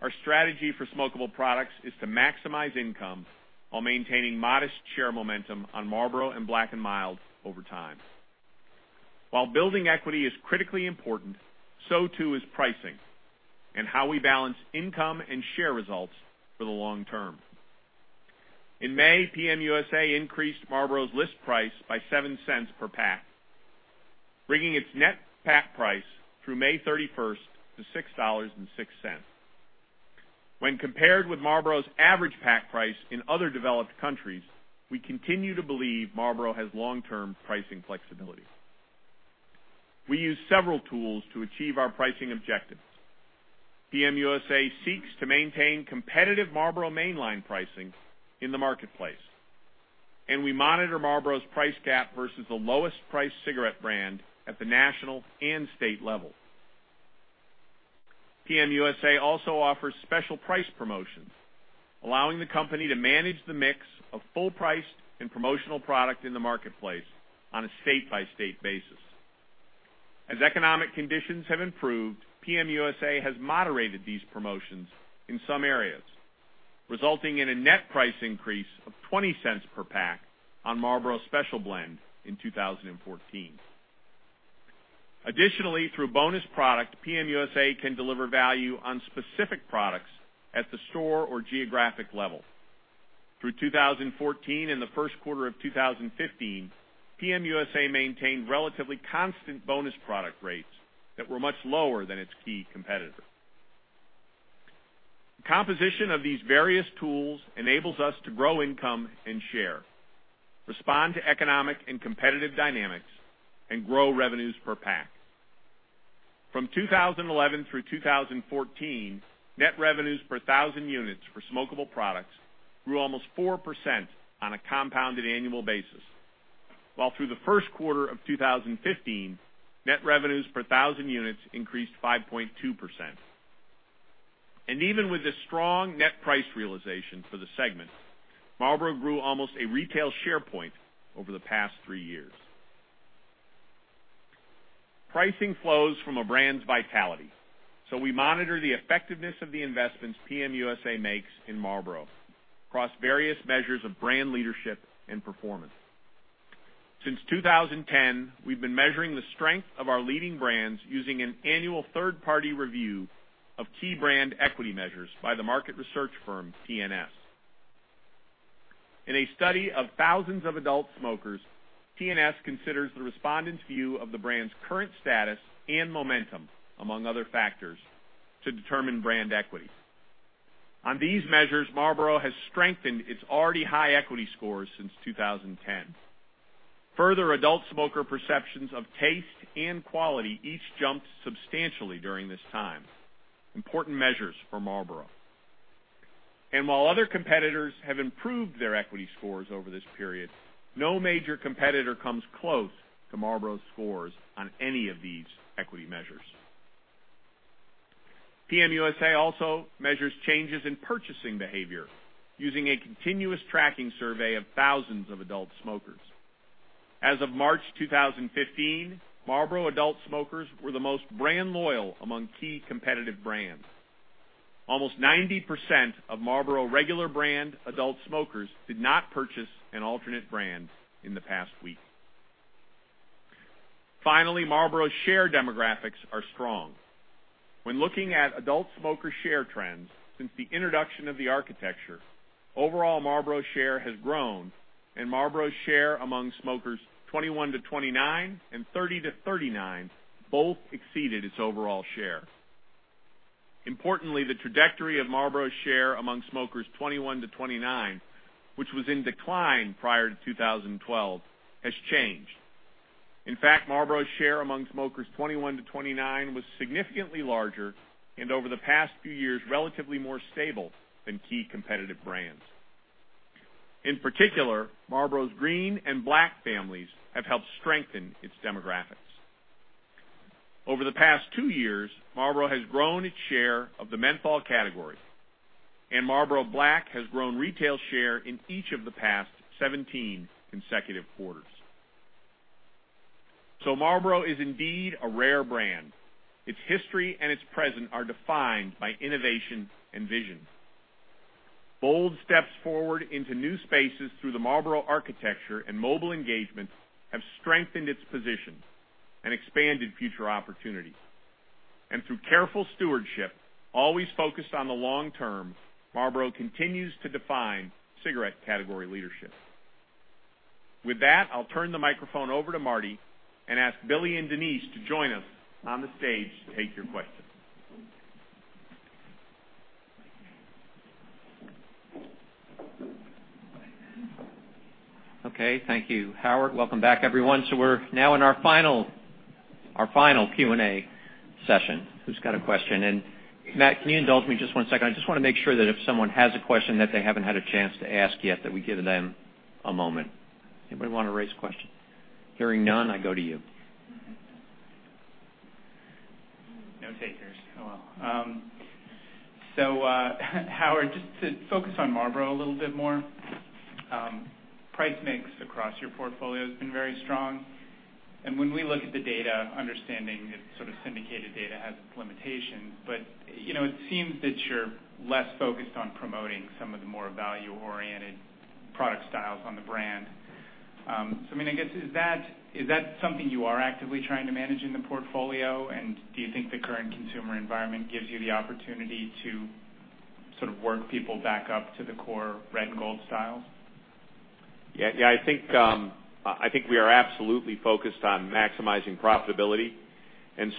Our strategy for smokable products is to maximize income while maintaining modest share momentum on Marlboro and Black & Mild over time. While building equity is critically important, so too is pricing and how we balance income and share results for the long term. In May, PM USA increased Marlboro's list price by $0.07 per pack, bringing its net pack price through May 31st to $6.06. When compared with Marlboro's average pack price in other developed countries, we continue to believe Marlboro has long-term pricing flexibility. We use several tools to achieve our pricing objectives. PM USA seeks to maintain competitive Marlboro mainline pricing in the marketplace. We monitor Marlboro's price gap versus the lowest priced cigarette brand at the national and state level. PM USA also offers special price promotions, allowing the company to manage the mix of full priced and promotional product in the marketplace on a state-by-state basis. As economic conditions have improved, PM USA has moderated these promotions in some areas, resulting in a net price increase of $0.20 per pack on Marlboro Special Blend in 2014. Additionally, through bonus product, PM USA can deliver value on specific products at the store or geographic level. Through 2014 and the first quarter of 2015, PM USA maintained relatively constant bonus product rates that were much lower than its key competitor. The composition of these various tools enables us to grow income and share, respond to economic and competitive dynamics, and grow revenues per pack. From 2011 through 2014, net revenues per 1,000 units for smokable products grew almost 4% on a compounded annual basis. While through the first quarter of 2015, net revenues per 1,000 units increased 5.2%. Even with the strong net price realization for the segment, Marlboro grew almost a retail share point over the past three years. Pricing flows from a brand's vitality. We monitor the effectiveness of the investments PM USA makes in Marlboro across various measures of brand leadership and performance. Since 2010, we've been measuring the strength of our leading brands using an annual third-party review of key brand equity measures by the market research firm TNS. In a study of thousands of adult smokers, TNS considers the respondent's view of the brand's current status and momentum among other factors to determine brand equity. On these measures, Marlboro has strengthened its already high equity scores since 2010. Further adult smoker perceptions of taste and quality each jumped substantially during this time. Important measures for Marlboro. While other competitors have improved their equity scores over this period, no major competitor comes close to Marlboro's scores on any of these equity measures. PM USA also measures changes in purchasing behavior using a continuous tracking survey of thousands of adult smokers. As of March 2015, Marlboro adult smokers were the most brand loyal among key competitive brands. Almost 90% of Marlboro regular brand adult smokers did not purchase an alternate brand in the past week. Finally, Marlboro's share demographics are strong. When looking at adult smoker share trends since the introduction of the architecture, overall Marlboro share has grown, and Marlboro's share among smokers 21 to 29 and 30 to 39 both exceeded its overall share. Importantly, the trajectory of Marlboro's share among smokers 21 to 29, which was in decline prior to 2012, has changed. In fact, Marlboro's share among smokers 21 to 29 was significantly larger and, over the past few years, relatively more stable than key competitive brands. In particular, Marlboro's Green and Black families have helped strengthen its demographics. Over the past two years, Marlboro has grown its share of the menthol category, and Marlboro Black has grown retail share in each of the past 17 consecutive quarters. Marlboro is indeed a rare brand. Its history and its present are defined by innovation and vision. Bold steps forward into new spaces through the Marlboro architecture and mobile engagement have strengthened its position and expanded future opportunities. Through careful stewardship, always focused on the long term, Marlboro continues to define cigarette category leadership. With that, I'll turn the microphone over to Marty and ask Billy and Denise to join us on the stage to take your questions. Okay. Thank you, Howard. Welcome back, everyone. We're now in our final Q&A session. Who's got a question? Matt, can you indulge me just one second? I just want to make sure that if someone has a question that they haven't had a chance to ask yet, that we give them a moment. Anybody want to raise a question? Hearing none, I go to you. No takers. Oh, well. Howard, just to focus on Marlboro a little bit more. Price mix across your portfolio has been very strong. When we look at the data, understanding it's syndicated data has its limitations, but it seems that you're less focused on promoting some of the more value-oriented product styles on the brand. I guess, is that something you are actively trying to manage in the portfolio? Do you think the current consumer environment gives you the opportunity to work people back up to the core Marlboro Red and Marlboro Gold styles? I think we are absolutely focused on maximizing profitability.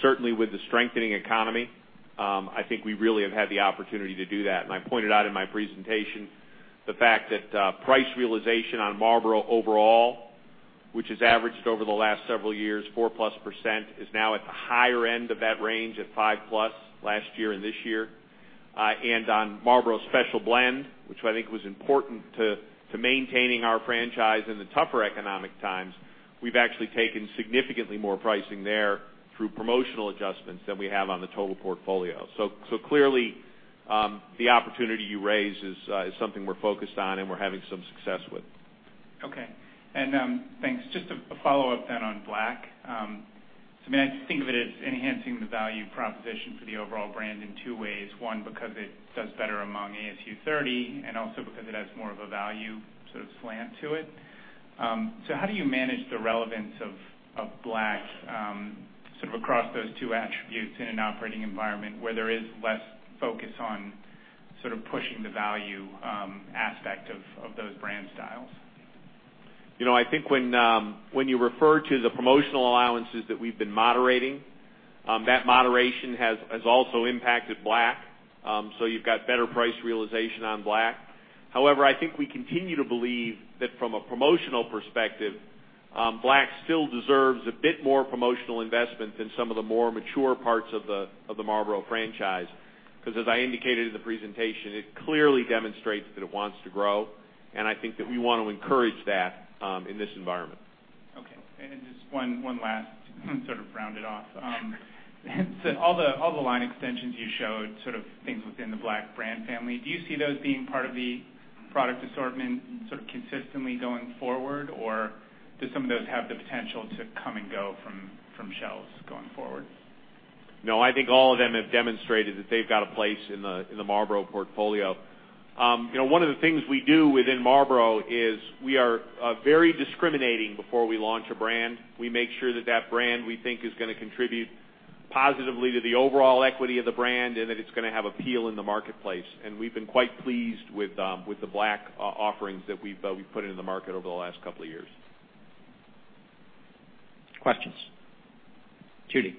Certainly with the strengthening economy, I think we really have had the opportunity to do that. I pointed out in my presentation the fact that price realization on Marlboro overall, which has averaged over the last several years 4%+, is now at the higher end of that range at 5%+ last year and this year. On Marlboro Special Blend, which I think was important to maintaining our franchise in the tougher economic times, we've actually taken significantly more pricing there through promotional adjustments than we have on the total portfolio. Clearly, the opportunity you raise is something we're focused on and we're having some success with. Okay. Thanks. Just a follow-up on Black. I think of it as enhancing the value proposition for the overall brand in two ways. One, because it does better among ASU30, and also because it has more of a value sort of slant to it. How do you manage the relevance of Black across those two attributes in an operating environment where there is less focus on pushing the value aspect of those brand styles? I think when you refer to the promotional allowances that we've been moderating, that moderation has also impacted Black. You've got better price realization on Black. However, I think we continue to believe that from a promotional perspective, Black still deserves a bit more promotional investment than some of the more mature parts of the Marlboro franchise. As I indicated in the presentation, it clearly demonstrates that it wants to grow, and I think that we want to encourage that in this environment. Okay. Just one last to sort of round it off. All the line extensions you showed, things within the Marlboro Black brand family, do you see those being part of the product assortment consistently going forward, or do some of those have the potential to come and go from shelves going forward? No, I think all of them have demonstrated that they've got a place in the Marlboro portfolio. One of the things we do within Marlboro is we are very discriminating before we launch a brand. We make sure that brand we think is going to contribute positively to the overall equity of the brand and that it's going to have appeal in the marketplace. We've been quite pleased with the Black offerings that we've put into the market over the last couple of years. Questions. Judy.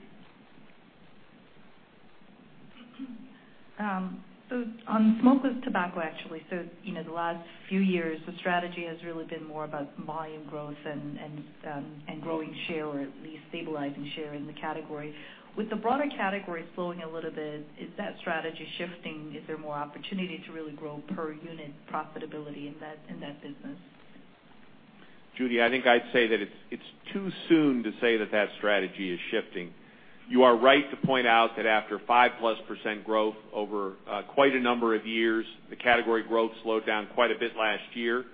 On smokeless tobacco, actually, the last few years, the strategy has really been more about volume growth and growing share or at least stabilizing share in the category. With the broader category slowing a little bit, is that strategy shifting? Is there more opportunity to really grow per unit profitability in that business? Judy, I think I'd say that it's too soon to say that strategy is shifting. You are right to point out that after 5%+ growth over quite a number of years, the category growth slowed down quite a bit last year.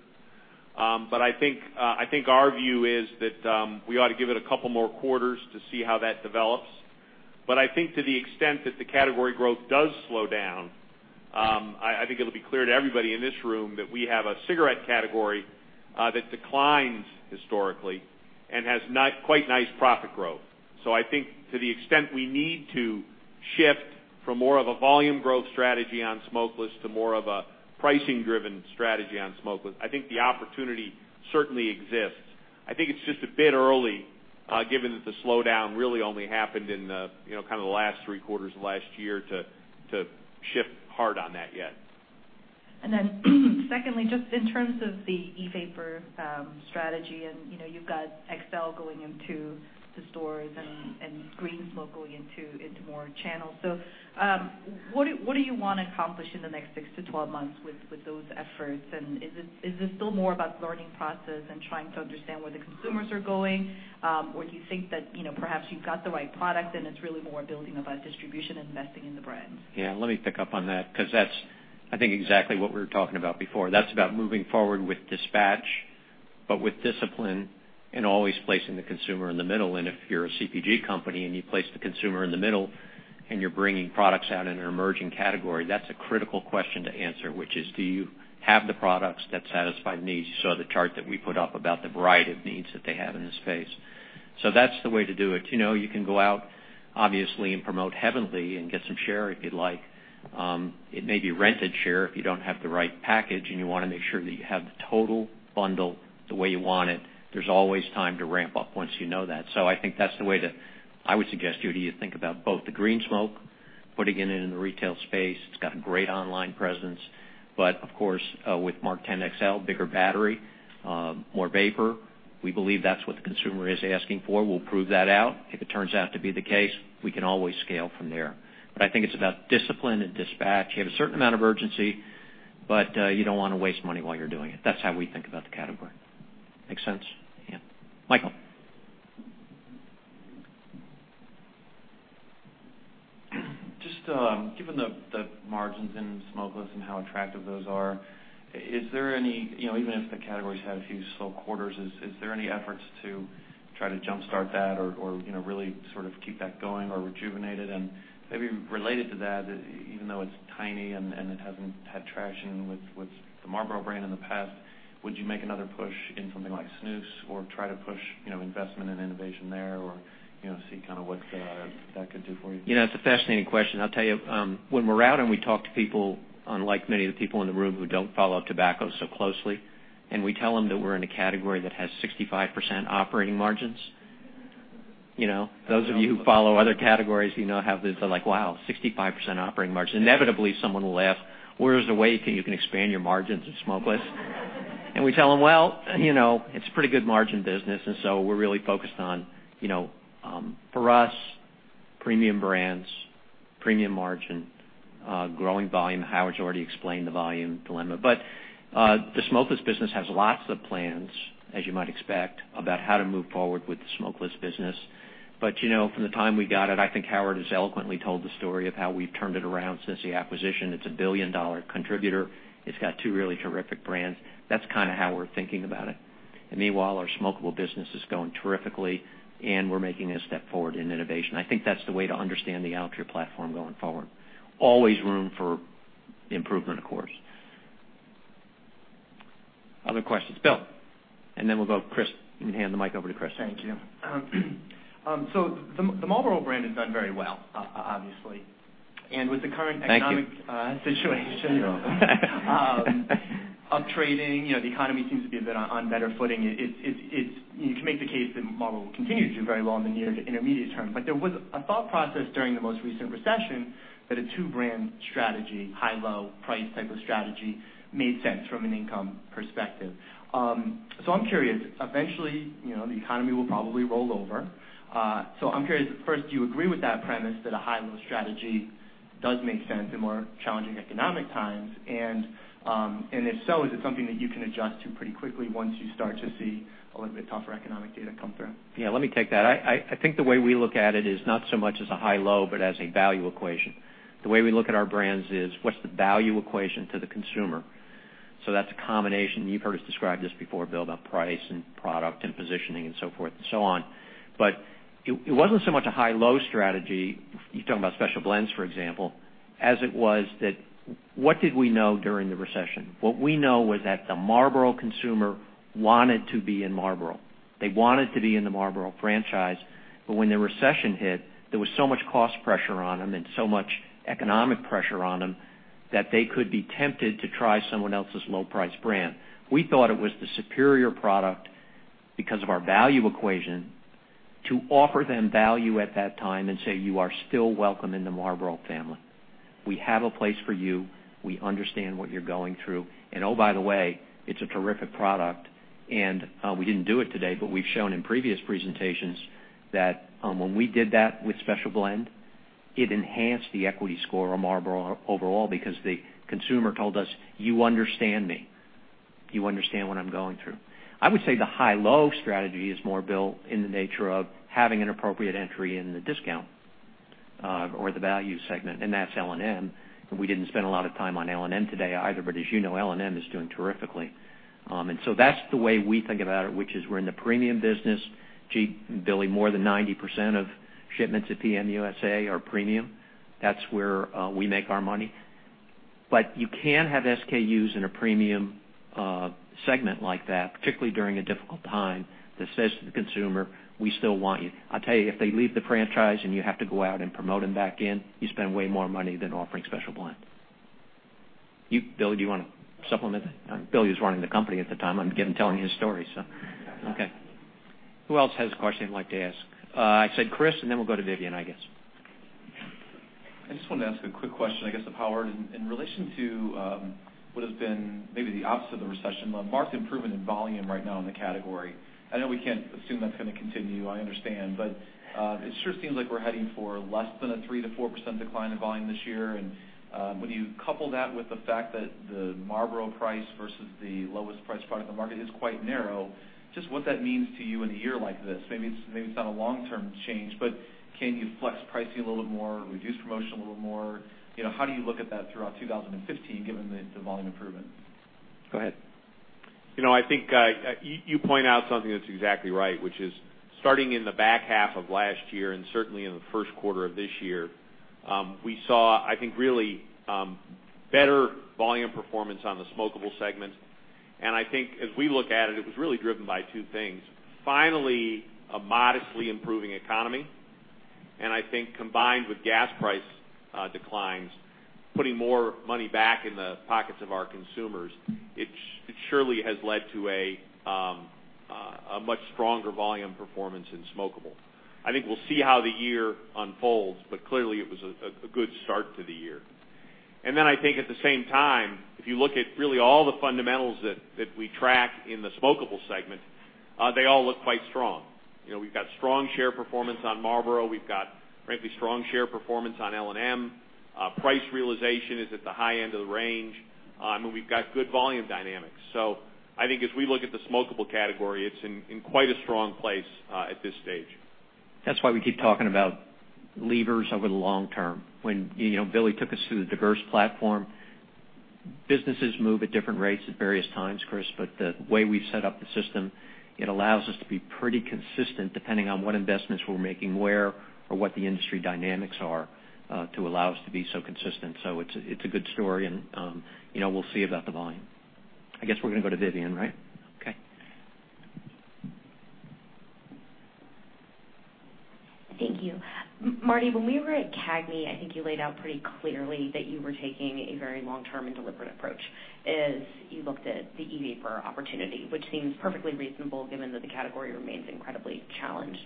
I think our view is that we ought to give it a couple more quarters to see how that develops. I think to the extent that the category growth does slow down, I think it'll be clear to everybody in this room that we have a cigarette category that declines historically and has quite nice profit growth. I think to the extent we need to shift from more of a volume growth strategy on smokeless to more of a pricing-driven strategy on smokeless, I think the opportunity certainly exists. I think it's just a bit early, given that the slowdown really only happened in the last three quarters of last year to shift hard on that yet. Secondly, just in terms of the e-vapor strategy, you've got XL going into the stores and Green Smoke going into more channels. What do you want to accomplish in the next 6 to 12 months with those efforts? Is this still more about learning process and trying to understand where the consumers are going? Do you think that perhaps you've got the right product and it's really more building about distribution and investing in the brand? Yeah. Let me pick up on that because that's, I think, exactly what we were talking about before. That's about moving forward with dispatch, but with discipline and always placing the consumer in the middle. If you're a CPG company and you place the consumer in the middle and you're bringing products out in an emerging category, that's a critical question to answer, which is, do you have the products that satisfy the needs? You saw the chart that we put up about the variety of needs that they have in this space. That's the way to do it. You can go out, obviously, and promote heavily and get some share if you'd like. It may be rented share if you don't have the right package and you want to make sure that you have the total bundle the way you want it. There's always time to ramp up once you know that. I think that's the way that I would suggest you to think about both the Green Smoke, putting it in the retail space. It's got great online presence. Of course, with MarkTen XL, bigger battery, more vapor. We believe that's what the consumer is asking for. We'll prove that out. If it turns out to be the case, we can always scale from there. I think it's about discipline and dispatch. You have a certain amount of urgency, but you don't want to waste money while you're doing it. That's how we think about the category. Make sense? Yeah. Michael. Just given the margins in smokeless and how attractive those are, even if the categories had a few slow quarters, is there any efforts to try to jumpstart that or really sort of keep that going or rejuvenate it? Maybe related to that, even though it's tiny and it hasn't had traction with the Marlboro brand in the past, would you make another push in something like snus or try to push investment and innovation there or see kind of what that could do for you? It's a fascinating question. I'll tell you, when we're out and we talk to people, unlike many of the people in the room who don't follow tobacco so closely, we tell them that we're in a category that has 65% operating margins. Those of you who follow other categories have this like, wow, 65% operating margin. Inevitably, someone will ask, where's the way you can expand your margins in smokeless? We tell them, well, it's a pretty good margin business, and so we're really focused on, for us, premium brands, premium margin, growing volume. Howard's already explained the volume dilemma. The smokeless business has lots of plans, as you might expect, about how to move forward with the smokeless business. From the time we got it, I think Howard has eloquently told the story of how we've turned it around since the acquisition. It's a billion-dollar contributor. It's got two really terrific brands. That's kind of how we're thinking about it. Meanwhile, our smokable business is going terrifically, and we're making a step forward in innovation. I think that's the way to understand the Altria platform going forward. Always room for improvement, of course. Other questions? Bill, then we'll go Chris. You can hand the mic over to Chris. Thank you. The Marlboro brand has done very well, obviously. Thank you. With the current economic situation- up trading, the economy seems to be a bit on better footing. You can make the case that Marlboro will continue to do very well in the near to intermediate term. There was a thought process during the most recent recession that a two-brand strategy, high-low price type of strategy made sense from an income perspective. I'm curious, eventually, the economy will probably roll over. I'm curious, first, do you agree with that premise that a high-low strategy does make sense in more challenging economic times? If so, is it something that you can adjust to pretty quickly once you start to see a little bit tougher economic data come through? Yeah, let me take that. I think the way we look at it is not so much as a high-low, but as a value equation. The way we look at our brands is what's the value equation to the consumer? That's a combination. You've heard us describe this before, Bill, about price and product and positioning and so forth and so on. It wasn't so much a high-low strategy, you're talking about Special Blends, for example, as it was that what did we know during the recession? What we know was that the Marlboro consumer wanted to be in Marlboro. They wanted to be in the Marlboro franchise. When the recession hit, there was so much cost pressure on them and so much economic pressure on them that they could be tempted to try someone else's low price brand. We thought it was the superior product because of our value equation to offer them value at that time and say, you are still welcome in the Marlboro family. We have a place for you. We understand what you're going through. Oh, by the way, it's a terrific product. We didn't do it today, but we've shown in previous presentations that when we did that with Special Blend It enhanced the equity score of Marlboro overall because the consumer told us, "You understand me. You understand what I'm going through." I would say the high-low strategy is more built in the nature of having an appropriate entry in the discount or the value segment, and that's L&M. We didn't spend a lot of time on L&M today either. As you know, L&M is doing terrifically. That's the way we think about it, which is we're in the premium business. Gee, Billy, more than 90% of shipments at PM USA are premium. That's where we make our money. You can have SKUs in a premium segment like that, particularly during a difficult time, that says to the consumer, "We still want you." I tell you, if they leave the franchise and you have to go out and promote them back in, you spend way more money than offering Special Blend. Billy, do you want to supplement that? Billy was running the company at the time. I'm telling his story, okay. Who else has a question they'd like to ask? I said Chris, and then we'll go to Vivian, I guess. I just wanted to ask a quick question, I guess, to Howard. In relation to what has been maybe the opposite of the recession, marked improvement in volume right now in the category. I know we can't assume that's going to continue, I understand, but it sure seems like we're heading for less than a 3%-4% decline in volume this year. When you couple that with the fact that the Marlboro price versus the lowest priced product on the market is quite narrow, just what that means to you in a year like this. Maybe it's not a long-term change, but can you flex pricing a little bit more, reduce promotion a little more? How do you look at that throughout 2015, given the volume improvement? Go ahead. I think you point out something that's exactly right, which is starting in the back half of last year and certainly in the first quarter of this year, we saw, I think, really better volume performance on the smokeable segment. I think as we look at it was really driven by two things. Finally, a modestly improving economy, and I think combined with gas price declines, putting more money back in the pockets of our consumers. It surely has led to a much stronger volume performance in smokeable. I think we'll see how the year unfolds, but clearly, it was a good start to the year. Then I think at the same time, if you look at really all the fundamentals that we track in the smokeable segment, they all look quite strong. We've got strong share performance on Marlboro. We've got frankly, strong share performance on L&M. Price realization is at the high end of the range. I mean, we've got good volume dynamics. I think as we look at the smokeable category, it's in quite a strong place at this stage. That's why we keep talking about levers over the long term. When Billy took us through the diverse platform, businesses move at different rates at various times, Chris, the way we've set up the system, it allows us to be pretty consistent, depending on what investments we're making where or what the industry dynamics are to allow us to be so consistent. It's a good story, we'll see about the volume. I guess we're going to go to Vivian, right? Okay. Thank you. Marty, when we were at CAGNY, I think you laid out pretty clearly that you were taking a very long-term and deliberate approach as you looked at the e-vapor opportunity, which seems perfectly reasonable given that the category remains incredibly challenged.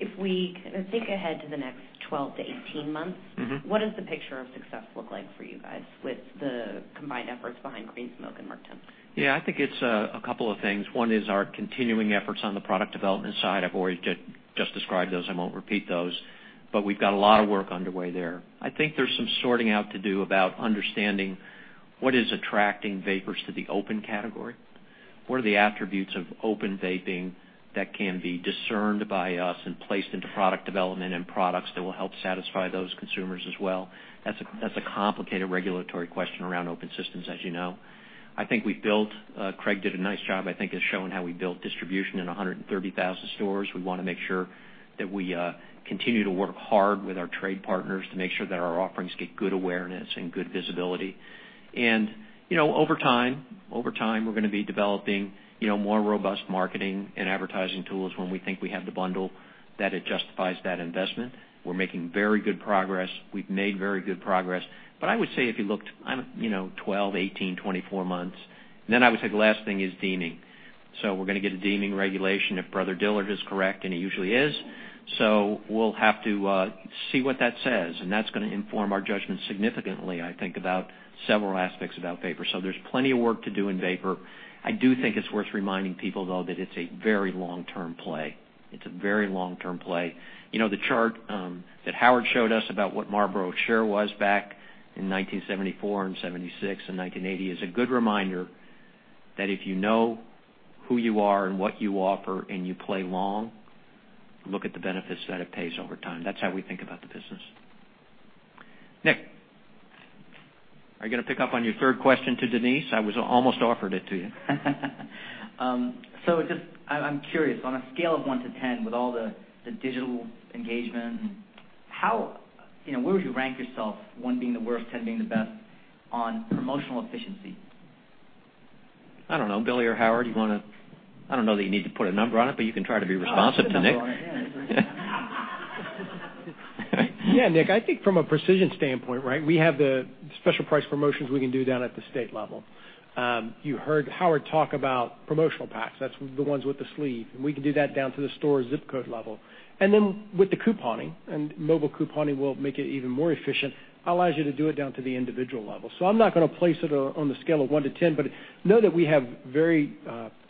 If we think ahead to the next 12 to 18 months- -what does the picture of success look like for you guys with the combined efforts behind Green Smoke and MarkTen? I think it's a couple of things. One is our continuing efforts on the product development side. I've already just described those. I won't repeat those. We've got a lot of work underway there. I think there's some sorting out to do about understanding what is attracting vapers to the open category. What are the attributes of open vaping that can be discerned by us and placed into product development and products that will help satisfy those consumers as well? That's a complicated regulatory question around open systems, as you know. Craig did a nice job, I think, in showing how we built distribution in 130,000 stores. We want to make sure that we continue to work hard with our trade partners to make sure that our offerings get good awareness and good visibility. Over time, we're going to be developing more robust marketing and advertising tools when we think we have the bundle that it justifies that investment. We're making very good progress. We've made very good progress. I would say if you looked 12, 18, 24 months, and then I would say the last thing is deeming. We're going to get a deeming regulation if Brother Dillard is correct, and he usually is. We'll have to see what that says, and that's going to inform our judgment significantly, I think, about several aspects about vapor. There's plenty of work to do in vapor. I do think it's worth reminding people, though, that it's a very long-term play. It's a very long-term play. The chart that Howard showed us about what Marlboro share was back in 1974 and 1976 and 1980 is a good reminder that if you know who you are and what you offer and you play long, look at the benefits that it pays over time. That's how we think about the business. Nick, are you going to pick up on your third question to Denise? I almost offered it to you. Just, I'm curious, on a scale of one to 10, with all the digital engagement and how, where would you rank yourself, one being the worst, 10 being the best, on promotional efficiency? I don't know. Billy or Howard, you want to? I don't know that you need to put a number on it, but you can try to be responsive to Nick. Oh, I'll put a number on it, yeah. Nick, I think from a precision standpoint, right? We have the special price promotions we can do down at the state level. You heard Howard talk about promotional packs. That's the ones with the sleeve. We can do that down to the store ZIP code level. Then with the couponing, and mobile couponing will make it even more efficient, allows you to do it down to the individual level. I'm not going to place it on the scale of one to 10, but know that we have very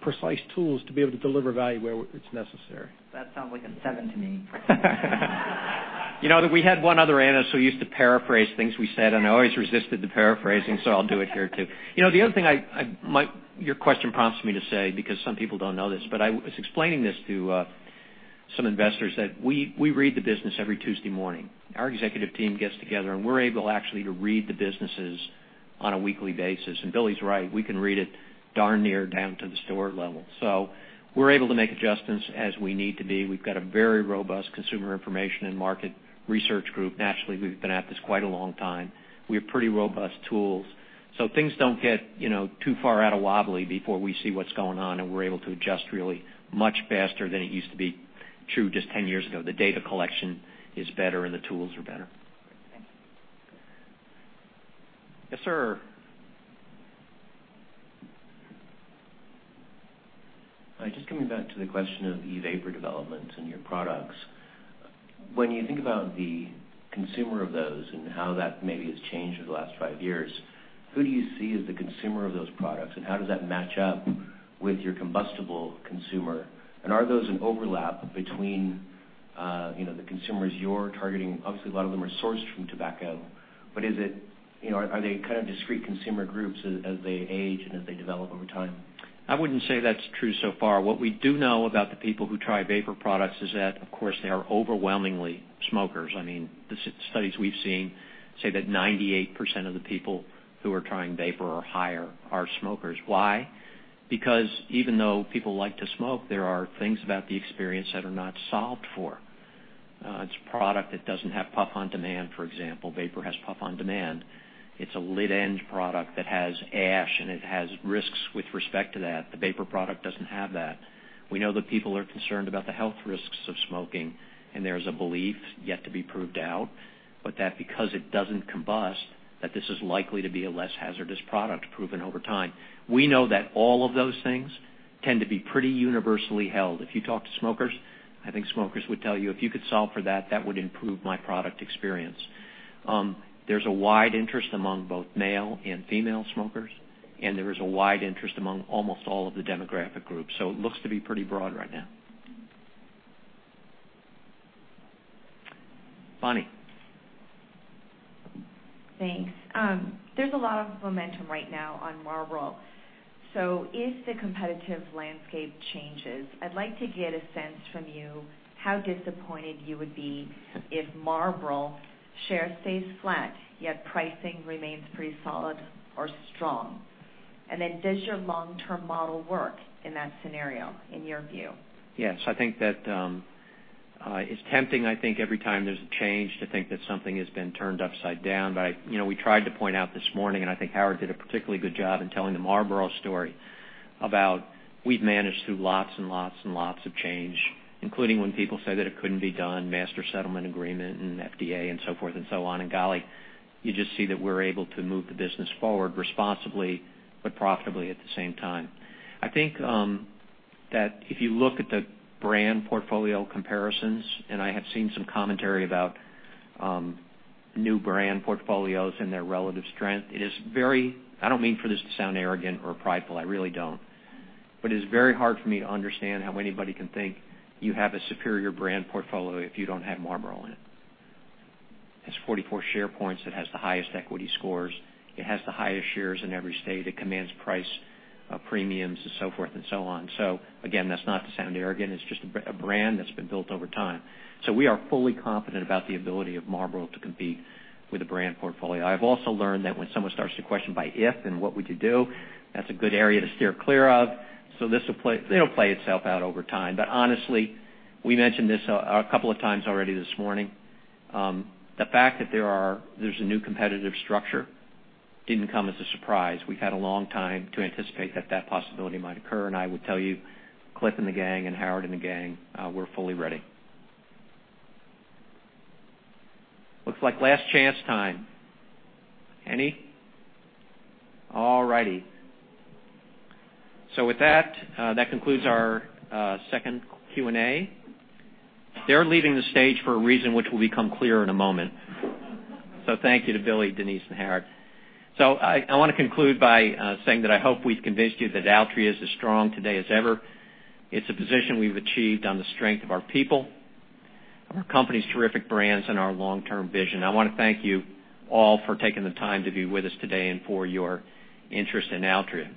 precise tools to be able to deliver value where it's necessary. That sounds like a seven to me. We had one other analyst who used to paraphrase things we said, and I always resisted the paraphrasing, so I'll do it here, too. The other thing your question prompts me to say, because some people don't know this, but I was explaining this to some investors that we read the business every Tuesday morning. Our executive team gets together, and we're able, actually, to read the businesses on a weekly basis. Billy's right. We can read it darn near down to the store level. We're able to make adjustments as we need to be. We've got a very robust consumer information and market research group. Naturally, we've been at this quite a long time. We have pretty robust tools. Things don't get too far out of wobbly before we see what's going on, and we're able to adjust really much faster than it used to be true just 10 years ago. The data collection is better and the tools are better. Thank you. Yes, sir. Just coming back to the question of e-vapor development and your products. When you think about the consumer of those and how that maybe has changed over the last five years, who do you see as the consumer of those products, and how does that match up with your combustible consumer? Are those an overlap between the consumers you're targeting? Obviously, a lot of them are sourced from tobacco. Are they kind of discrete consumer groups as they age and as they develop over time? I wouldn't say that's true so far. What we do know about the people who try vapor products is that, of course, they are overwhelmingly smokers. The studies we've seen say that 98% of the people who are trying vapor or higher are smokers. Why? Because even though people like to smoke, there are things about the experience that are not solved for. It's a product that doesn't have puff on demand, for example. Vapor has puff on demand. It's a lit-end product that has ash, and it has risks with respect to that. The vapor product doesn't have that. We know that people are concerned about the health risks of smoking, and there's a belief yet to be proved out, but that because it doesn't combust, that this is likely to be a less hazardous product proven over time. We know that all of those things tend to be pretty universally held. If you talk to smokers, I think smokers would tell you, if you could solve for that would improve my product experience. There's a wide interest among both male and female smokers, and there is a wide interest among almost all of the demographic groups. It looks to be pretty broad right now, Bonnie. Thanks. There's a lot of momentum right now on Marlboro. If the competitive landscape changes, I'd like to get a sense from you how disappointed you would be if Marlboro share stays flat, yet pricing remains pretty solid or strong. Does your long-term model work in that scenario, in your view? Yes, it's tempting every time there's a change to think that something has been turned upside down. We tried to point out this morning, and I think Howard did a particularly good job in telling the Marlboro story about we've managed through lots and lots of change, including when people say that it couldn't be done, Master Settlement Agreement and FDA and so forth and so on. Golly, you just see that we're able to move the business forward responsibly, but profitably at the same time. I think that if you look at the brand portfolio comparisons, I have seen some commentary about new brand portfolios and their relative strength. I don't mean for this to sound arrogant or prideful, I really don't. It's very hard for me to understand how anybody can think you have a superior brand portfolio if you don't have Marlboro in it. It's 44 share points. It has the highest equity scores. It has the highest shares in every state. It commands price premiums and so forth and so on. Again, that's not to sound arrogant. It's just a brand that's been built over time. We are fully confident about the ability of Marlboro to compete with the brand portfolio. I've also learned that when someone starts to question by if and what we could do, that's a good area to steer clear of. It'll play itself out over time. Honestly, we mentioned this a couple of times already this morning. The fact that there's a new competitive structure didn't come as a surprise. We've had a long time to anticipate that possibility might occur, and I would tell you, Cliff and the gang, and Howard and the gang, we're fully ready. Looks like last chance time. Any? Alrighty. With that concludes our second Q&A. They're leaving the stage for a reason which will become clear in a moment. Thank you to Billy, Denise, and Howard. I want to conclude by saying that I hope we've convinced you that Altria is as strong today as ever. It's a position we've achieved on the strength of our people, of our company's terrific brands, and our long-term vision. I want to thank you all for taking the time to be with us today and for your interest in Altria.